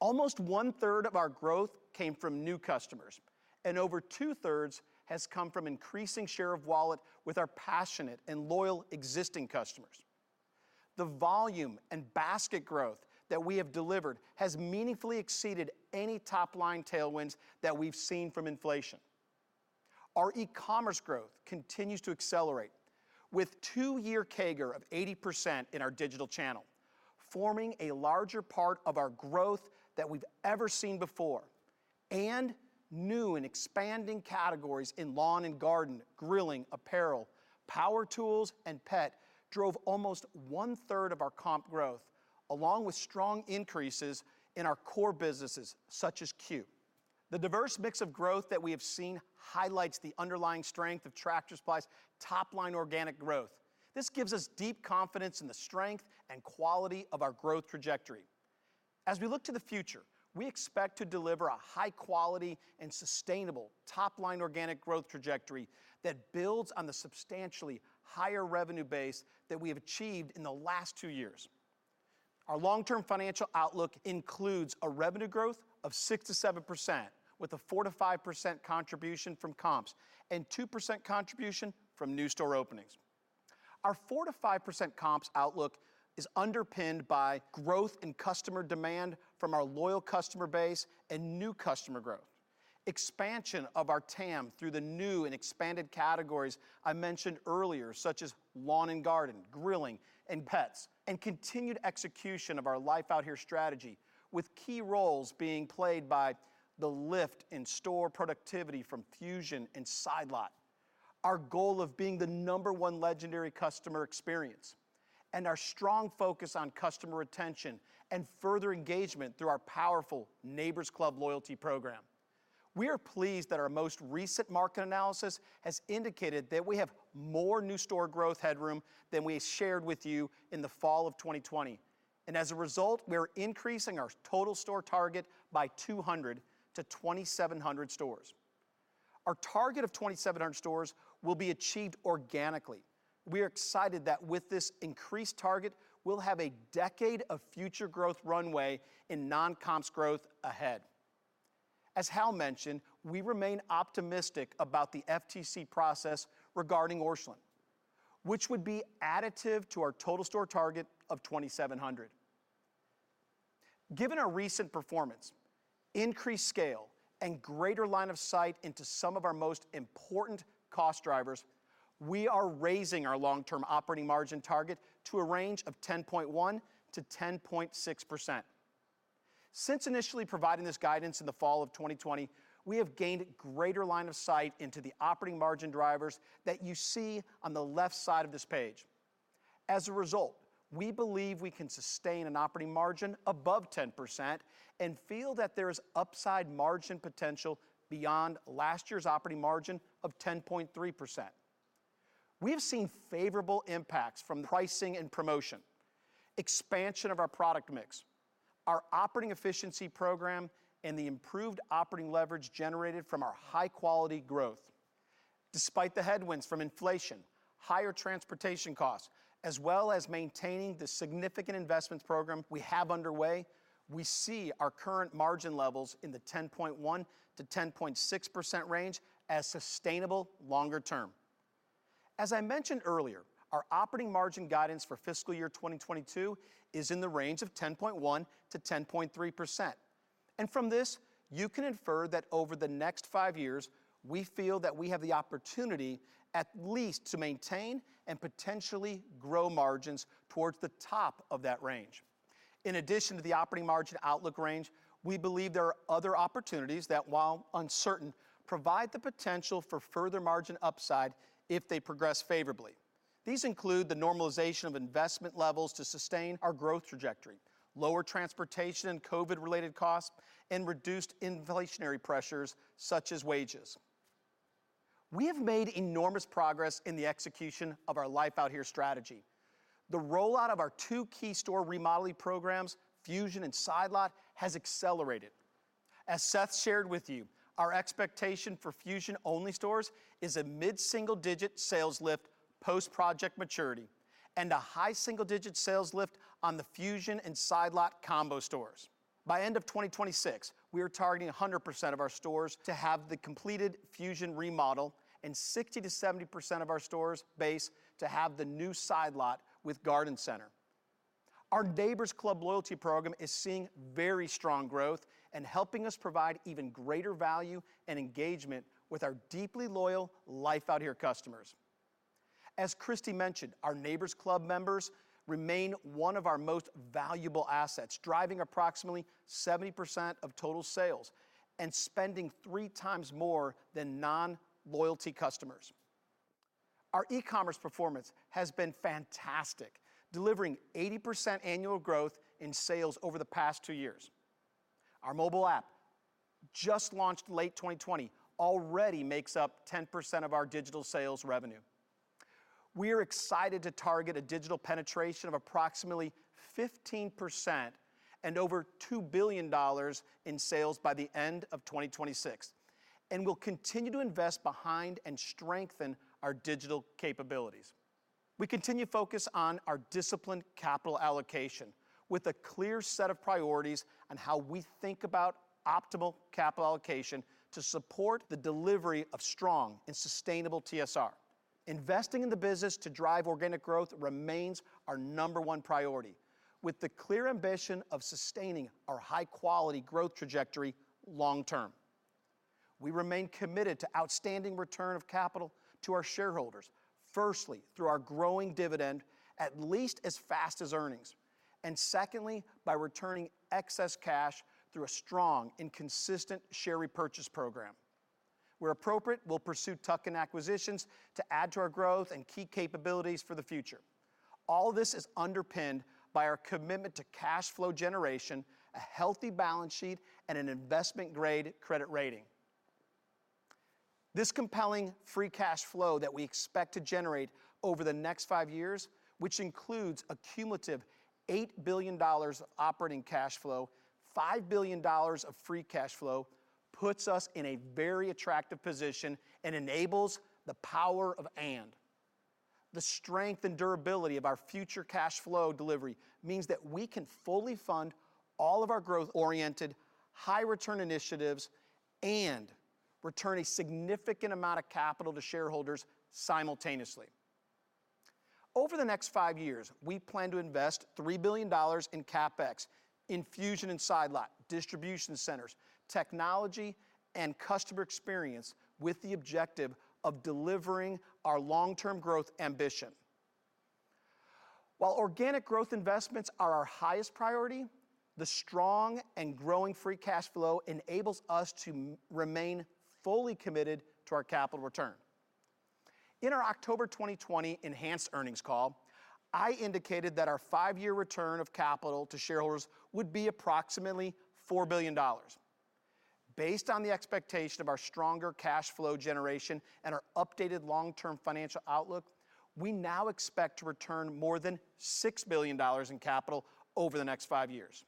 Almost one-third of our growth came from new customers, and over two-thirds has come from increasing share of wallet with our passionate and loyal existing customers. The volume and basket growth that we have delivered has meaningfully exceeded any top-line tailwinds that we've seen from inflation. Our e-commerce growth continues to accelerate with two-year CAGR of 80% in our digital channel, forming a larger part of our growth than we've ever seen before. New and expanding categories in lawn and garden, grilling, apparel, power tools, and pet drove almost one-third of our comp growth, along with strong increases in our core businesses such as C.U.E. The diverse mix of growth that we have seen highlights the underlying strength of Tractor Supply's top-line organic growth. This gives us deep confidence in the strength and quality of our growth trajectory. As we look to the future, we expect to deliver a high-quality and sustainable top-line organic growth trajectory that builds on the substantially higher revenue base that we have achieved in the last two years. Our long-term financial outlook includes a revenue growth of 6%-7%, with a 4%-5% contribution from comps and 2% contribution from new store openings. Our 4%-5% comps outlook is underpinned by growth in customer demand from our loyal customer base and new customer growth. Expansion of our TAM through the new and expanded categories I mentioned earlier, such as lawn and garden, grilling, and pets, and continued execution of our Life Out Here strategy, with key roles being played by the lift in store productivity from Fusion and Side Lot, our goal of being the number one legendary customer experience, and our strong focus on customer retention and further engagement through our powerful Neighbor's Club loyalty program. We are pleased that our most recent market analysis has indicated that we have more new store growth headroom than we shared with you in the fall of 2020. As a result, we are increasing our total store target by 200 to 2,700 stores. Our target of 2,700 stores will be achieved organically. We are excited that with this increased target, we'll have a decade of future growth runway in non-comps growth ahead. As Hal mentioned, we remain optimistic about the FTC process regarding Orscheln, which would be additive to our total store target of 2,700. Given our recent performance, increased scale, and greater line of sight into some of our most important cost drivers, we are raising our long-term operating margin target to a range of 10.1%-10.6%. Since initially providing this guidance in the fall of 2020, we have gained greater line of sight into the operating margin drivers that you see on the left side of this page. As a result, we believe we can sustain an operating margin above 10% and feel that there is upside margin potential beyond last year's operating margin of 10.3%. We have seen favorable impacts from pricing and promotion, expansion of our product mix, our operating efficiency program, and the improved operating leverage generated from our high-quality growth. Despite the headwinds from inflation, higher transportation costs, as well as maintaining the significant investments program we have underway, we see our current margin levels in the 10.1%-10.6% range as sustainable longer term. As I mentioned earlier, our operating margin guidance for fiscal year 2022 is in the range of 10.1%-10.3%. From this, you can infer that over the next five years, we feel that we have the opportunity at least to maintain and potentially grow margins towards the top of that range. In addition to the operating margin outlook range, we believe there are other opportunities that, while uncertain, provide the potential for further margin upside if they progress favorably. These include the normalization of investment levels to sustain our growth trajectory, lower transportation and COVID-related costs, and reduced inflationary pressures such as wages. We have made enormous progress in the execution of our Life Out Here strategy. The rollout of our two key store remodeling programs, Fusion and Side Lot, has accelerated. As Seth shared with you, our expectation for Fusion-only stores is a mid-single-digit sales lift post-project maturity and a high single-digit sales lift on the Fusion and Side Lot combo stores. By end of 2026, we are targeting 100% of our stores to have the completed Fusion remodel and 60%-70% of our stores base to have the new Side Lot with Garden Center. Our Neighbor's Club loyalty program is seeing very strong growth and helping us provide even greater value and engagement with our deeply loyal Life Out Here customers. As Christi mentioned, our Neighbor's Club members remain one of our most valuable assets, driving approximately 70% of total sales and spending three times more than non-loyalty customers. Our e-commerce performance has been fantastic, delivering 80% annual growth in sales over the past two years. Our mobile app just launched late 2020 already makes up 10% of our digital sales revenue. We are excited to target a digital penetration of approximately 15% and over $2 billion in sales by the end of 2026, and we'll continue to invest behind and strengthen our digital capabilities. We continue to focus on our disciplined capital allocation with a clear set of priorities on how we think about optimal capital allocation to support the delivery of strong and sustainable TSR. Investing in the business to drive organic growth remains our number one priority, with the clear ambition of sustaining our high-quality growth trajectory long term. We remain committed to outstanding return of capital to our shareholders, firstly, through our growing dividend at least as fast as earnings, and secondly, by returning excess cash through a strong and consistent share repurchase program. Where appropriate, we'll pursue tuck-in acquisitions to add to our growth and key capabilities for the future. All this is underpinned by our commitment to cash flow generation, a healthy balance sheet, and an investment-grade credit rating. This compelling free cash flow that we expect to generate over the next five years, which includes a cumulative $8 billion operating cash flow, $5 billion of free cash flow, puts us in a very attractive position and enables the power of and. The strength and durability of our future cash flow delivery means that we can fully fund all of our growth-oriented, high-return initiatives and return a significant amount of capital to shareholders simultaneously. Over the next five years, we plan to invest $3 billion in CapEx in Fusion and Side Lot, distribution centers, technology, and customer experience with the objective of delivering our long-term growth ambition. While organic growth investments are our highest priority, the strong and growing free cash flow enables us to remain fully committed to our capital return. In our October 2020 enhanced earnings call, I indicated that our five-year return of capital to shareholders would be approximately $4 billion. Based on the expectation of our stronger cash flow generation and our updated long-term financial outlook, we now expect to return more than $6 billion in capital over the next five years.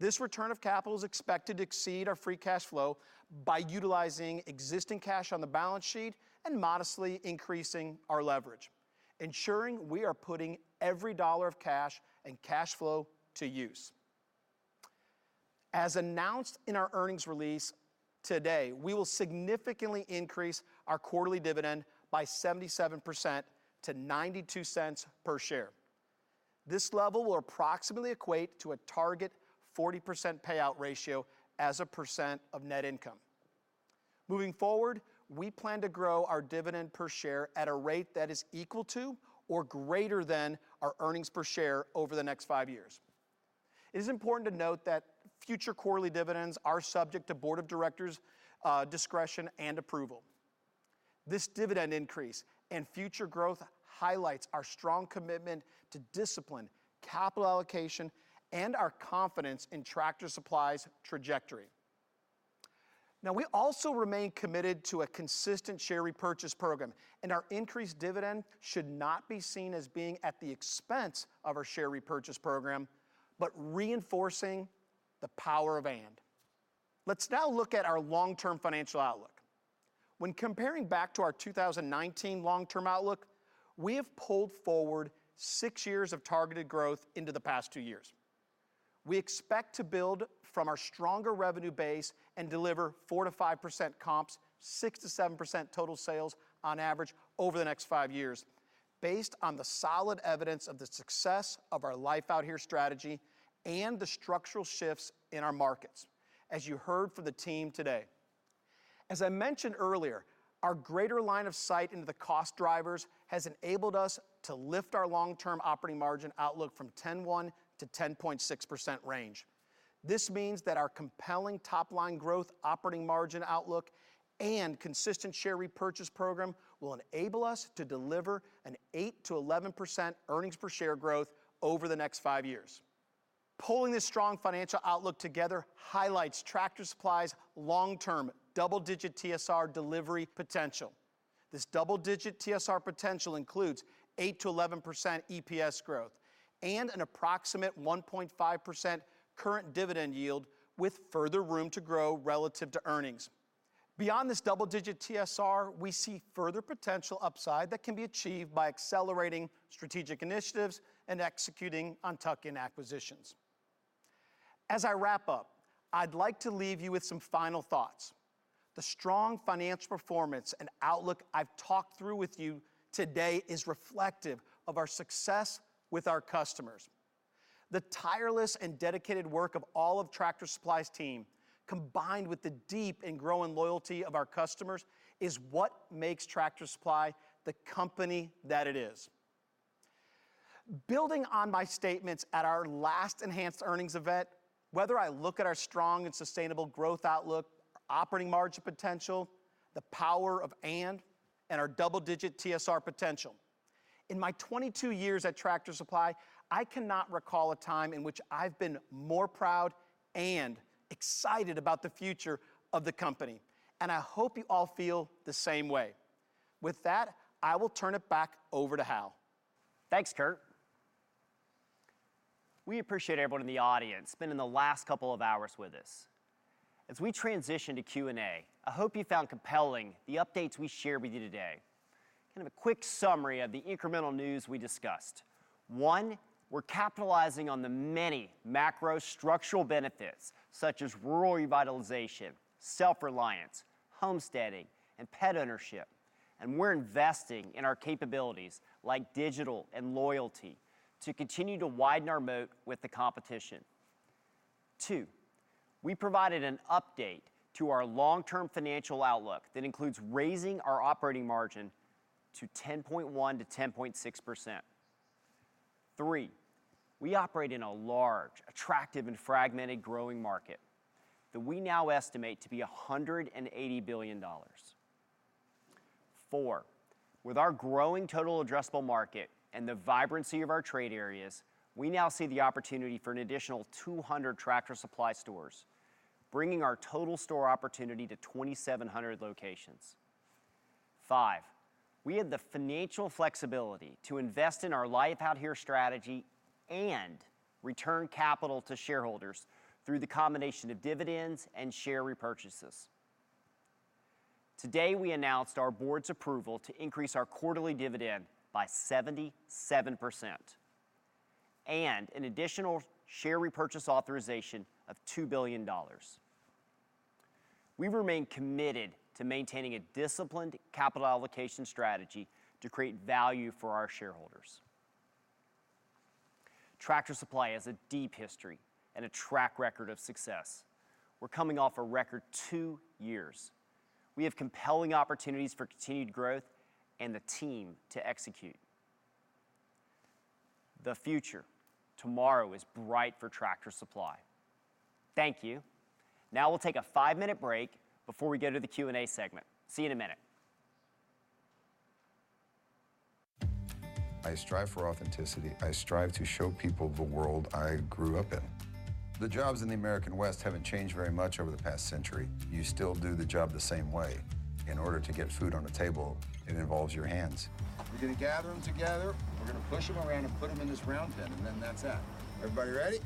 This return of capital is expected to exceed our free cash flow by utilizing existing cash on the balance sheet and modestly increasing our leverage, ensuring we are putting every dollar of cash and cash flow to use. As announced in our earnings release today, we will significantly increase our quarterly dividend by 77% to $0.92 per share. This level will approximately equate to a target 40% payout ratio as a percent of net income. Moving forward, we plan to grow our dividend per share at a rate that is equal to or greater than our earnings per share over the next five years. It is important to note that future quarterly dividends are subject to board of directors' discretion and approval. This dividend increase and future growth highlights our strong commitment to discipline, capital allocation, and our confidence in Tractor Supply's trajectory. Now, we also remain committed to a consistent share repurchase program, and our increased dividend should not be seen as being at the expense of our share repurchase program, but reinforcing the power of and. Let's now look at our long-term financial outlook. When comparing back to our 2019 long-term outlook, we have pulled forward six years of targeted growth into the past two years. We expect to build from our stronger revenue base and deliver 4%-5% comps, 6%-7% total sales on average over the next five years based on the solid evidence of the success of our Life Out Here strategy and the structural shifts in our markets, as you heard from the team today. As I mentioned earlier, our greater line of sight into the cost drivers has enabled us to lift our long-term operating margin outlook from 10.1%-10.6% range. This means that our compelling top-line growth operating margin outlook and consistent share repurchase program will enable us to deliver an 8%-11% earnings per share growth over the next five years. Pulling this strong financial outlook together highlights Tractor Supply's long-term double-digit TSR delivery potential. This double-digit TSR potential includes 8%-11% EPS growth and an approximate 1.5% current dividend yield with further room to grow relative to earnings. Beyond this double-digit TSR, we see further potential upside that can be achieved by accelerating strategic initiatives and executing on tuck-in acquisitions. As I wrap up, I'd like to leave you with some final thoughts. The strong financial performance and outlook I've talked through with you today is reflective of our success with our customers. The tireless and dedicated work of all of Tractor Supply's team, combined with the deep and growing loyalty of our customers, is what makes Tractor Supply the company that it is. Building on my statements at our last enhanced earnings event, whether I look at our strong and sustainable growth outlook, our operating margin potential, the power of and our double-digit TSR potential. In my 22 years at Tractor Supply, I cannot recall a time in which I've been more proud and excited about the future of the company, and I hope you all feel the same way. With that, I will turn it back over to Hal. Thanks, Kurt. We appreciate everyone in the audience spending the last couple of hours with us. As we transition to Q&A, I hope you found compelling the updates we shared with you today. Kind of a quick summary of the incremental news we discussed. One, we're capitalizing on the many macro structural benefits such as rural revitalization, self-reliance, homesteading, and pet ownership, and we're investing in our capabilities like digital and loyalty to continue to widen our moat with the competition. Two, we provided an update to our long-term financial outlook that includes raising our operating margin to 10.1%-10.6%. Three, we operate in a large, attractive, and fragmented growing market that we now estimate to be $180 billion. Four, with our growing total addressable market and the vibrancy of our trade areas, we now see the opportunity for an additional 200 Tractor Supply stores, bringing our total store opportunity to 2,700 locations. Five, we have the financial flexibility to invest in our Life Out Here strategy and return capital to shareholders through the combination of dividends and share repurchases. Today, we announced our board's approval to increase our quarterly dividend by 77% and an additional share repurchase authorization of $2 billion. We remain committed to maintaining a disciplined capital allocation strategy to create value for our shareholders. Tractor Supply has a deep history and a track record of success. We're coming off a record two years. We have compelling opportunities for continued growth and the team to execute. The future, tomorrow is bright for Tractor Supply. Thank you. Now we'll take a five-minute break before we go to the Q&A segment. See you in a minute. I strive for authenticity. I strive to show people the world I grew up in. The jobs in the American West haven't changed very much over the past century. You still do the job the same way. In order to get food on the table, it involves your hands. We're gonna gather them together, we're gonna push them around and put them in this round pen, and then that's that. Everybody ready?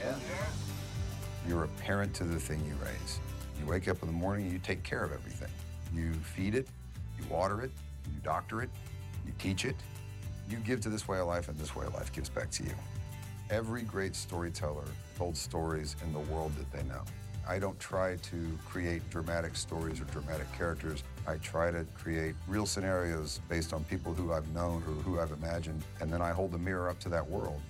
Yeah. Yeah. You're a parent to the thing you raise. You wake up in the morning you take care of everything. You feed it, you water it, you doctor it, you teach it. You give to this way of life, and this way of life gives back to you. Every great storyteller told stories in the world that they know. I don't try to create dramatic stories or dramatic characters. I try to create real scenarios based on people who I've known or who I've imagined, and then I hold a mirror up to that world.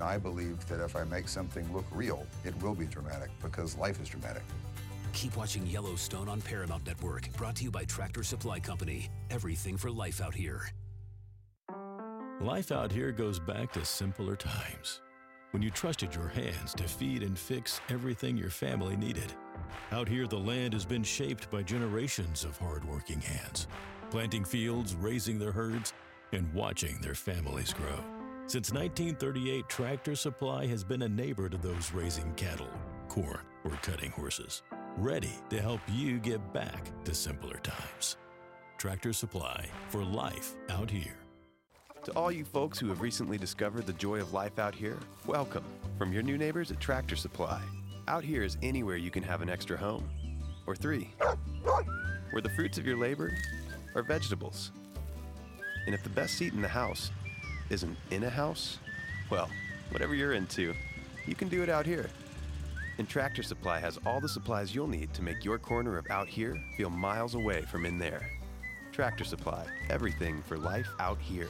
I believe that if I make something look real, it will be dramatic because life is dramatic. Keep watching Yellowstone on Paramount Network, brought to you by Tractor Supply Company. Everything for life out here. Life Out Here goes back to simpler times when you trusted your hands to feed and fix everything your family needed. Out here, the land has been shaped by generations of hardworking hands, planting fields, raising their herds, and watching their families grow. Since 1938, Tractor Supply has been a neighbor to those raising cattle, corn, or cutting horses, ready to help you get back to simpler times. Tractor Supply for Life Out Here. To all you folks who have recently discovered the joy of Life Out Here, welcome from your new neighbors at Tractor Supply. Out here is anywhere you can have an extra home or three. Where the fruits of your labor are vegetables. If the best seat in the house isn't in a house, well, whatever you're into, you can do it out here. Tractor Supply has all the supplies you'll need to make your corner of out here feel miles away from in there. Tractor Supply, everything for Life Out Here.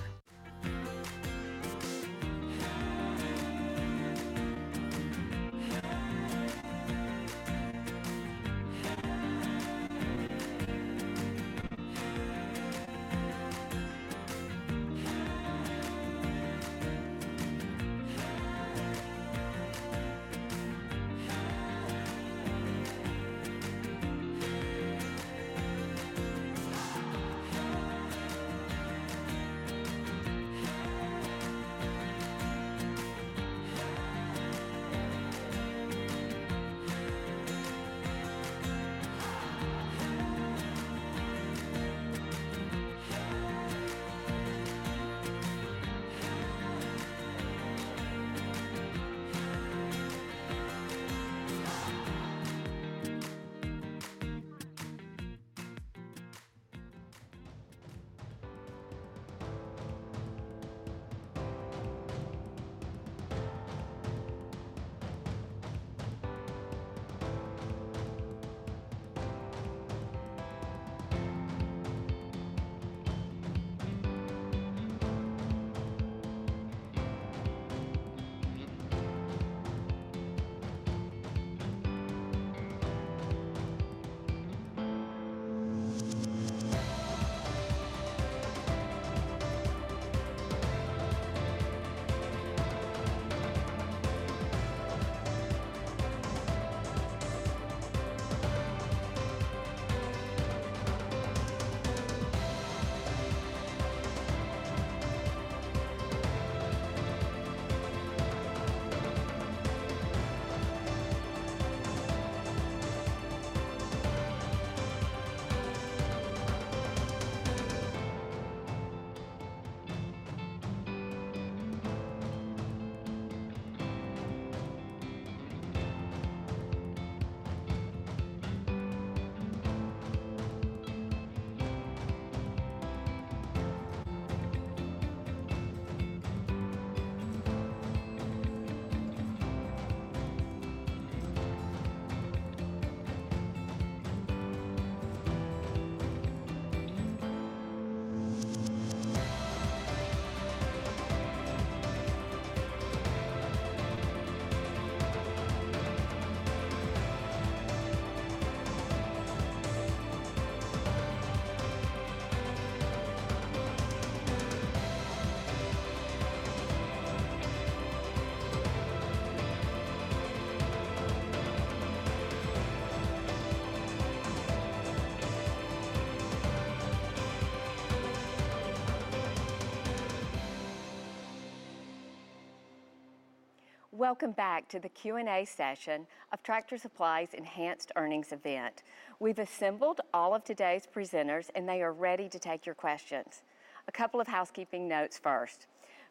Welcome back to the Q&A session of Tractor Supply's enhanced earnings event. We've assembled all of today's presenters, and they are ready to take your questions. A couple of housekeeping notes first.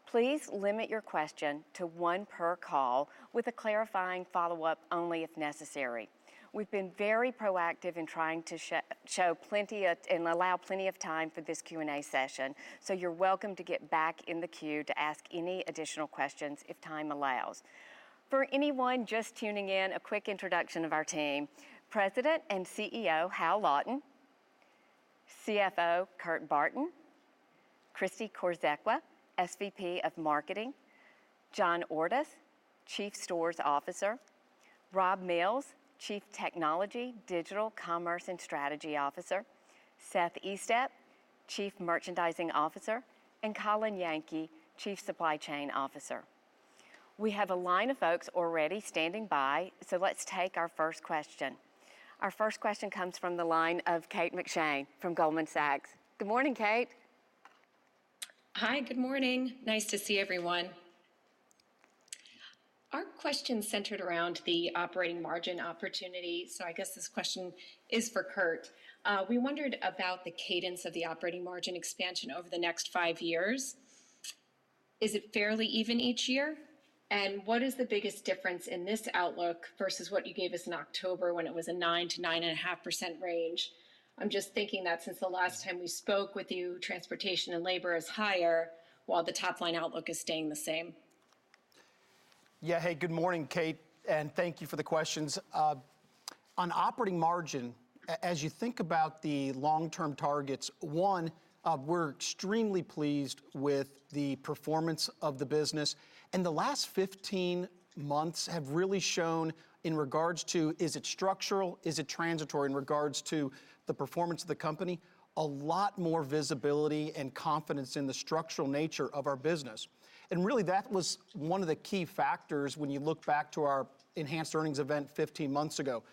Please limit your question to one per call with a clarifying follow-up only if necessary. We've been very proactive in trying to show plenty of and allow plenty of time for this Q&A session, so you're welcome to get back in the queue to ask any additional questions if time allows. For anyone just tuning in, a quick introduction of our team. President and CEO, Hal Lawton. CFO, Kurt Barton. Christi Korzekwa, SVP of Marketing. John Ordus, Chief Stores Officer. Rob Mills, Chief Technology, Digital Commerce, and Strategy Officer. Seth Estep, Chief Merchandising Officer, and Colin Yankee, Chief Supply Chain Officer. We have a line of folks already standing by, so let's take our first question. Our first question comes from the line of Kate McShane from Goldman Sachs. Good morning, Kate. Hi. Good morning. Nice to see everyone. Our question's centered around the operating margin opportunity, so I guess this question is for Kurt. We wondered about the cadence of the operating margin expansion over the next five years. Is it fairly even each year? What is the biggest difference in this outlook versus what you gave us in October when it was a 9%-9.5% range? I'm just thinking that since the last time we spoke with you, transportation and labor is higher, while the top-line outlook is staying the same. Yeah. Hey, good morning, Kate, and thank you for the questions. On operating margin, as you think about the long-term targets, one, we're extremely pleased with the performance of the business, and the last 15 months have really shown in regards to, is it structural, is it transitory in regards to the performance of the company, a lot more visibility and confidence in the structural nature of our business. Really, that was one of the key factors when you look back to our enhanced earnings event 15 months ago.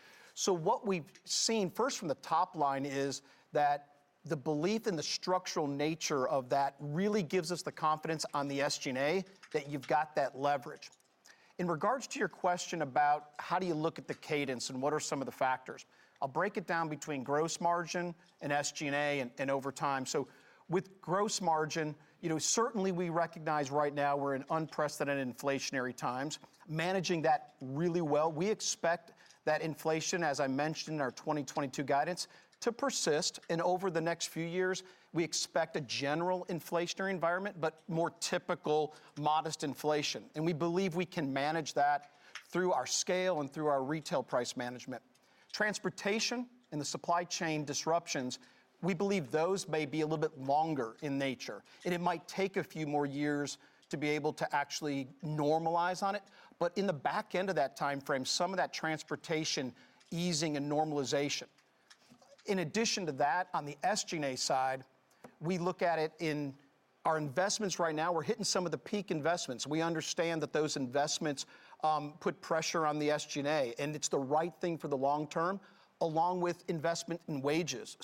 What we've seen, first from the top line, is that the belief in the structural nature of that really gives us the confidence on the SG&A that you've got that leverage. In regards to your question about how do you look at the cadence and what are some of the factors, I'll break it down between gross margin and SG&A and over time. With gross margin, you know, certainly we recognize right now we're in unprecedented inflationary times. Managing that really well, we expect that inflation, as I mentioned in our 2022 guidance, to persist, and over the next few years, we expect a general inflationary environment, but more typical modest inflation. We believe we can manage that through our scale and through our retail price management. Transportation and the supply chain disruptions, we believe those may be a little bit longer in nature, and it might take a few more years to be able to actually normalize on it. In the back end of that timeframe, some of that transportation easing and normalization. In addition to that, on the SG&A side, we look at it in our investments right now. We're hitting some of the peak investments. We understand that those investments put pressure on the SG&A, and it's the right thing for the long term, along with investment in wages.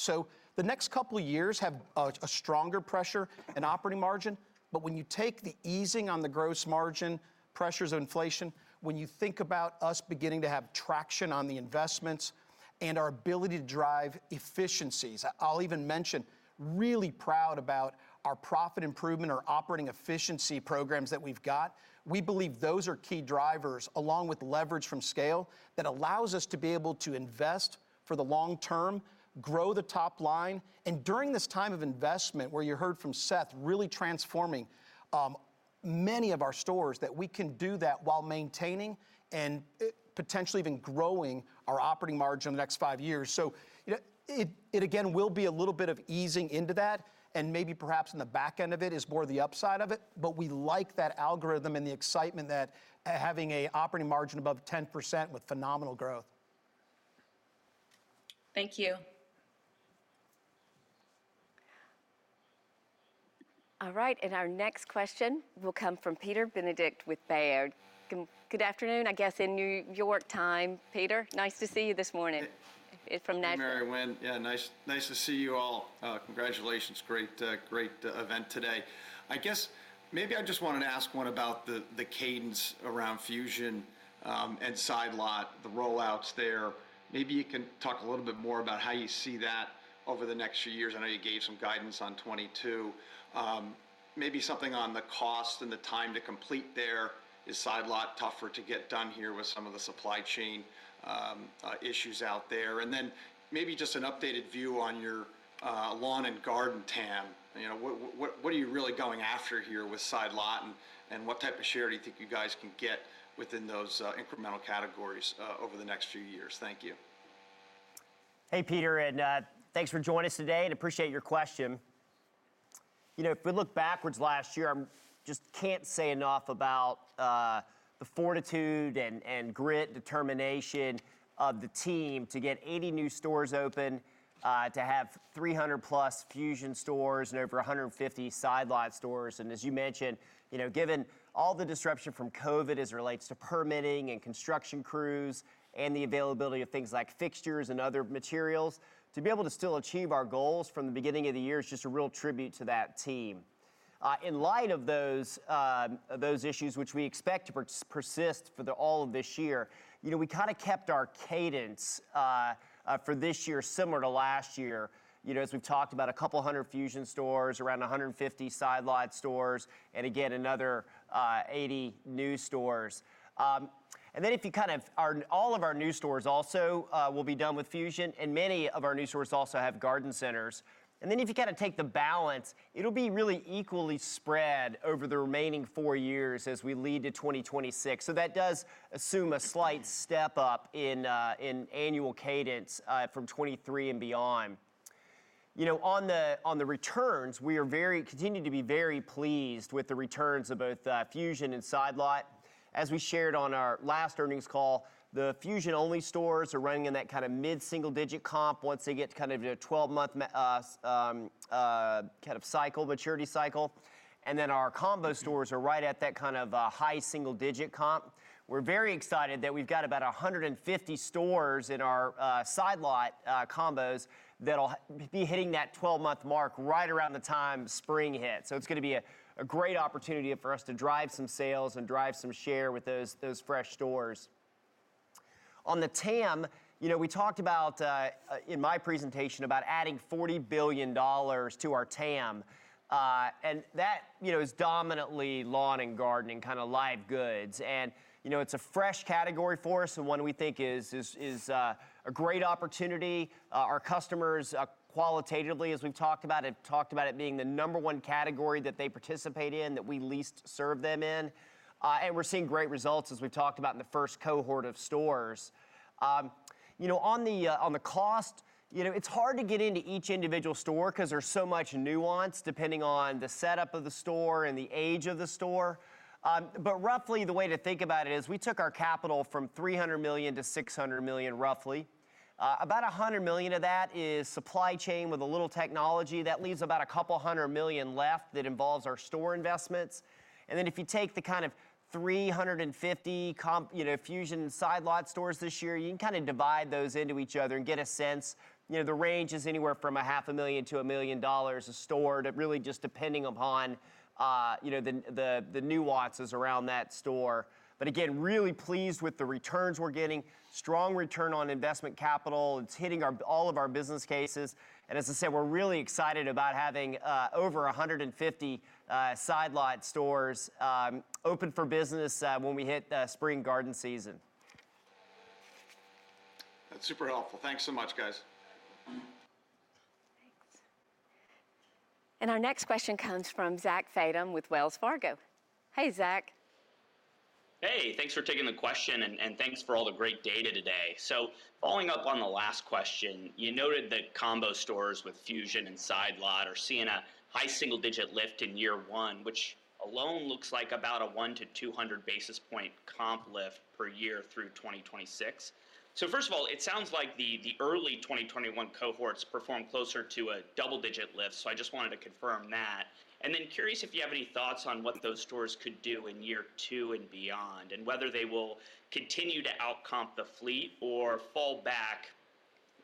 The next couple of years have a stronger pressure in operating margin, but when you take the easing on the gross margin, pressures of inflation, when you think about us beginning to have traction on the investments and our ability to drive efficiencies. I'll even mention, really proud about our profit improvement, our operating efficiency programs that we've got. We believe those are key drivers, along with leverage from scale, that allows us to be able to invest for the long term, grow the top line, and during this time of investment, where you heard from Seth, really transforming many of our stores, that we can do that while maintaining and potentially even growing our operating margin in the next five years. You know, it again will be a little bit of easing into that and maybe perhaps in the back end of it is more the upside of it, but we like that algorithm and the excitement that having an operating margin above 10% with phenomenal growth. Thank you. All right, our next question will come from Peter Benedict with Baird. Good afternoon, I guess, in New York time, Peter. Nice to see you this morning. It's from Nash- Hey, Mary Winn. Yeah, nice to see you all. Congratulations. Great event today. I guess maybe I just wanted to ask one about the cadence around Fusion and Side Lot, the rollouts there. Maybe you can talk a little bit more about how you see that over the next few years. I know you gave some guidance on 2022. Maybe something on the cost and the time to complete there. Is Side Lot tougher to get done here with some of the supply chain issues out there? Then maybe just an updated view on your lawn and garden TAM. You know, what are you really going after here with Side Lot, and what type of share do you think you guys can get within those incremental categories over the next few years? Thank you. Hey, Peter, thanks for joining us today and appreciate your question. You know, if we look backwards last year, I just can't say enough about the fortitude and grit, determination of the team to get 80 new stores open, to have 300+ Fusion stores and over 150 Side Lot stores. As you mentioned, you know, given all the disruption from COVID as it relates to permitting and construction crews and the availability of things like fixtures and other materials, to be able to still achieve our goals from the beginning of the year is just a real tribute to that team. In light of those issues which we expect to persist for all of this year, you know, we kinda kept our cadence for this year similar to last year. You know, as we've talked about a couple hundred Fusion stores, around 150 Side Lot stores, and again, another 80 new stores. All of our new stores also will be done with Fusion, and many of our new stores also have garden centers. If you kinda take the balance, it'll be really equally spread over the remaining four years as we lead to 2026. That does assume a slight step up in annual cadence from 2023 and beyond. You know, on the returns, we continue to be very pleased with the returns of both Fusion and Side Lot. As we shared on our last earnings call, the Fusion only stores are running in that kinda mid-single digit comp once they get to kind of your 12-month cycle, maturity cycle. Our combo stores are right at that kind of high single digit comp. We're very excited that we've got about 150 stores in our Side Lot combos that'll be hitting that 12-month mark right around the time spring hits. It's gonna be a great opportunity for us to drive some sales and drive some share with those fresh stores. On the TAM, you know, we talked about in my presentation about adding $40 billion to our TAM. And that, you know, is dominantly lawn and garden and kinda live goods. You know, it's a fresh category for us and one we think is a great opportunity. Our customers, qualitatively, as we've talked about it being the number one category that they participate in, that we least serve them in. We're seeing great results as we've talked about in the first cohort of stores. You know, on the cost, you know, it's hard to get into each individual store 'cause there's so much nuance depending on the setup of the store and the age of the store. But roughly the way to think about it is we took our capital from $300 million to $600 million roughly. About $100 million of that is supply chain with a little technology. That leaves about a couple hundred million left that involves our store investments. Then if you take the kind of 350 comp, you know, Fusion, Side Lot stores this year, you can kinda divide those into each other and get a sense. You know, the range is anywhere from half a million to $1 million a store. It really just depending upon, you know, the nuances around that store. Again, really pleased with the returns we're getting. Strong return on investment capital. It's hitting all of our business cases. As I said, we're really excited about having over 150 Side Lot stores open for business when we hit spring garden season. That's super helpful. Thanks so much, guys. Thanks. Our next question comes from Zach Fadem with Wells Fargo. Hey, Zach. Hey, thanks for taking the question, and thanks for all the great data today. Following up on the last question, you noted that combo stores with Fusion and Side Lot are seeing a high single-digit lift in year 1, which alone looks like about a 100-200 basis point comp lift per year through 2026. First of all, it sounds like the early 2021 cohorts performed closer to a double-digit lift, so I just wanted to confirm that. Curious if you have any thoughts on what those stores could do in year 2 and beyond, and whether they will continue to out-comp the fleet or fall back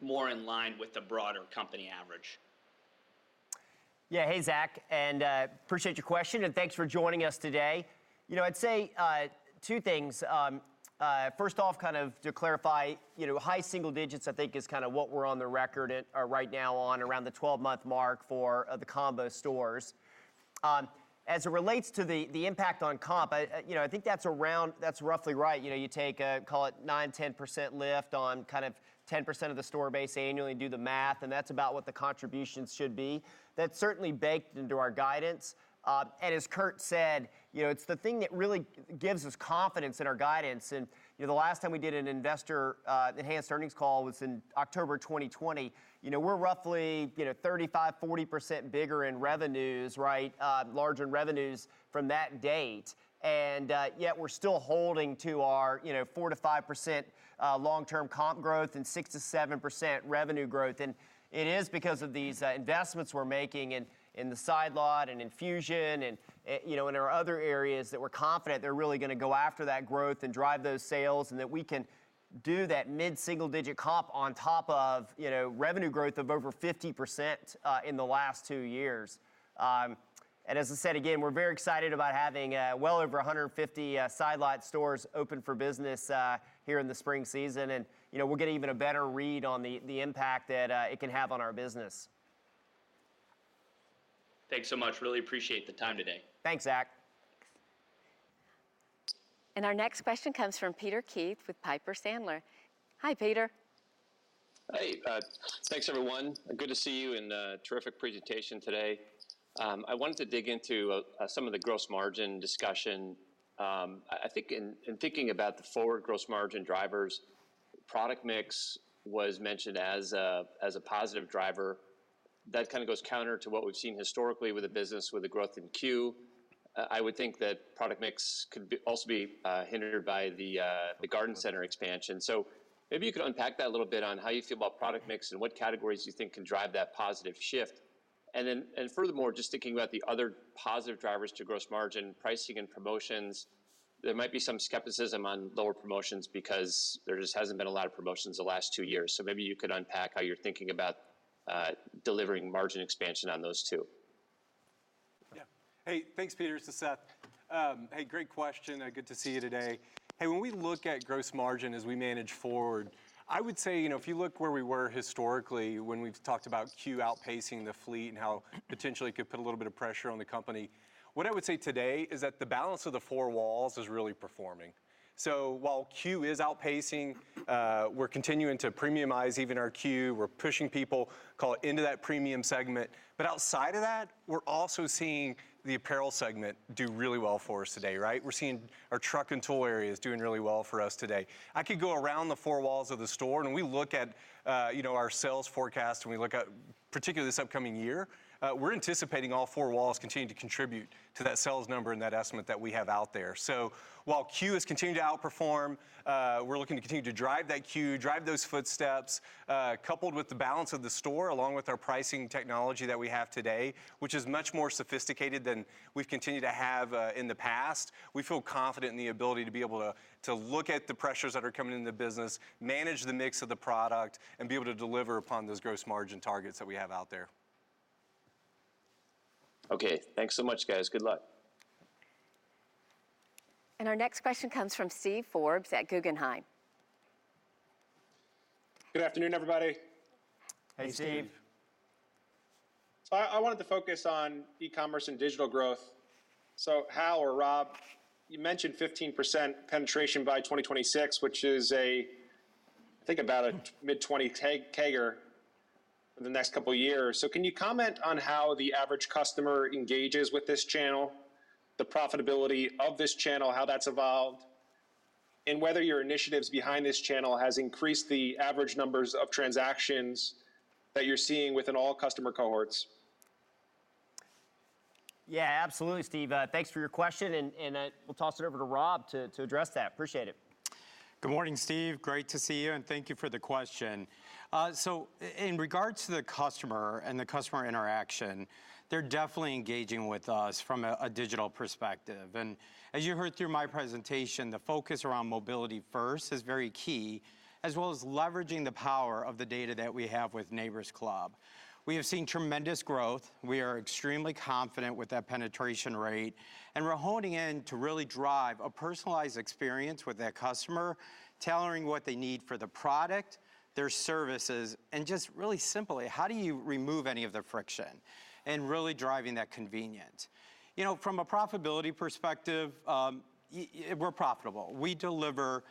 more in line with the broader company average. Yeah. Hey Zach, and appreciate your question, and thanks for joining us today. You know, I'd say two things. First off, kind of to clarify, you know, high single digits I think is kinda what we're on the record at right now on around the 12-month mark for the combo stores. As it relates to the impact on comp, you know, I think that's around that's roughly right. You know, you take a call it 9%-10% lift on kind of 10% of the store base annually and do the math, and that's about what the contributions should be. That's certainly baked into our guidance. And as Kurt said, you know, it's the thing that really gives us confidence in our guidance. You know, the last time we did an investor enhanced earnings call was in October 2020. You know, we're roughly 35-40% bigger in revenues, right? Larger in revenues from that date. Yet we're still holding to our 4%-5% long-term comp growth and 6%-7% revenue growth. It is because of these investments we're making in the Side Lot and Fusion and in our other areas that we're confident they're really gonna go after that growth and drive those sales, and that we can do that mid-single-digit comp on top of revenue growth of over 50% in the last two years. As I said again, we're very excited about having well over 150 Side Lot stores open for business here in the spring season. You know, we're getting even a better read on the impact that it can have on our business. Thanks so much. Really appreciate the time today. Thanks, Zach. Our next question comes from Peter Keith with Piper Sandler. Hi, Peter. Hey, thanks everyone. Good to see you and terrific presentation today. I wanted to dig into some of the gross margin discussion. I think in thinking about the forward gross margin drivers, product mix was mentioned as a positive driver. That kind of goes counter to what we've seen historically with the business with the growth in C.U.E. I would think that product mix could also be hindered by the garden center expansion. Maybe you could unpack that a little bit on how you feel about product mix and what categories you think can drive that positive shift. Furthermore, just thinking about the other positive drivers to gross margin, pricing and promotions, there might be some skepticism on lower promotions because there just hasn't been a lot of promotions the last two years. Maybe you could unpack how you're thinking about delivering margin expansion on those two. Yeah. Hey, thanks, Peter. This is Seth. Hey, great question and good to see you today. Hey, when we look at gross margin as we manage forward, I would say, you know, if you look where we were historically when we've talked about C.U.E. outpacing the fleet and how potentially it could put a little bit of pressure on the company, what I would say today is that the balance of the four walls is really performing. While C.U.E. is outpacing, we're continuing to premiumize even our C.U.E. We're pushing people, call it, into that premium segment. Outside of that, we're also seeing the apparel segment do really well for us today, right? We're seeing our truck and toy areas doing really well for us today. I could go around the four walls of the store, and when we look at our sales forecast, when we look at particularly this upcoming year, we're anticipating all four walls continuing to contribute to that sales number and that estimate that we have out there. While C.U.E. has continued to outperform, we're looking to continue to drive that C.U.E., drive those footsteps, coupled with the balance of the store, along with our pricing technology that we have today, which is much more sophisticated than we've continued to have in the past. We feel confident in the ability to be able to look at the pressures that are coming into the business, manage the mix of the product, and be able to deliver upon those gross margin targets that we have out there. Okay. Thanks so much, guys. Good luck. Our next question comes from Steve Forbes at Guggenheim. Good afternoon, everybody. Hey, Steve. Hey, Steve. I wanted to focus on e-commerce and digital growth. Hal or Rob, you mentioned 15% penetration by 2026, which is, I think, about a mid-twenties CAGR in the next couple years. Can you comment on how the average customer engages with this channel, the profitability of this channel, how that's evolved, and whether your initiatives behind this channel has increased the average numbers of transactions that you're seeing within all customer cohorts? Yeah, absolutely, Steve. Thanks for your question and we'll toss it over to Rob to address that. Appreciate it. Good morning, Steve. Great to see you, and thank you for the question. In regards to the customer and the customer interaction, they're definitely engaging with us from a digital perspective. As you heard through my presentation, the focus around mobility first is very key, as well as leveraging the power of the data that we have with Neighbor's Club. We have seen tremendous growth. We are extremely confident with that penetration rate, and we're honing in to really drive a personalized experience with that customer, tailoring what they need for the product, their services, and just really simply, how do you remove any of the friction in really driving that convenience? You know, from a profitability perspective, we're profitable. We deliver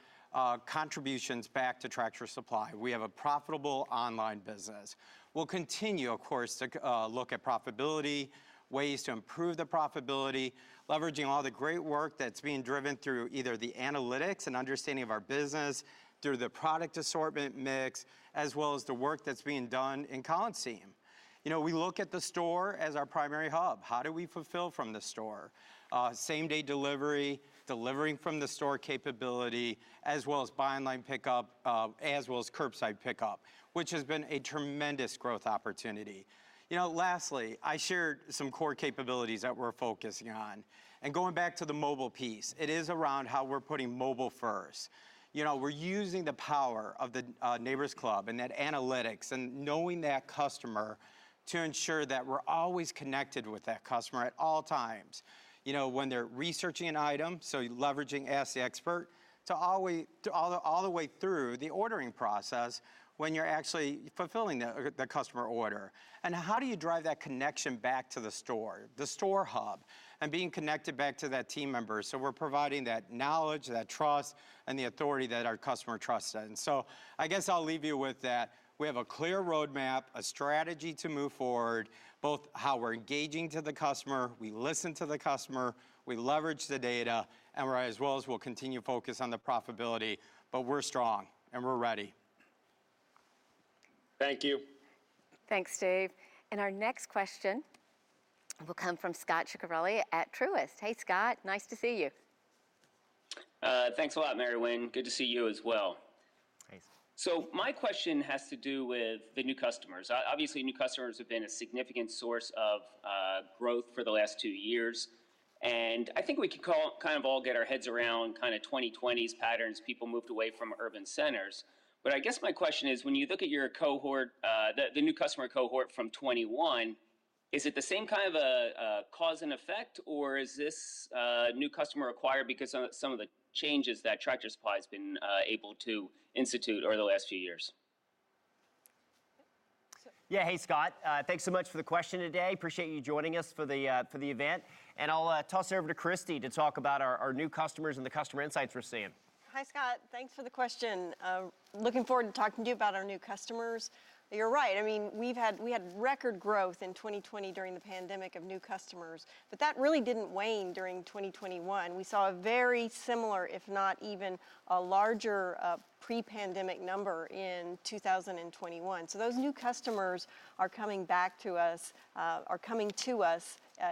contributions back to Tractor Supply. We have a profitable online business. We'll continue, of course, to look at profitability, ways to improve the profitability, leveraging all the great work that's being driven through either the analytics and understanding of our business through the product assortment mix, as well as the work that's being done in Coliseum. You know, we look at the store as our primary hub. How do we fulfill from the store? Same-day delivery, delivering from the store capability, as well as buy online/pickup, as well as curbside pickup, which has been a tremendous growth opportunity. You know, lastly, I shared some core capabilities that we're focusing on. Going back to the mobile piece, it is around how we're putting mobile first. You know, we're using the power of the Neighbor's Club and that analytics and knowing that customer to ensure that we're always connected with that customer at all times. You know, when they're researching an item, leveraging Ask the Expert, to all the way through the ordering process when you're actually fulfilling the customer order. How do you drive that connection back to the store, the store hub, and being connected back to that team member? We're providing that knowledge, that trust, and the authority that our customer trusts in. I guess I'll leave you with that. We have a clear roadmap, a strategy to move forward, both how we're engaging to the customer, we listen to the customer, we leverage the data, and we'll continue to focus on the profitability. We're strong and we're ready. Thank you. Thanks, Steve. Our next question will come from Scot Ciccarelli at Truist. Hey, Scot, nice to see you. Thanks a lot, Mary Winn. Good to see you as well. Thanks. My question has to do with the new customers. Obviously, new customers have been a significant source of growth for the last two years, and I think we can kind of all get our heads around kind of 2020s patterns, people moved away from urban centers. I guess my question is, when you look at your cohort, the new customer cohort from 2021, is it the same kind of a cause and effect, or is this new customer acquired because of some of the changes that Tractor Supply has been able to institute over the last few years? Yeah. Hey, Scot. Thanks so much for the question today. Appreciate you joining us for the event. I'll toss it over to Christi to talk about our new customers and the customer insights we're seeing. Hi, Scot. Thanks for the question. Looking forward to talking to you about our new customers. You're right. I mean, we've had record growth in 2020 during the pandemic of new customers, but that really didn't wane during 2021. We saw a very similar, if not even a larger, pre-pandemic number in 2021. Those new customers are coming to us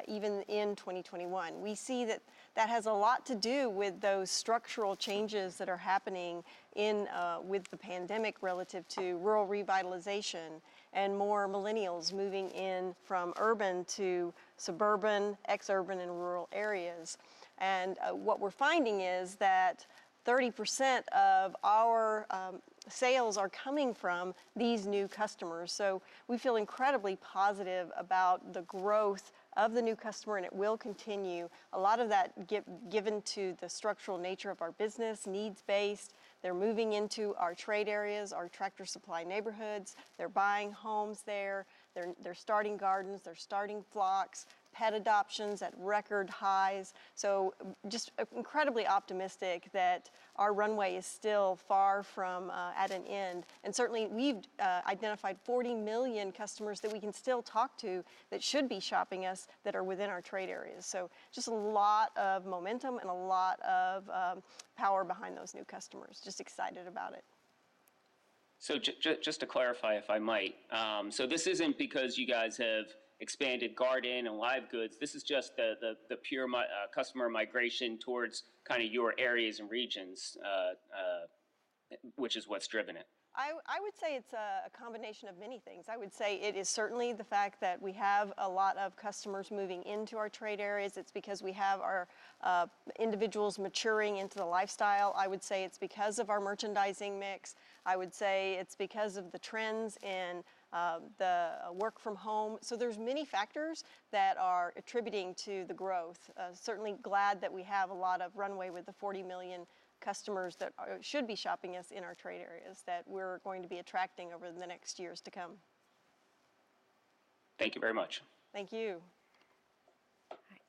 even in 2021. We see that has a lot to do with those structural changes that are happening with the pandemic relative to rural revitalization and more millennials moving in from urban to suburban, ex-urban and rural areas. What we're finding is that 30% of our sales are coming from these new customers. We feel incredibly positive about the growth of the new customer, and it will continue. A lot of that given to the structural nature of our business, needs based. They're moving into our trade areas, our Tractor Supply neighborhoods. They're starting gardens. They're starting flocks. Pet adoptions at record highs. We're just incredibly optimistic that our runway is still far from at an end. Certainly, we've identified 40 million customers that we can still talk to that should be shopping us that are within our trade areas. Just a lot of momentum and a lot of power behind those new customers. We're just excited about it. Just to clarify, if I might. This isn't because you guys have expanded garden and live goods. This is just the pure customer migration towards kinda your areas and regions, which is what's driven it. I would say it's a combination of many things. I would say it is certainly the fact that we have a lot of customers moving into our trade areas. It's because we have our individuals maturing into the lifestyle. I would say it's because of our merchandising mix. I would say it's because of the trends in the work from home. There's many factors that are attributing to the growth. Certainly, glad that we have a lot of runways with the 40 million customers that should be shopping us in our trade areas that we're going to be attracting over the next years to come. Thank you very much. Thank you. All right.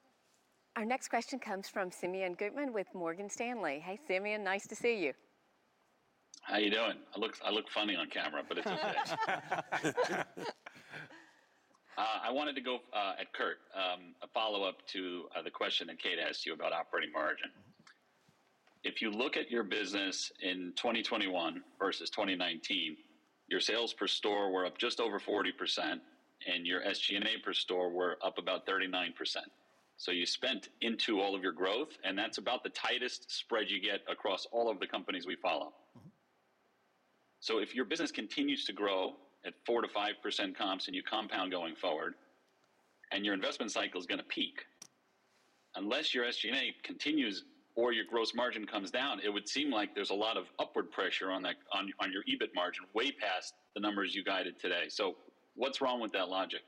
Our next question comes from Simeon Gutman with Morgan Stanley. Hey, Simeon, nice to see you. How you doing? I look funny on camera, but it's okay. I wanted to go at Kurt, a follow-up to the question that Kate asked you about operating margin. If you look at your business in 2021 versus 2019, your sales per store were up just over 40% and your SG&A per store were up about 39%. You spent into all of your growth, and that's about the tightest spread you get across all of the companies we follow. Mm-hmm. If your business continues to grow at 4%-5% comps and you compound going forward, and your investment cycle is gonna peak, unless your SG&A continues or your gross margin comes down, it would seem like there's a lot of upward pressure on that, on your EBIT margin way past the numbers you guided today. What's wrong with that logic?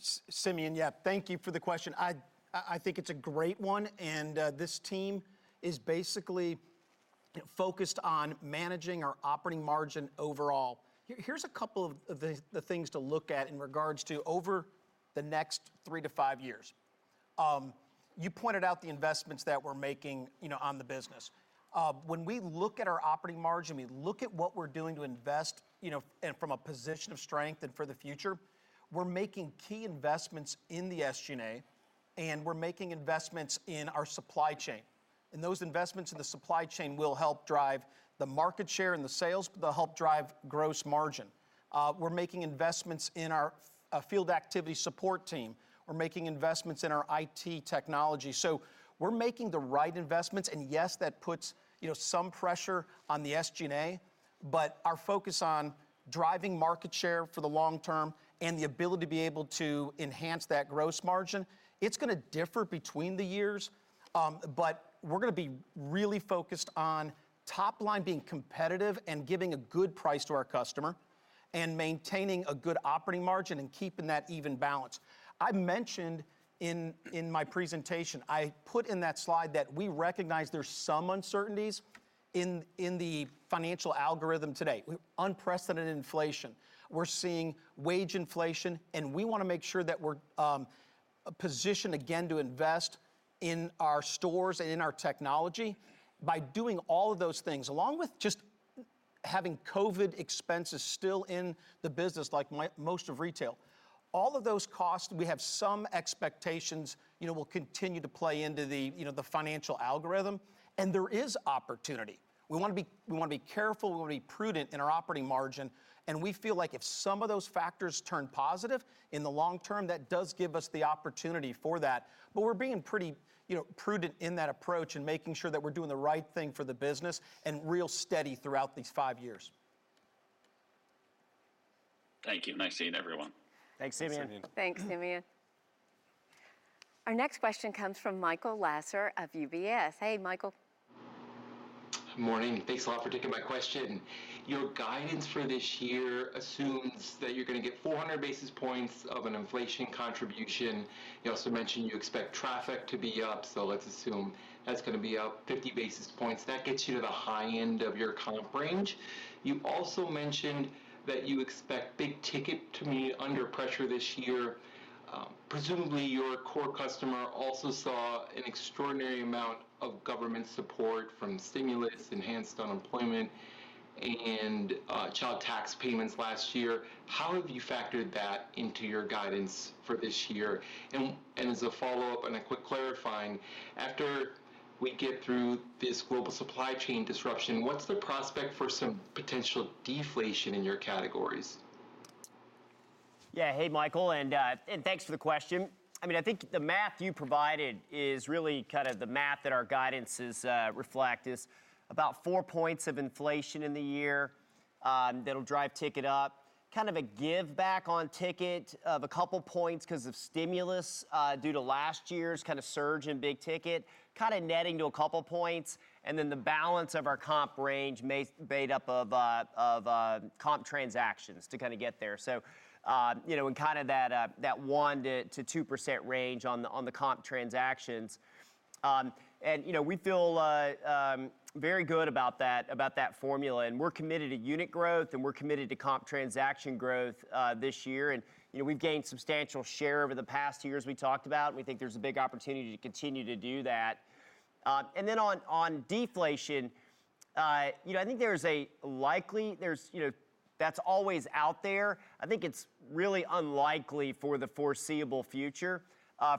Simeon, yeah. Thank you for the question. I think it's a great one, and this team is basically focused on managing our operating margin overall. Here's a couple of the things to look at in regard to over the next three to five years. You pointed out the investments that we're making, you know, on the business. When we look at our operating margin, we look at what we're doing to invest, you know, and from a position of strength and for the future, we're making key investments in the SG&A, and we're making investments in our supply chain. Those investments in the supply chain will help drive the market share and the sales, but they'll help drive gross margin. We're making investments in our field activity support team. We're making investments in our IT technology. We're making the right investments. Yes, that puts, you know, some pressure on the SG&A, but our focus on driving market share for the long term and the ability to be able to enhance that gross margin, it's gonna differ between the years, but we're gonna be really focused on top line being competitive and giving a good price to our customer and maintaining a good operating margin and keeping that even balance. I mentioned in my presentation, I put in that slide that we recognize there's some uncertainties in the financial algorithm today. Unprecedented inflation. We're seeing wage inflation, and we wanna make sure that we're positioned again to invest in our stores and in our technology by doing all of those things, along with just having COVID expenses still in the business like most of retail. All of those costs, we have some expectations, you know, will continue to play into the, you know, the financial algorithm, and there is opportunity. We wanna be careful, we wanna be prudent in our operating margin, and we feel like if some of those factors turn positive in the long term, that does give us the opportunity for that. We're being pretty, you know, prudent in that approach and making sure that we're doing the right thing for the business and really steady throughout these five years. Thank you. Nice seeing everyone. Thanks, Simeon. Thanks, Simeon. Our next question comes from Michael Lasser of UBS. Hey, Michael. Good morning. Thanks a lot for taking my question. Your guidance for this year assumes that you're gonna get 400 basis points of an inflation contribution. You also mentioned you expect traffic to be up, so let's assume that's gonna be up 50 basis points. That gets you to the high end of your comp range. You also mentioned that you expect big ticket to be under pressure this year. Presumably your core customer also saw an extraordinary amount of government support from stimulus, enhanced unemployment, and child tax payments last year. How have you factored that into your guidance for this year? As a follow-up and a quick clarifying, after we get through this global supply chain disruption, what's the prospect for some potential deflation in your categories? Yeah. Hey, Michael, and thanks for the question. I mean, I think the math you provided is really kind of the math that our guidance is about four points of inflation in the year, that'll drive ticket up, kind of a give back on ticket of a couple points 'cause of stimulus, due to last year's kind of surge in big ticket, kinda netting to a couple points, and then the balance of our comp range made up of comp transactions to kinda get there. You know, and kinda that 1%-2% range on the comp transactions. And you know, we feel very good about that, about that formula, and we're committed to unit growth, and we're committed to comp transaction growth this year. You know, we've gained substantial share over the past two years we talked about, and we think there's a big opportunity to continue to do that. On deflation, you know, I think that's always out there. I think it's really unlikely for the foreseeable future,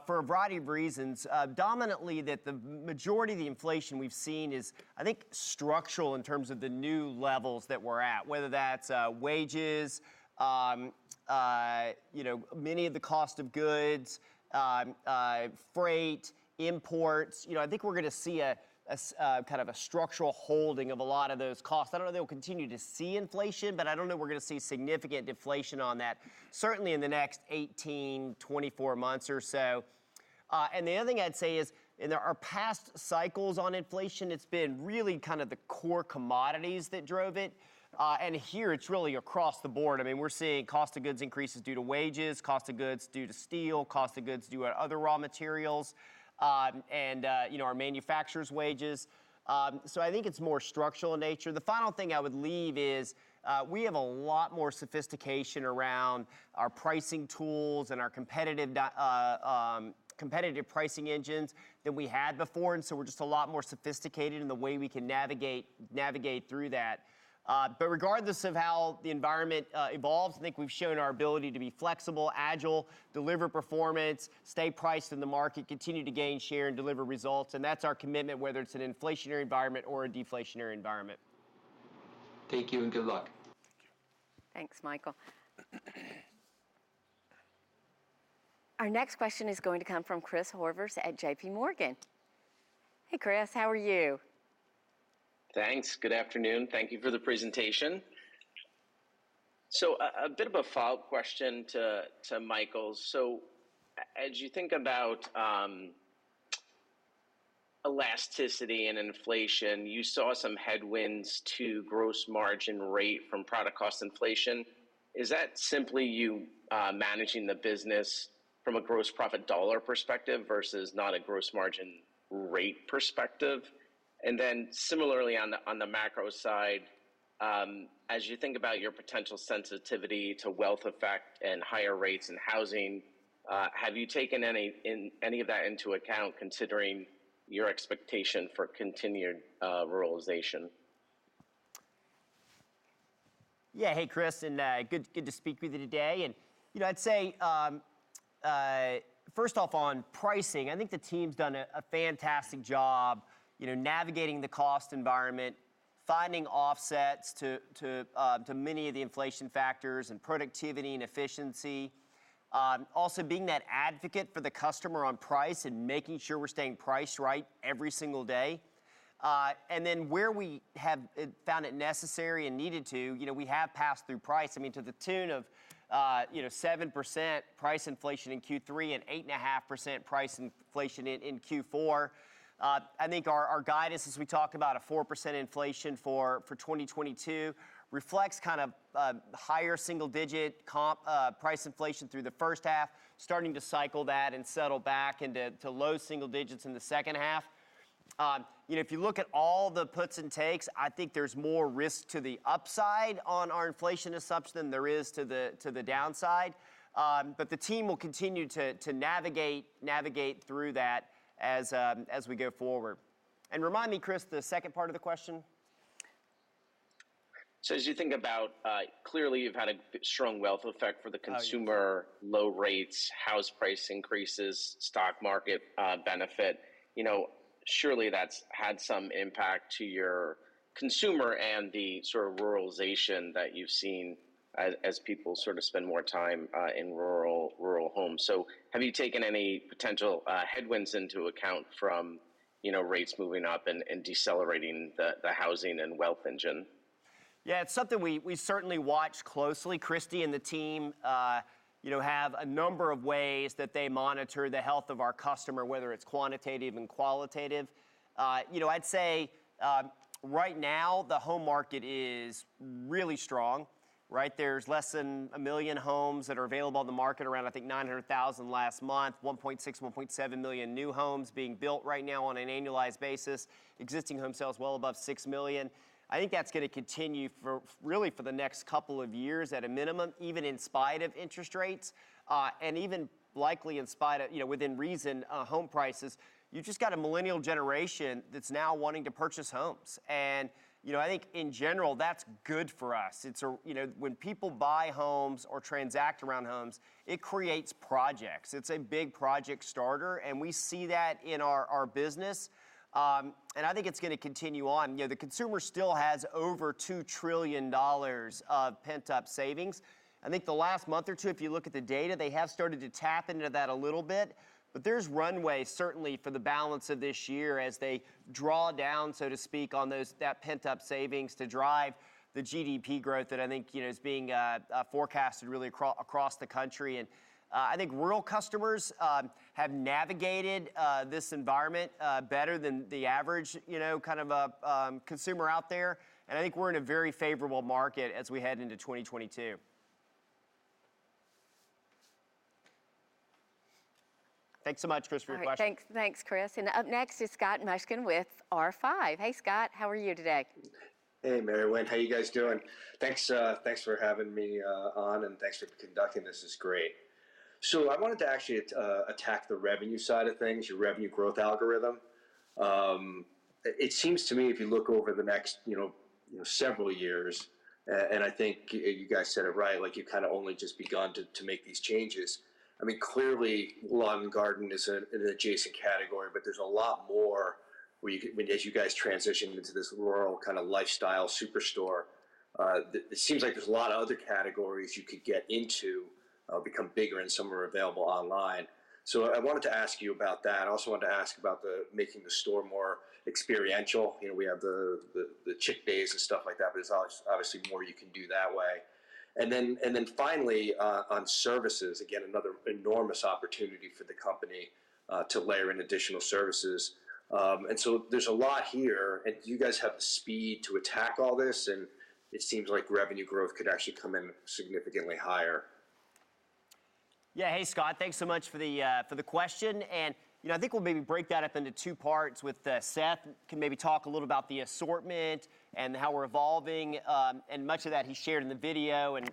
for a variety of reasons. Predominantly that the majority of the inflation we've seen is, I think, structural in terms of the new levels that we're at, whether that's wages, you know, many of the cost of goods, freight, imports. You know, I think we're gonna see a kind of a structural holding of a lot of those costs. I don't know that we'll continue to see inflation, but I don't know we're gonna see significant deflation on that, certainly in the next 18, 24 months or so. The other thing I'd say is in our past cycles on inflation, it's been really kind of the core commodities that drove it. Here it's really across the board. I mean, we're seeing cost of goods increases due to wages, cost of goods due to steel, cost of goods due to other raw materials, and, you know, our manufacturers' wages. So, I think it's more structural in nature. The final thing I would leave is we have a lot more sophistication around our pricing tools and our competitive pricing engines than we had before. We're just a lot more sophisticated in the way we can navigate through that. Regardless of how the environment evolves, I think we've shown our ability to be flexible, agile, deliver performance, stay priced in the market, continue to gain share, and deliver results, and that's our commitment, whether it's an inflationary environment or a deflationary environment. Thank you, and good luck. Thanks, Michael. Our next question is going to come from Chris Horvers at J.P. Morgan. Hey, Chris. How are you? Thanks. Good afternoon. Thank you for the presentation. A bit of a follow-up question to Michael's. As you think about elasticity and inflation, you saw some headwinds to gross margin rate from product cost inflation. Is that simply you managing the business from a gross profit dollar perspective versus not a gross margin rate perspective? Similarly on the macro side, as you think about your potential sensitivity to wealth effect and higher rates in housing, have you taken any of that into account considering your expectation for continued ruralization? Hey, Chris, good to speak with you today. You know, I'd say first off on pricing, I think the team's done a fantastic job, you know, navigating the cost environment, finding offsets to many of the inflation factors and productivity and efficiency, also being that advocate for the customer on price and making sure we're staying priced right every single day. Where we have found it necessary and needed to, you know, we have passed through price, I mean, to the tune of, you know, 7% price inflation in Q3 and 8.5% price inflation in Q4. I think our guidance as we talk about a 4% inflation for 2022 reflects kind of higher single-digit comp price inflation through the first half, starting to cycle that and settle back into low single digits in the second half. You know, if you look at all the puts and takes, I think there's more risk to the upside on our inflation assumption than there is to the downside. The team will continue to navigate through that as we go forward. Remind me, Chris, the second part of the question? As you think about, clearly, you've had a strong wealth effect for the consumer. Oh, yeah. Low rates, house price increases, stock market benefit. You know, surely that's had some impact to your consumer and the sort of ruralization that you've seen as people sort of spend more time in rural homes. So, have you taken any potential headwinds into account from, you know, rates moving up and decelerating the housing and wealth engine? Yeah. It's something we certainly watch closely. Christi and the team, you know, have a number of ways that they monitor the health of our customer, whether it's quantitative and qualitative. You know, I'd say right now, the home market is really strong, right? There's less than a million homes that are available on the market, around I think 900,000 last month, 1.6 million, 1.7 million new homes being built right now on an annualized basis. Existing home sales well above 6 million. I think that's gonna continue for really for the next couple of years at a minimum, even in spite of interest rates, and even likely in spite of, you know, within reason, home prices. You've just got a millennial generation that's now wanting to purchase homes. You know, I think in general, that's good for us. You know, when people buy homes or transact around homes, it creates projects. It's a big project starter, and we see that in our business. I think it's gonna continue on. You know, the consumer still has over $2 trillion of pent-up savings. I think the last month or two, if you look at the data, they have started to tap into that a little bit, but there's runway certainly for the balance of this year as they draw down, so to speak, on that pent-up savings to drive the GDP growth that I think, you know, is being forecasted really across the country. I think rural customers have navigated this environment better than the average, you know, kind of consumer out there, and I think we're in a very favorable market as we head into 2022. Thanks so much, Chris, for your question. All right. Thanks. Thanks, Chris. Up next is Scott Mushkin with R5. Hey, Scott. How are you today? Hey, Mary Winn. How you guys doing? Thanks for having me on and thanks for conducting. This is great. I wanted to actually attack the revenue side of things, your revenue growth algorithm. It seems to me, if you look over the next, you know, several years, and I think you guys said it right, like, you've kind of only just begun to make these changes. I mean, clearly, lawn and garden is an adjacent category, but there's a lot more as you guys transition into this rural kind of lifestyle superstore. It seems like there's a lot of other categories you could get into, become bigger, and some are available online. I wanted to ask you about that. I also wanted to ask about making the store more experiential. You know, we have the Chick Days and stuff like that, but there's obviously more you can do that way. Finally, on services, again, another enormous opportunity for the company to layer in additional services. There's a lot here. Do you guys have the speed to attack all this? It seems like revenue growth could actually come in significantly higher. Hey, Scott. Thanks so much for the question. You know, I think we'll maybe break that up into two parts with Seth can maybe talk a little about the assortment and how we're evolving. Much of that he shared in the video and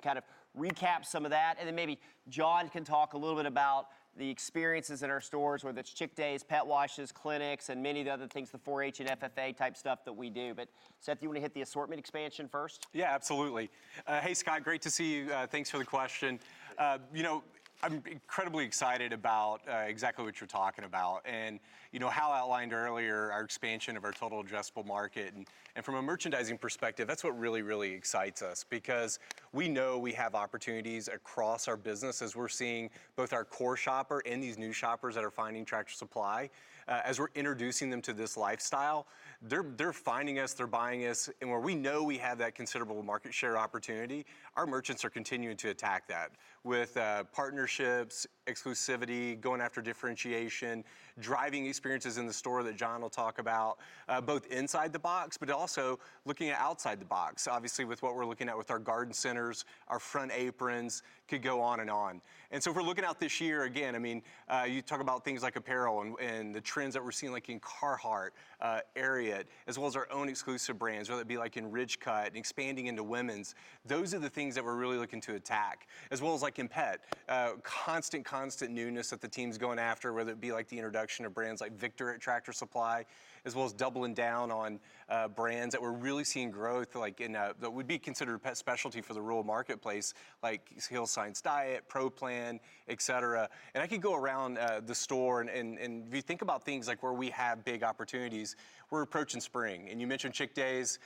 kind of recap some of that. Then maybe John can talk a little bit about the experiences in our stores, whether it's Chick Days, pet washes, clinics, and many of the other things, the 4-H and FFA type stuff that we do. Seth, you wanna hit the assortment expansion first? Yeah, absolutely. Hey, Scott. Great to see you. Thanks for the question. You know, I'm incredibly excited about exactly what you're talking about. You know, how I outlined earlier our expansion of our total addressable market. From a merchandising perspective, that's what really, really excites us because we know we have opportunities across our business as we're seeing both our core shopper and these new shoppers that are finding Tractor Supply. As we're introducing them to this lifestyle, they're finding us, they're buying us. Where we know we have that considerable market share opportunity, our merchants are continuing to attack that with partnerships, exclusivity, going after differentiation, driving experiences in the store that John will talk about, both inside the box, but also looking outside the box. Obviously, with what we're looking at with our garden centers, our front aprons, could go on and on. If we're looking out this year, again, I mean, you talk about things like apparel and the trends that we're seeing like in Carhartt, Ariat, as well as our own exclusive brands, whether it be like in Ridgecut and expanding into women's. Those are the things that we're really looking to attack. As well as like in pet. Constant newness that the team's going after, whether it be like the introduction of brands like VICTOR at Tractor Supply, as well as doubling down on brands that we're really seeing growth, like in that would be considered pet specialty for the rural marketplace, like Hill's Science Diet, Pro Plan, et cetera. I could go around the store and if you think about things like where we have big opportunities, we're approaching spring. You mentioned Chick Days.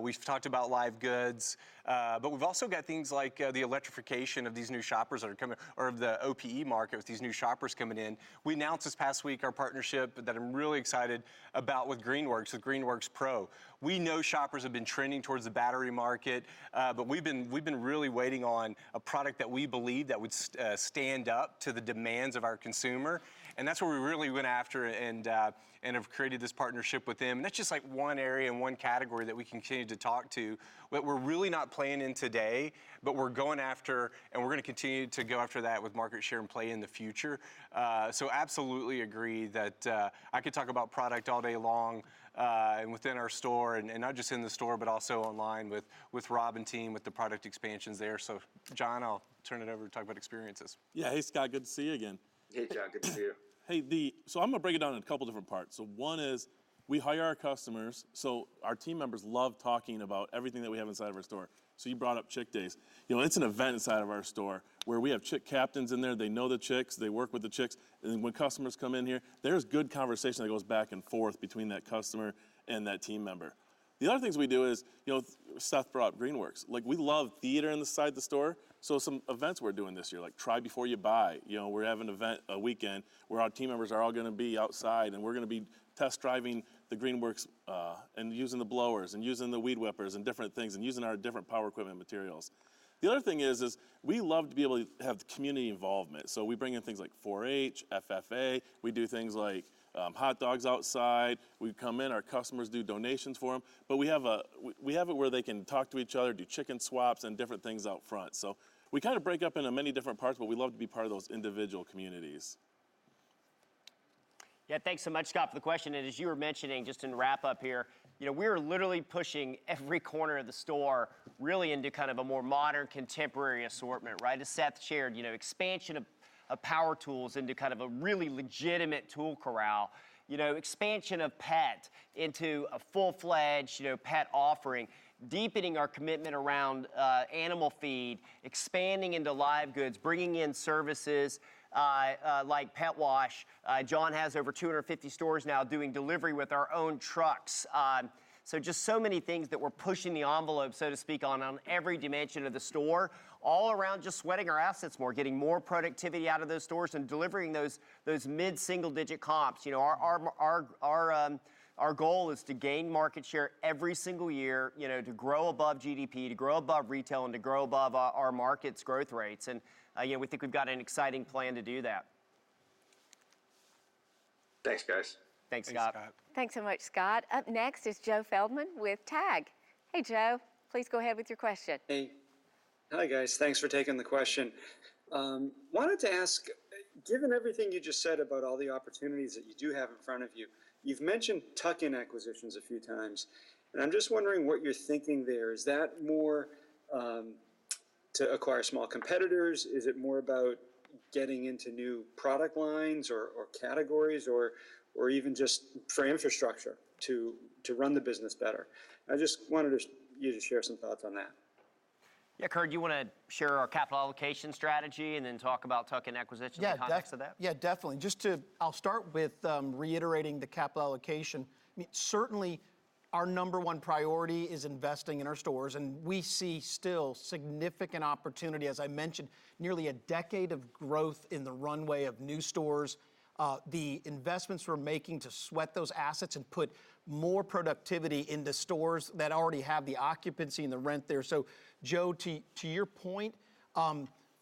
We've talked about live goods. But we've also got things like the electrification of these new shoppers that are coming, or of the OPE market with these new shoppers coming in. We announced this past week our partnership that I'm really excited about with Greenworks, with Greenworks Pro. We know shoppers have been trending towards the battery market, but we've been really waiting on a product that we believe would stand up to the demands of our consumer. That's where we really went after and We have created this partnership with them. That's just like one area and one category that we continue to talk to. What we're really not playing in today, but we're going after, and we're gonna continue to go after that with market share and play in the future. Absolutely agree that I could talk about product all day long, and within our store, and not just in the store, but also online with Rob and team with the product expansions there. John, I'll turn it over to talk about experiences. Yeah. Hey, Scot. Good to see you again. Hey, John. Good to see you. I'm gonna break it down in a couple different parts. One is we hire our customers, so our team members love talking about everything that we have inside of our store. You brought up Chick Days. You know, it's an event inside of our store where we have chick captains in there. They know the chicks. They work with the chicks. When customers come in here, there's good conversation that goes back and forth between that customer and that team member. The other things we do is, you know, Seth brought Greenworks. Like, we love Theatro inside the store, so some events we're doing this year, like try before you buy. You know, we're having an event, a weekend, where our team members are all gonna be outside, and we're gonna be test driving the Greenworks and using the blowers and using the weed whippers and different things and using our different power equipment materials. The other thing is we love to be able to have community involvement, so we bring in things like 4-H, FFA. We do things like hot dogs outside. We come in, our customers do donations for them. But we have it where they can talk to each other, do chicken swaps, and different things out front. So, we kind of break up into many different parts, but we love to be part of those individual communities. Yeah, thanks so much, Scott, for the question. As you were mentioning, just in wrap up here, you know, we're literally pushing every corner of the store really into kind of a more modern, contemporary assortment, right? As Seth shared, you know, expansion of power tools into kind of a really legitimate tool corral. You know, expansion of pet into a full-fledged, you know, pet offering. Deepening our commitment around animal feed. Expanding into live goods. Bringing in services like pet wash. John has over 250 stores now doing delivery with our own trucks. So, just so many things that we're pushing the envelope, so to speak, on every dimension of the store. All around just sweating our assets more, getting more productivity out of those stores, and delivering those mid-single-digit comps. You know, our goal is to gain market share every single year, you know, to grow above GDP, to grow above retail, and to grow above our market's growth rates. You know, we think we've got an exciting plan to do that. Thanks, guys. Thanks, Scott. Thanks, Scott. Thanks so much, Scott. Up next is Joe Feldman with Tag. Hey, Joe. Please go ahead with your question. Hey. Hi, guys. Thanks for taking the question. Wanted to ask, given everything you just said about all the opportunities that you do have in front of you've mentioned tuck-in acquisitions a few times, and I'm just wondering what you're thinking there. Is that more to acquire small competitors? Is it more about getting into new product lines or categories or even just for infrastructure to run the business better? I just wanted you to share some thoughts on that. Yeah. Kurt, you wanna share our capital allocation strategy and then talk about tuck-in acquisitions in the context of that? Definitely. I'll start with reiterating the capital allocation. I mean, certainly, our number one priority is investing in our stores, and we see still significant opportunity. As I mentioned, nearly a decade of growth in the runway of new stores. The investments we're making to sweat those assets and put more productivity in the stores that already have the occupancy and the rent there. Joe, to your point,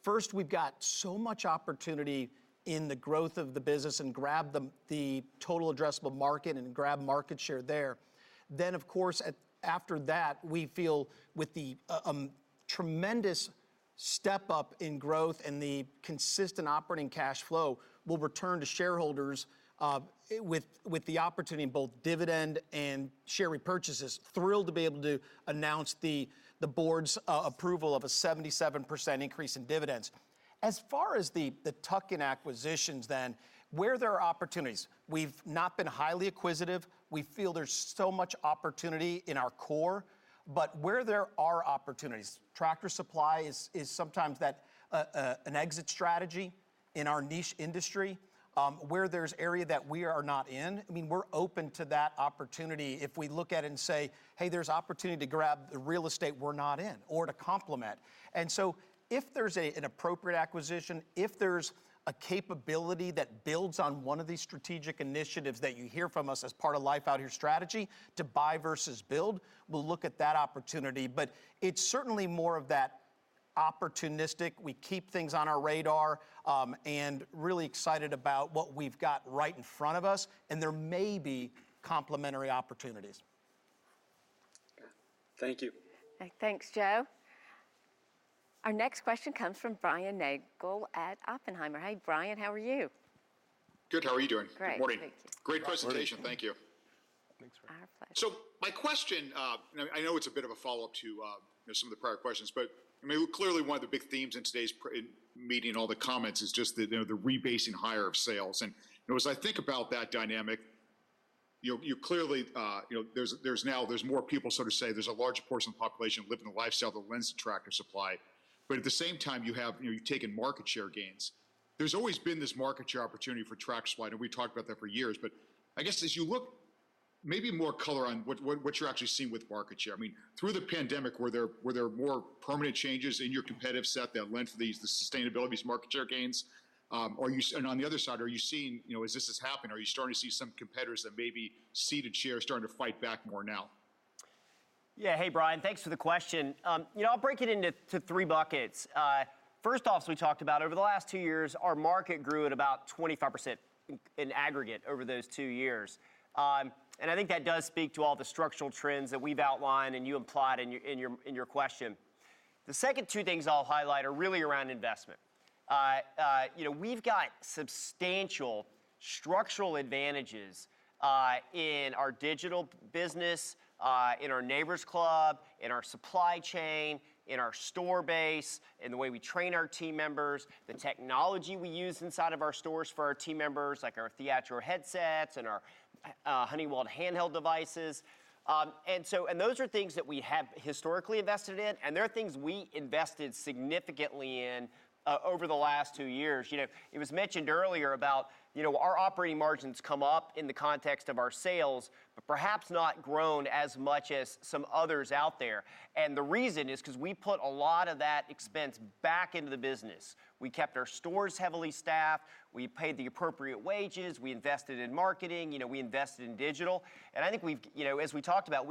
first, we've got so much opportunity in the growth of the business and grab the total addressable market and grab market share there. Of course, after that, we feel with the tremendous step up in growth and the consistent operating cash flow, we'll return to shareholders with the opportunity in both dividend and share repurchases. Thrilled to be able to announce the board's approval of a 77% increase in dividends. As far as the tuck-in acquisitions then, where there are opportunities, we've not been highly acquisitive. We feel there's so much opportunity in our core. Where there are opportunities, Tractor Supply is sometimes that an exit strategy in our niche industry, where there's area that we are not in. I mean, we're open to that opportunity if we look at it and say, "Hey, there's opportunity to grab real estate we're not in or to complement." If there's an appropriate acquisition, if there's a capability that builds on one of these strategic initiatives that you hear from us as part of Life Out Here strategy to buy versus build, we'll look at that opportunity. It's certainly more of that opportunistic. We keep things on our radar, and really excited about what we've got right in front of us, and there may be complementary opportunities. Thank you. Thanks, Joe. Our next question comes from Brian Nagel at Oppenheimer. Hey, Brian. How are you? Good. How are you doing? Great. Good morning. Thank you. Great presentation. Thank you. Thanks, Brian. Our pleasure. My question, and I know it's a bit of a follow-up to, you know, some of the prior questions. But I mean, clearly one of the big themes in today's presentation meeting and all the comments is just the, you know, the rebasing higher of sales. And, you know, as I think about that dynamic, you clearly, you know, there's now more people so to say there's a large portion of the population living the lifestyle that lends to Tractor Supply. But at the same time, you have, you know, you've taken market share gains. There's always been this market share opportunity for Tractor Supply, and we talked about that for years. But I guess as you look maybe more color on what you're actually seeing with market share. I mean, through the pandemic, were there more permanent changes in your competitive set that lent to the sustainability of these market share gains? Are you and on the other side, are you seeing, you know, as this has happened, are you starting to see some competitors that maybe ceded share starting to fight back more now? Yeah. Hey, Brian. Thanks for the question. You know, I'll break it into three buckets. First off, as we talked about, over the last two years, our market grew at about 25% in aggregate over those two years. I think that does speak to all the structural trends that we've outlined, and you implied in your question. The second two things I'll highlight are really around investment. You know, we've got substantial structural advantages in our digital business, in our Neighbor's Club, in our supply chain, in our store base, in the way we train our team members, the technology we use inside of our stores for our team members, like our Theatro headsets and our Honeywell handheld devices. Those are things that we have historically invested in, and they're things we invested significantly in over the last two years. You know, it was mentioned earlier about, you know, our operating margins come up in the context of our sales, but perhaps not grown as much as some others out there. The reason is because we put a lot of that expense back into the business. We kept our stores heavily staffed, we paid the appropriate wages, we invested in marketing, you know, we invested in digital. I think, you know, as we talked about,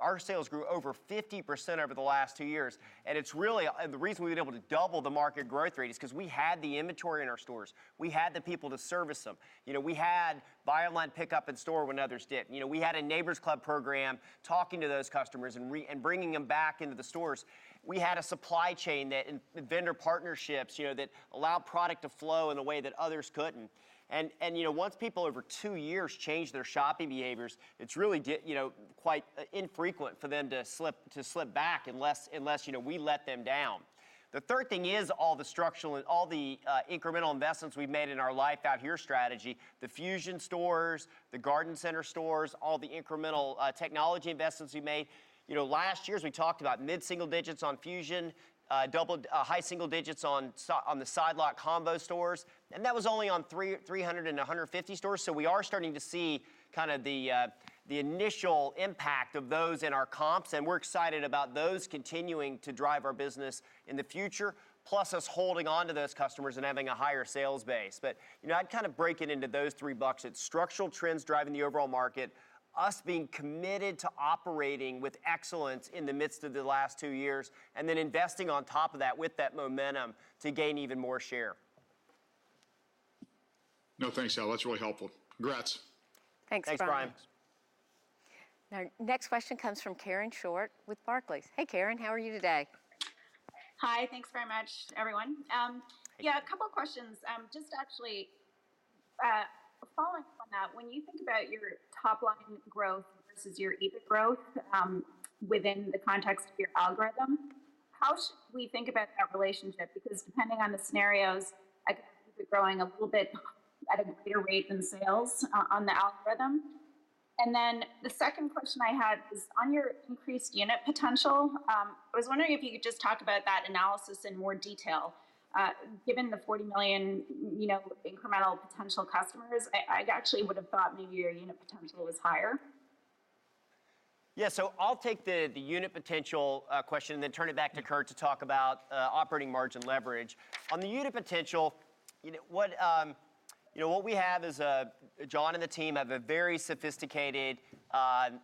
our sales grew over 50% over the last two years. It's really the reason we've been able to double the market growth rate is because we had the inventory in our stores. We had the people to service them. You know, we had buy online pickup in store when others didn't. You know, we had a Neighbor's Club program talking to those customers and bringing them back into the stores. We had a supply chain and vendor partnerships, you know, that allow product to flow in a way that others couldn't. You know, once people over two years change their shopping behaviors, it's really you know, quite infrequent for them to slip back unless you know, we let them down. The third thing is all the structural and all the incremental investments we've made in our Life Out Here strategy, the Fusion stores, the Garden Center stores, all the incremental technology investments we made. You know, last year, as we talked about, mid-single-digit% on Fusion, doubled high single-digit% on the Side Lot combo stores. That was only on 300 and 150 stores. We are starting to see kind of the initial impact of those in our comps, and we're excited about those continuing to drive our business in the future, plus us holding on to those customers and having a higher sales base. You know, I'd kind of break it into those three buckets, structural trends driving the overall market, us being committed to operating with excellence in the midst of the last two years and then investing on top of that with that momentum to gain even more share. No, thanks, Hal. That's really helpful. Congrats. Thanks, Brian. Thanks, Brian. Now, next question comes from Karen Short with Barclays. Hey, Karen, how are you today? Hi. Thanks very much, everyone. A couple of questions. Just actually, following from that, when you think about your top-line growth versus your EBIT growth, within the context of your algorithm, how should we think about that relationship? Because depending on the scenarios, I think it could be growing a little bit at a greater rate than sales on the algorithm. Then the second question I had is on your increased unit potential. I was wondering if you could just talk about that analysis in more detail, given the 40 million, you know, incremental potential customers. I actually would have thought maybe your unit potential was higher. I'll take the unit potential question and then turn it back to Kurt to talk about operating margin leverage. On the unit potential, we have John and the team have a very sophisticated kind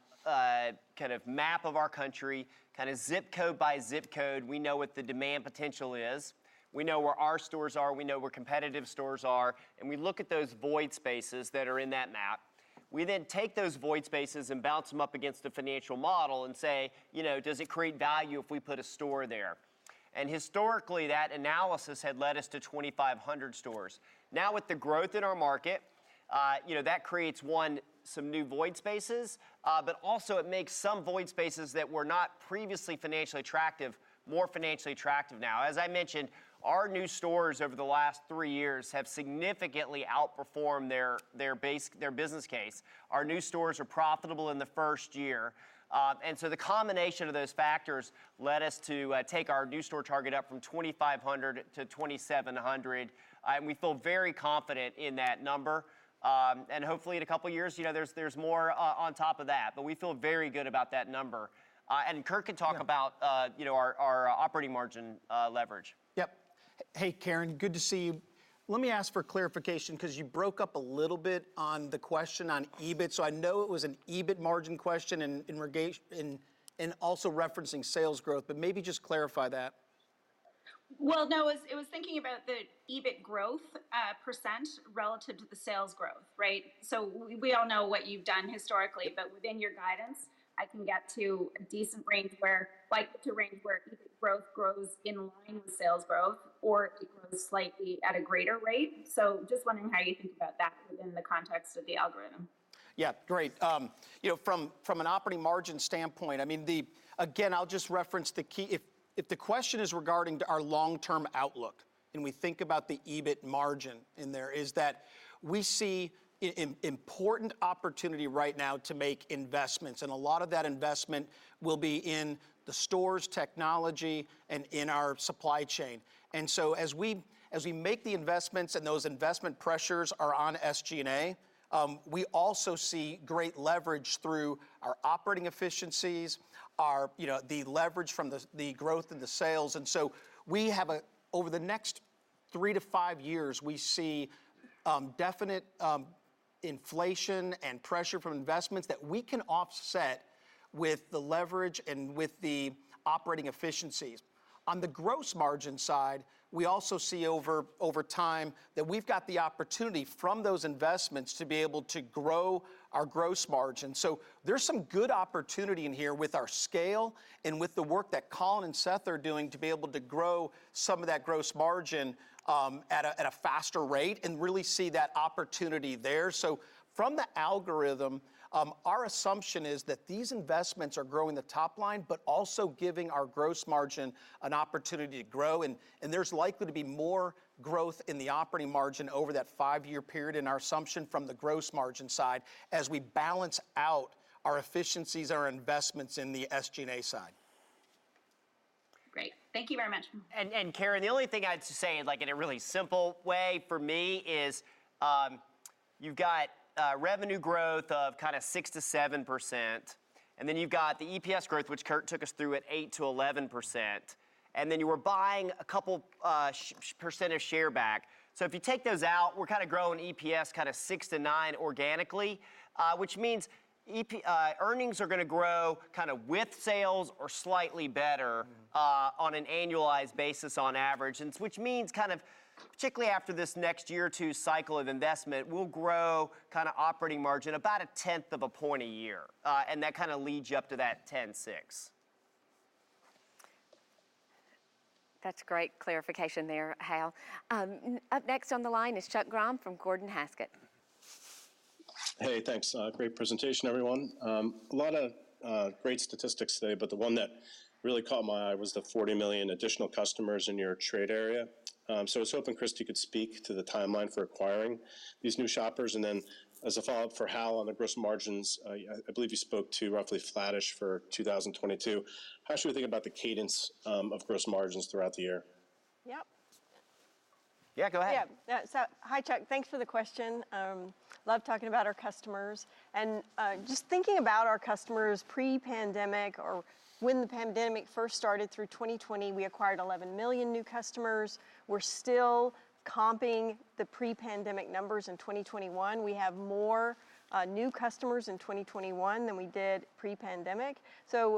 of map of our country, zip code by zip code. We know what the demand potential is. We know where our stores are, we know where competitive stores are, and we look at those void spaces that are in that map. We then take those void spaces and bounce them up against the financial model and say, "Does it create value if we put a store there?" Historically, that analysis had led us to 2,500 stores. Now, with the growth in our market, you know, that creates, one, some new void spaces, but also it makes some void spaces that were not previously financially attractive, more financially attractive now. As I mentioned, our new stores over the last three years have significantly outperformed their business case. Our new stores are profitable in the first year. The combination of those factors led us to take our new store target up from 2,500 to 2,700. We feel very confident in that number. Hopefully in a couple of years, you know, there's more on top of that, but we feel very good about that number. Kurt can talk about- Yeah You know, our operating margin leverage. Yep. Hey, Karen, good to see you. Let me ask for clarification because you broke up a little bit on the question on EBIT. I know it was an EBIT margin question and in regard and also referencing sales growth, but maybe just clarify that. Well, no, it was thinking about the EBIT growth percent relative to the sales growth, right? We all know what you've done historically, but within your guidance, I can get to a decent range where, like the range where EBIT growth grows in line with sales growth or it grows slightly at a greater rate. Just wondering how you think about that within the context of the algorithm. Yeah, great. You know, from an operating margin standpoint, I mean, again, I'll just reference the key. If the question is regarding our long-term outlook, and we think about the EBIT margin in there, is that we see important opportunity right now to make investments, and a lot of that investment will be in the store's technology and in our supply chain. As we make the investments and those investment pressures are on SG&A, we also see great leverage through our operating efficiencies, our you know, the leverage from the growth in the sales. Over the next three to five years, we see definite inflation and pressure from investments that we can offset with the leverage and with the operating efficiencies. On the gross margin side, we also see over time that we've got the opportunity from those investments to be able to grow our gross margin. There's some good opportunity in here with our scale and with the work that Colin and Seth are doing to be able to grow some of that gross margin at a faster rate and really see that opportunity there. From the algorithm, our assumption is that these investments are growing the top line, but also giving our gross margin an opportunity to grow, and there's likely to be more growth in the operating margin over that five-year period in our assumption from the gross margin side as we balance out our efficiencies, our investments in the SG&A side. Great. Thank you very much. Karen, the only thing I'd say, like, in a really simple way for me is, you've got revenue growth of kinda 6%-7%, and then you've got the EPS growth, which Kurt took us through, at 8%-11%, and then you were buying a couple percent of shares back. If you take those out, we're kinda growing EPS 6%-9% organically, which means earnings are gonna grow kinda with sales or slightly better. Mm-hmm on an annualized basis on average. Which means kind of particularly after this next year or two cycles of investment, we'll grow kinda operating margin about a tenth of a point a year. That kinda leads you up to that 10.6. That's great clarification there, Hal. Up next on the line is Chuck Grom from Gordon Haskett. Hey, thanks. Great presentation, everyone. A lot of great statistics today, but the one that really caught my eye was the 40 million additional customers in your trade area. I was hoping Christi could speak to the timeline for acquiring these new shoppers. As a follow-up for Hal on the gross margins, I believe you spoke to roughly flattish for 2022. How should we think about the cadence of gross margins throughout the year? Yep. Yeah, go ahead. Yeah, hi, Chuck. Thanks for the question. I love talking about our customers. Just thinking about our customers pre-pandemic or when the pandemic first started through 2020, we acquired 11 million new customers. We're still comping the pre-pandemic numbers in 2021. We have more new customers in 2021 than we did pre-pandemic. 10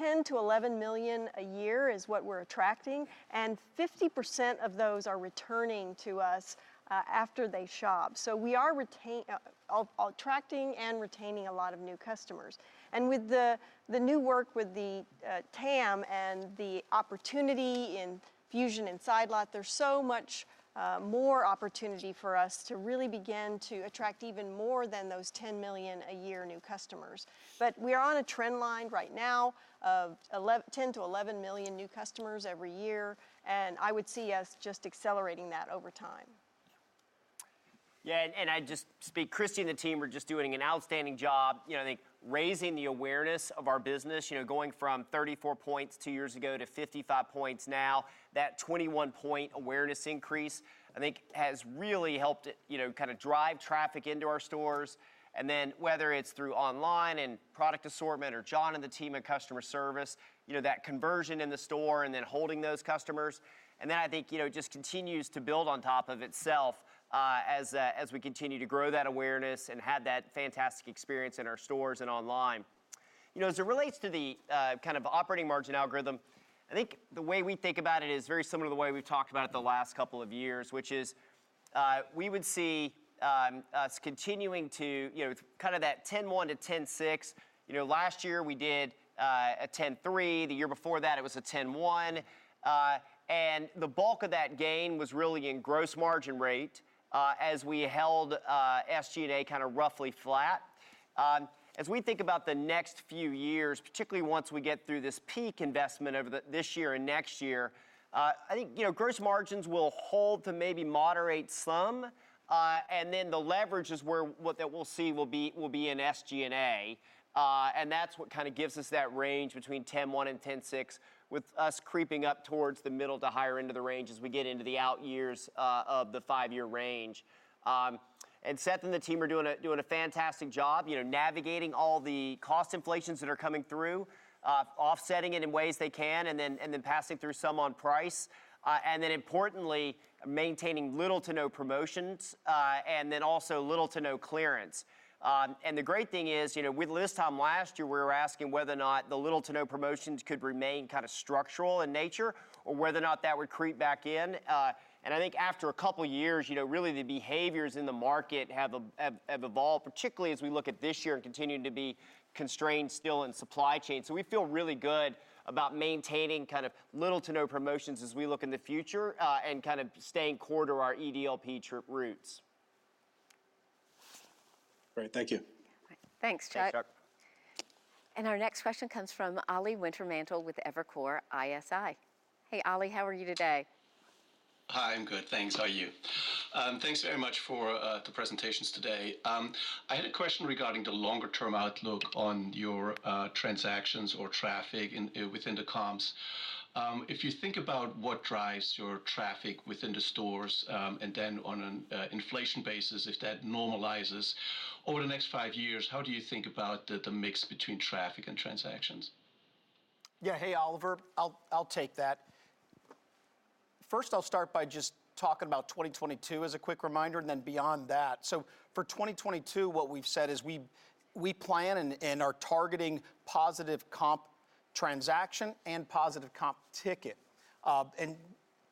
million to 11 million a year is what we're attracting, and 50% of those are returning to us after they shop. We are attracting and retaining a lot of new customers. With the new work with the TAM and the opportunity in Fusion and Side Lot, there's so much more opportunity for us to really begin to attract even more than those 10 million a year new customer. We're on a trend line right now of 10 million-11 million new customers every year, and I would see us just accelerating that over time. I'd just say, Christi and the team are just doing an outstanding job, you know, I think raising the awareness of our business, you know, going from 34 points two years ago to 55 points now. That 21-point awareness increase I think has really helped, you know, kinda drive traffic into our stores. Whether it's through online and product assortment or John and the team in customer service, you know, that conversion in the store and then holding those customers. It just continues to build on top of itself, as we continue to grow that awareness and have that fantastic experience in our stores and online. You know, as it relates to the kind of operating margin algorithm, I think the way we think about it is very similar to the way we've talked about it the last couple of years, which is we would see us continuing to, you know, kind of that 10.1%-10.6%. You know, last year we did a 10.3%. The year before that it was a 10.1%. The bulk of that gain was really in gross margin rate, as we held SG&A kinda roughly flat. As we think about the next few years, particularly once we get through this peak investment over this year and next year, I think, you know, gross margins will hold to maybe moderate some, and then the leverage is what we'll see will be in SG&A. That's what kinda gives us that range between 10.1%-10.6%, with us creeping up towards the middle to higher end of the range as we get into the out years of the five-year range. Seth and the team are doing a fantastic job, you know, navigating all the cost inflations that are coming through, offsetting it in ways they can, and then passing through some on price, and then importantly, maintaining little to no promotions, and then also little to no clearance. The great thing is, you know, with this time last year we were asking whether or not the little to no promotions could remain kinda structural in nature or whether or not that would creep back in. I think after a couple years, you know, really the behaviors in the market have evolved, particularly as we look at this year and continuing to be constrained still in supply chain. We feel really good about maintaining kind of little to no promotions as we look in the future, and kind of staying core to our EDLP true roots. Great. Thank you. Thanks, Chuck. Thanks, Chuck. Our next question comes from Oliver Wintermantel with Evercore ISI. Hey, Ollie, how are you today? Hi, I'm good, thanks. How are you? Thanks very much for the presentations today. I had a question regarding the longer-term outlook on your transactions or traffic within the comps. If you think about what drives your traffic within the stores, and then on an inflation basis, if that normalizes, over the next five years, how do you think about the mix between traffic and transactions? Yeah. Hey, Oliver. I'll take that. First, I'll start by just talking about 2022 as a quick reminder, and then beyond that. For 2022, what we've said is we plan and are targeting positive comp transaction and positive comp ticket.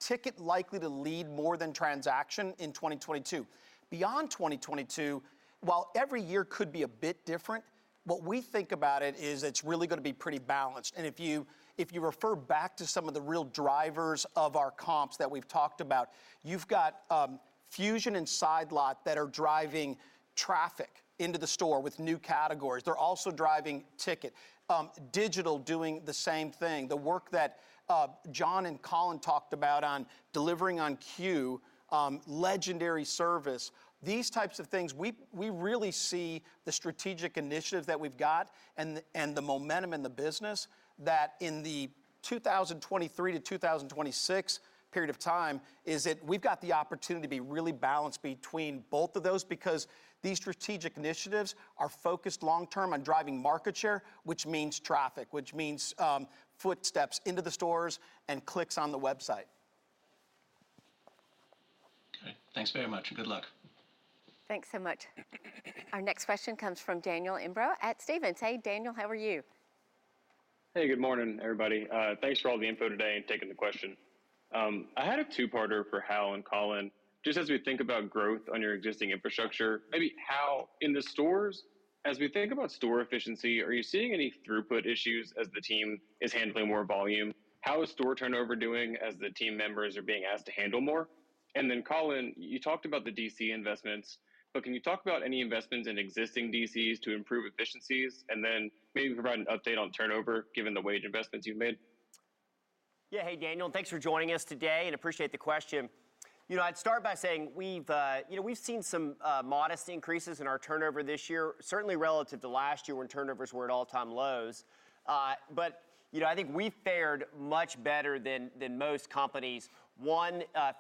Ticket likely to lead more than transaction in 2022. Beyond 2022, while every year could be a bit different, what we think about it is it's really gonna be pretty balanced. If you refer back to some of the real drivers of our comps that we've talked about, you've got Fusion and Side Lot that are driving traffic into the store with new categories. They're also driving ticket. Digital doing the same thing. The work that John and Colin talked about on delivering on C.U.E., legendary service, these types of things. We really see the strategic initiatives that we've got and the momentum in the business that in the 2023 to 2026 period of time we've got the opportunity to be really balanced between both of those because these strategic initiatives are focused long-term on driving market share, which means traffic, which means footsteps into the stores and clicks on the website. Okay. Thanks very much and good luck. Thanks so much. Our next question comes from Daniel Imbro at Stephens. Hey, Daniel. How are you? Hey, good morning, everybody. Thanks for all the info today and taking the question. I had a two-parter for Hal and Colin. Just as we think about growth on your existing infrastructure, maybe how in the stores, as we think about store efficiency, are you seeing any throughput issues as the team is handling more volume? How is store turnover doing as the team members are being asked to handle more? And then Colin, you talked about the DC investments, but can you talk about any investments in existing DCs to improve efficiencies? And then maybe provide an update on turnover given the wage investments you've made. Hey, Daniel. Thanks for joining us today, and I appreciate the question. You know, I'd start by saying you know, we've seen some modest increases in our turnover this year, certainly relative to last year when turnovers were at all-time lows. I think we fared much better than most companies.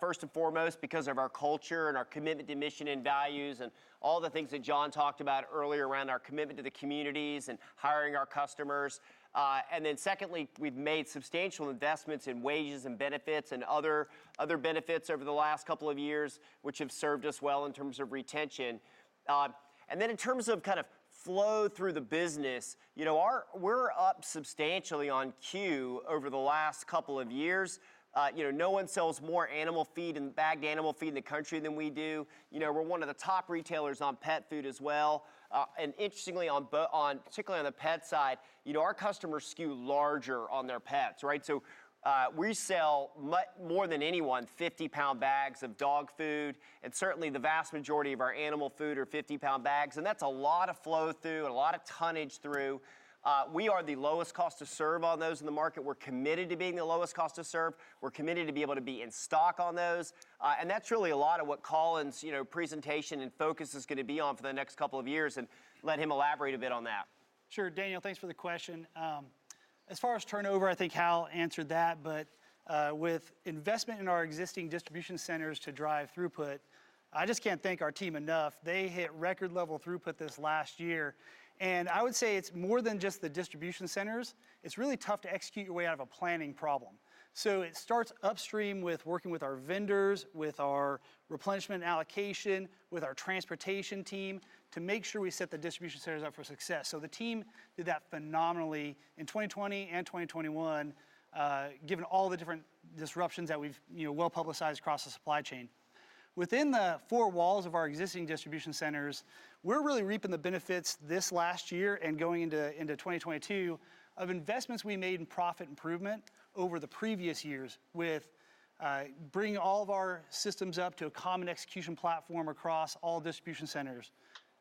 First and foremost, because of our culture and our commitment to mission and values and all the things that John talked about earlier around our commitment to the communities and hiring our customers. Then secondly, we've made substantial investments in wages and benefits and other benefits over the last couple of years, which have served us well in terms of retention. Then in terms of kind of flow through the business, you know, we're up substantially on C.U.E. over the last couple of years. You know, no one sells more animal feed and bagged animal feed in the country than we do. You know, we're one of the top retailers on pet food as well. Interestingly, particularly on the pet side, you know, our customers skew larger on their pets, right? We sell more than anyone 50-pound bags of dog food, and certainly the vast majority of our animal food are 50-pound bags. That's a lot of flow through and a lot of tonnage through. We are the lowest cost to serve on those in the market. We're committed to being the lowest cost to serve. We're committed to be able to be in stock on those. That's really a lot of what Colin's, you know, presentation and focus is gonna be on for the next couple of years, and let him elaborate a bit on that. Sure. Daniel, thanks for the question. As far as turnover, I think Hal answered that. With investment in our existing distribution centers to drive throughput, I just can't thank our team enough. They hit record level throughput this last year. I would say it's more than just the distribution centers. It's really tough to execute your way out of a planning problem. It starts upstream with working with our vendors, with our replenishment allocation, with our transportation team to make sure we set the distribution centers up for success. The team did that phenomenally in 2020 and 2021, given all the different disruptions that we've, you know, well-publicized across the supply chain. Within the four walls of our existing distribution centers, we're really reaping the benefits this last year and going into 2022 of investments we made in profit improvement over the previous years with bringing all of our systems up to a common execution platform across all distribution centers,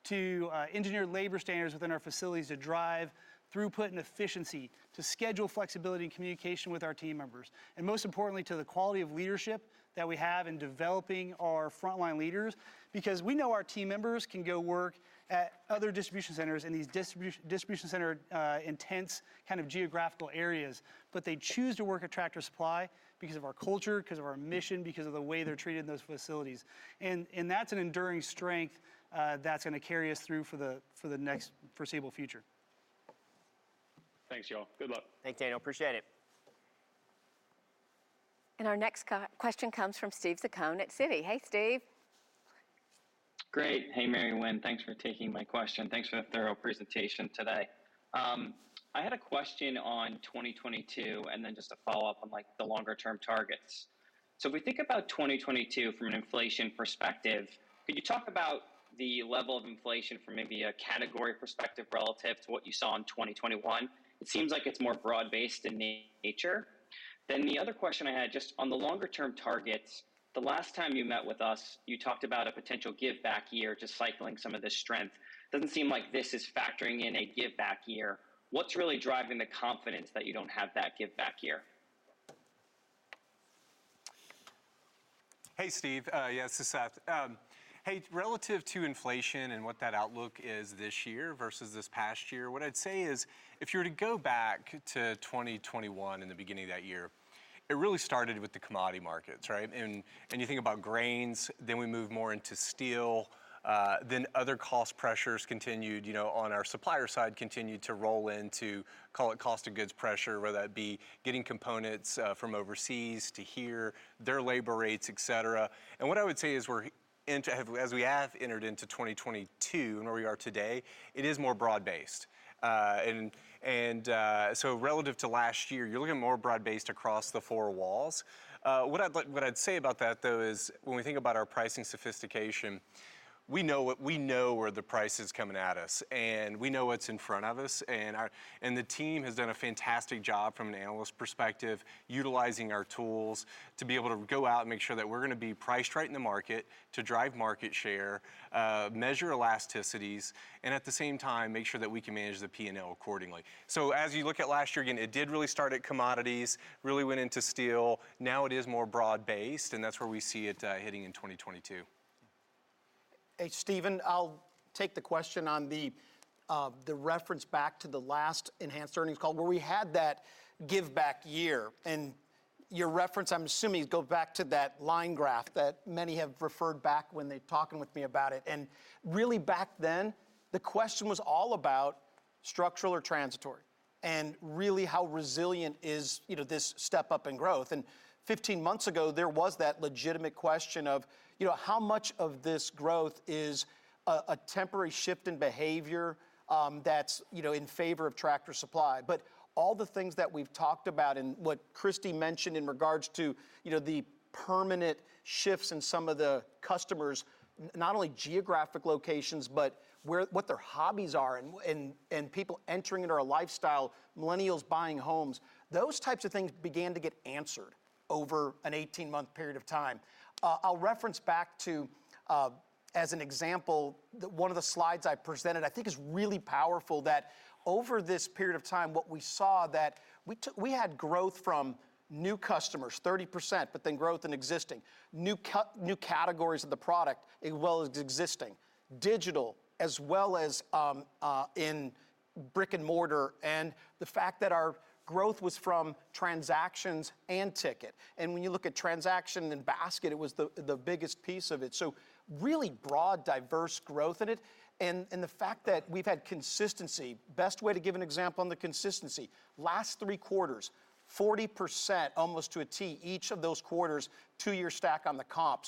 to engineer labor standards within our facilities to drive throughput and efficiency, to schedule flexibility and communication with our team members, and most importantly, to the quality of leadership that we have in developing our frontline leaders. Because we know our team members can go work at other distribution centers in these distribution center intense kind of geographical areas. They choose to work at Tractor Supply because of our culture, because of our mission, because of the way they're treated in those facilities. That's an enduring strength that's gonna carry us through for the next foreseeable future. Thanks, y'all. Good luck. Thanks, Daniel. Appreciate it. Our next question comes from Steve Zaccone at Citi. Hey, Steve. Great. Hey, Mary Winn. Thanks for taking my question. Thanks for the thorough presentation today. I had a question on 2022 and then just a follow-up on, like, the longer term targets. We think about 2022 from an inflation perspective, could you talk about the level of inflation from maybe a category perspective relative to what you saw in 2021? It seems like it's more broad-based in nature. The other question I had, just on the longer-term targets, the last time you met with us, you talked about a potential give back year to cycling some of the strength. Doesn't seem like this is factoring in a give back year. What's really driving the confidence that you don't have that give back year? Hey, Steve. Yeah, this is Seth. Hey, relative to inflation and what that outlook is this year versus this past year, what I'd say is if you were to go back to 2021, in the beginning of that year, it really started with the commodity markets, right? You think about grains, then we move more into steel, then other cost pressures continued, you know, on our supplier side continued to roll into, call it cost of goods pressure, whether that be getting components from overseas to here, their labor rates, et cetera. What I would say is we're- As we have entered into 2022 and where we are today, it is more broad-based. Relative to last year, you're looking more broad-based across the four walls. What I'd say about that though is when we think about our pricing sophistication, we know where the price is coming at us, and we know what's in front of us, and the team has done a fantastic job from an analyst perspective utilizing our tools to be able to go out and make sure that we're gonna be priced right in the market to drive market share, measure elasticities, and at the same time, make sure that we can manage the P&L accordingly. As you look at last year, again, it did really start at commodities, really went into steel. Now it is more broad-based, and that's where we see it hitting in 2022. Hey, Steven. I'll take the question on the reference back to the last enhanced earnings call where we had that give back year. Your reference, I'm assuming, is go back to that line graph that many have referred back when they're talking with me about it. Really back then, the question was all about structural or transitory, and really how resilient is, you know, this step up in growth. 15 months ago, there was that legitimate question of, you know, how much of this growth is a temporary shift in behavior, that's, you know, in favor of Tractor Supply? All the things that we've talked about and what Christi mentioned in regards to, you know, the permanent shifts in some of the customers', not only geographic locations, but what their hobbies are and people entering into our lifestyle, millennials buying homes, those types of things began to get answered over an 18-month period of time. I'll reference back to, as an example, one of the slides I presented I think is really powerful that over this period of time, what we saw that we had growth from new customers, 30%, but then growth in existing new categories of the product as well as existing. Digital as well as in brick and mortar, and the fact that our growth was from transactions and ticket. When you look at transaction and basket, it was the biggest piece of it. Really broad, diverse growth in it. The fact that we've had consistency, best way to give an example on the consistency, last three quarters, 40% almost to a T each of those quarters, two-year stack on the comp.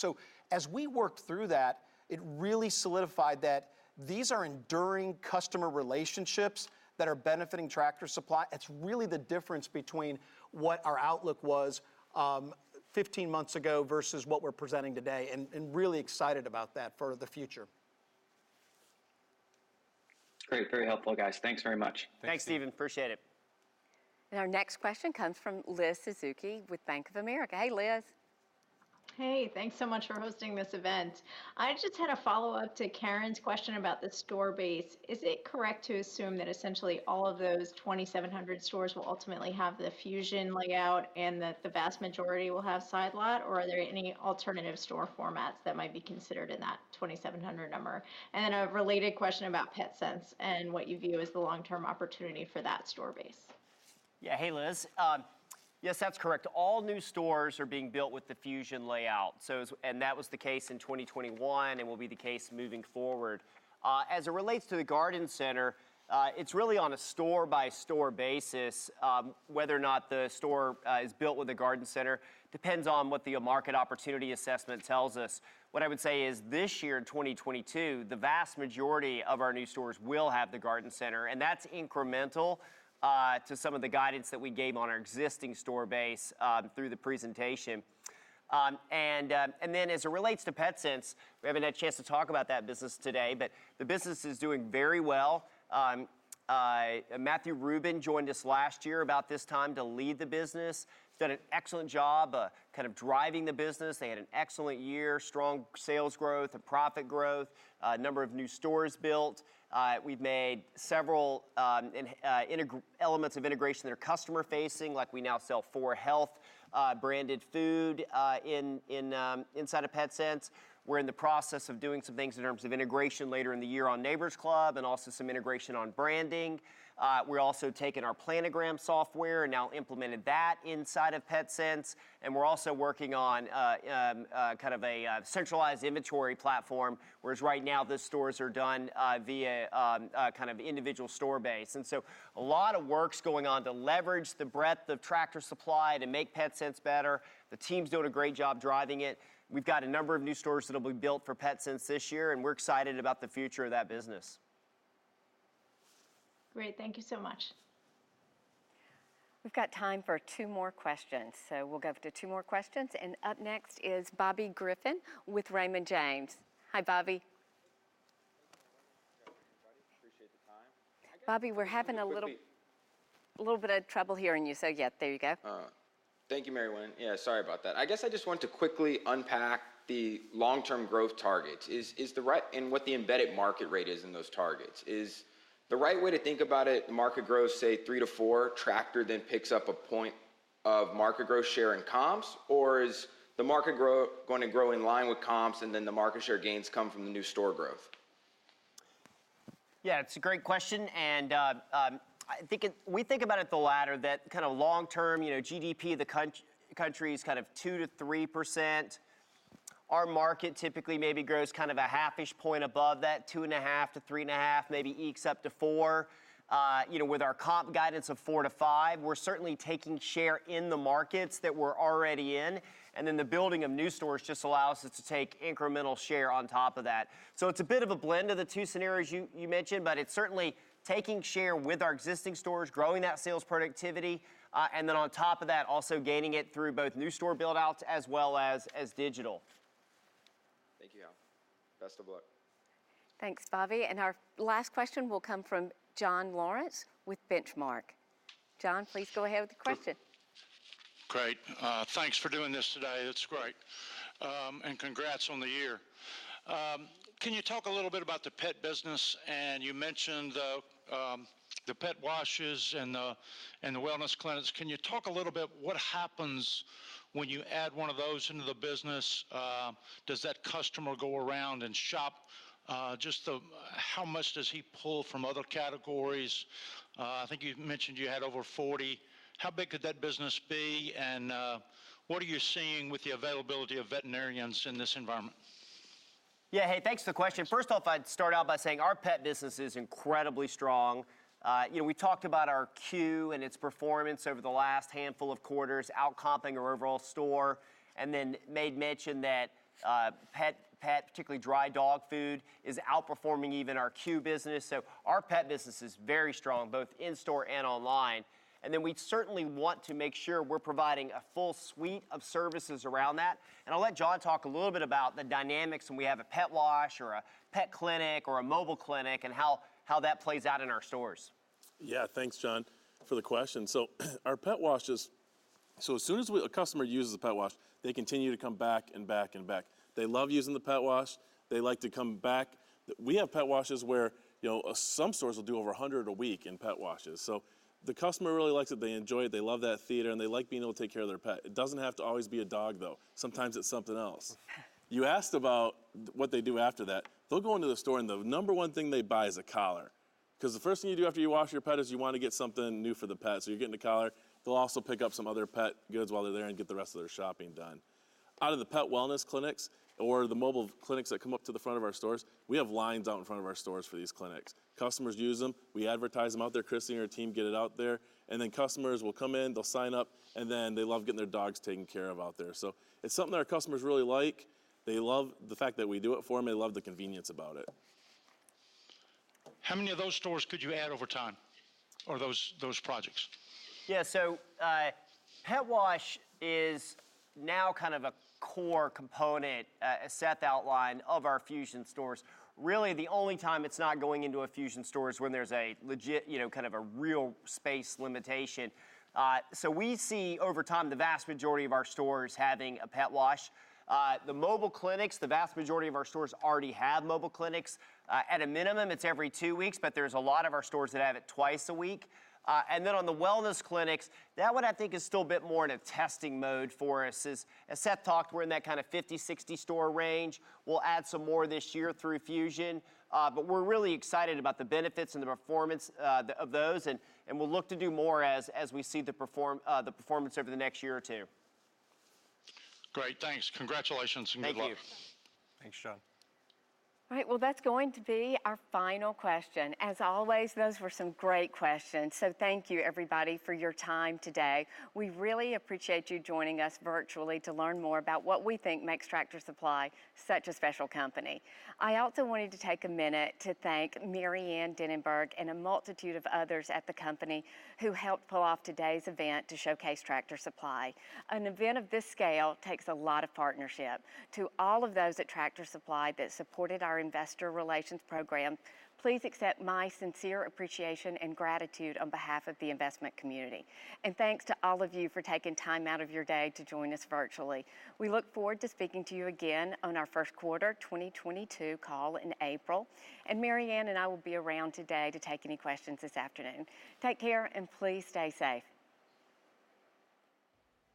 As we worked through that, it really solidified that these are enduring customer relationships that are benefiting Tractor Supply. It's really the difference between what our outlook was, 15 months ago versus what we're presenting today, really excited about that for the future. Great. Very helpful, guys. Thanks very much. Thanks, Steven. Appreciate it. Our next question comes from Liz Suzuki with Bank of America. Hey, Liz. Hey. Thanks so much for hosting this event. I just had a follow-up to Karen's question about the store base. Is it correct to assume that essentially all of those 2,700 stores will ultimately have the Fusion layout and that the vast majority will have Side Lot? Or are there any alternative store formats that might be considered in that 2,700 number? Then a related question about Petsense and what you view as the long-term opportunity for that store base. Yeah. Hey, Liz. Yes, that's correct. All new stores are being built with the Fusion layout, and that was the case in 2021 and will be the case moving forward. As it relates to the garden center, it's really on a store-by-store basis. Whether or not the store is built with a garden center depends on what the market opportunity assessment tells us. What I would say is this year, in 2022, the vast majority of our new stores will have the garden center, and that's incremental to some of the guidance that we gave on our existing store base through the presentation. As it relates to Petsense, we haven't had a chance to talk about that business today, but the business is doing very well. Matthew Rubin joined us last year about this time to lead the business. He's done an excellent job kind of driving the business. They had an excellent year, strong sales growth and profit growth, a number of new stores built. We've made several elements of integration that are customer-facing, like we now sell 4health branded food inside of Petsense. We're in the process of doing some things in terms of integration later in the year on Neighbor's Club and also some integration on branding. We're also taking our planogram software and now implemented that inside of Petsense, and we're also working on kind of a centralized inventory platform, whereas right now the stores are done via a kind of individual store basis. A lot of work's going on to leverage the breadth of Tractor Supply to make Petsense better. The team's doing a great job driving it. We've got a number of new stores that'll be built for Petsense this year, and we're excited about the future of that business. Great. Thank you so much. We've got time for two more questions, so we'll go to two more questions. Up next is Bobby Griffin with Raymond James. Hi, Bobby. appreciate the time. Bobby, we're having a little. Little bit. a little bit of trouble hearing you, so yeah. There you go. All right. Thank you, Mary Winn. Yeah, sorry about that. I guess I just want to quickly unpack the long-term growth targets and what the embedded market rate is in those targets. Is the right way to think about it the market grows, say, 3%-4%, Tractor then picks up a point of market growth share in comps? Or is the market gonna grow in line with comps and then the market share gains come from the new store growth? Yeah, it's a great question and, I think it— We think about it the latter, that kind of long-term, you know, GDP of the country is kind of 2%-3%. Our market typically maybe grows kind of a half-ish point above that, 2.5%-3.5%, maybe ekes up to 4%. You know, with our comp guidance of 4%-5%, we're certainly taking share in the markets that we're already in, and then the building of new stores just allows us to take incremental share on top of that. It's a bit of a blend of the two scenarios you mentioned, but it's certainly taking share with our existing stores, growing that sales productivity, and then on top of that, also gaining it through both new store build-outs as well as digital. Thank you. Best of luck. Thanks, Bobby. Our last question will come from John Lawrence with Benchmark. John, please go ahead with the question. Great. Thanks for doing this today. It's great. Congrats on the year. Can you talk a little bit about the pet business? You mentioned the pet washes and the wellness clinics. Can you talk a little bit what happens when you add one of those into the business? Does that customer go around and shop? How much does he pull from other categories? I think you mentioned you had over 40. How big could that business be, and what are you seeing with the availability of veterinarians in this environment? Yeah. Hey, thanks for the question. First off, I'd start out by saying our pet business is incredibly strong. You know, we talked about our C.U.E. and its performance over the last handful of quarters, out-comping our overall store, and then made mention that pet, particularly dry dog food, is outperforming even our C.U.E. business. Our pet business is very strong, both in-store and online. We certainly want to make sure we're providing a full suite of services around that. I'll let John talk a little bit about the dynamics when we have a pet wash or a pet clinic or a mobile clinic and how that plays out in our stores. Yeah. Thanks, John, for the question. As soon as a customer uses a pet wash, they continue to come back and back and back. They love using the pet wash. They like to come back. We have pet washes where, you know, some stores will do over 100 a week in pet washes. The customer really likes it. They enjoy it. They love that theater, and they like being able to take care of their pet. It doesn't have to always be a dog, though. Sometimes it's something else. You asked about what they do after that. They'll go into the store, and the number one thing they buy is a collar, 'cause the first thing you do after you wash your pet is you wanna get something new for the pet. You're getting a collar. They'll also pick up some other pet goods while they're there and get the rest of their shopping done. Out of the pet wellness clinics or the mobile clinics that come up to the front of our stores, we have lines out in front of our stores for these clinics. Customers use them. We advertise them out there. Christi and her team get it out there, and then customers will come in, they'll sign up, and then they love getting their dogs taken care of out there. It's something that our customers really like. They love the fact that we do it for them. They love the convenience about it. How many of those stores could you add over time or those projects? Yeah. Pet wash is now kind of a core component, as Seth outlined, of our Fusion stores. Really, the only time it's not going into a Fusion store is when there's a legit, you know, kind of a real space limitation. We see over time the vast majority of our stores having a pet wash. The mobile clinics, the vast majority of our stores already have mobile clinics. At a minimum, it's every two weeks, but there's a lot of our stores that have it twice a week. On the wellness clinics, that one I think is still a bit more in a testing mode for us. As Seth talked, we're in that kind of 50-60 store range. We'll add some more this year through Fusion. We're really excited about the benefits and the performance of those, and we'll look to do more as we see the performance over the next year or two. Great. Thanks. Congratulations and good luck. Thank you. Thanks, John. All right. Well, that's going to be our final question. As always, those were some great questions. So, thank you, everybody, for your time today. We really appreciate you joining us virtually to learn more about what we think makes Tractor Supply such a special company. I also wanted to take a minute to thank Mary Ann Denenberg and a multitude of others at the company who helped pull off today's event to showcase Tractor Supply. An event of this scale takes a lot of partnership. To all of those at Tractor Supply that supported our investor relations program, please accept my sincere appreciation and gratitude on behalf of the investment community. Thanks to all of you for taking time out of your day to join us virtually. We look forward to speaking to you again on our first quarter 2022 call in April. MaryAnn and I will be around today to take any questions this afternoon. Take care, and please stay safe.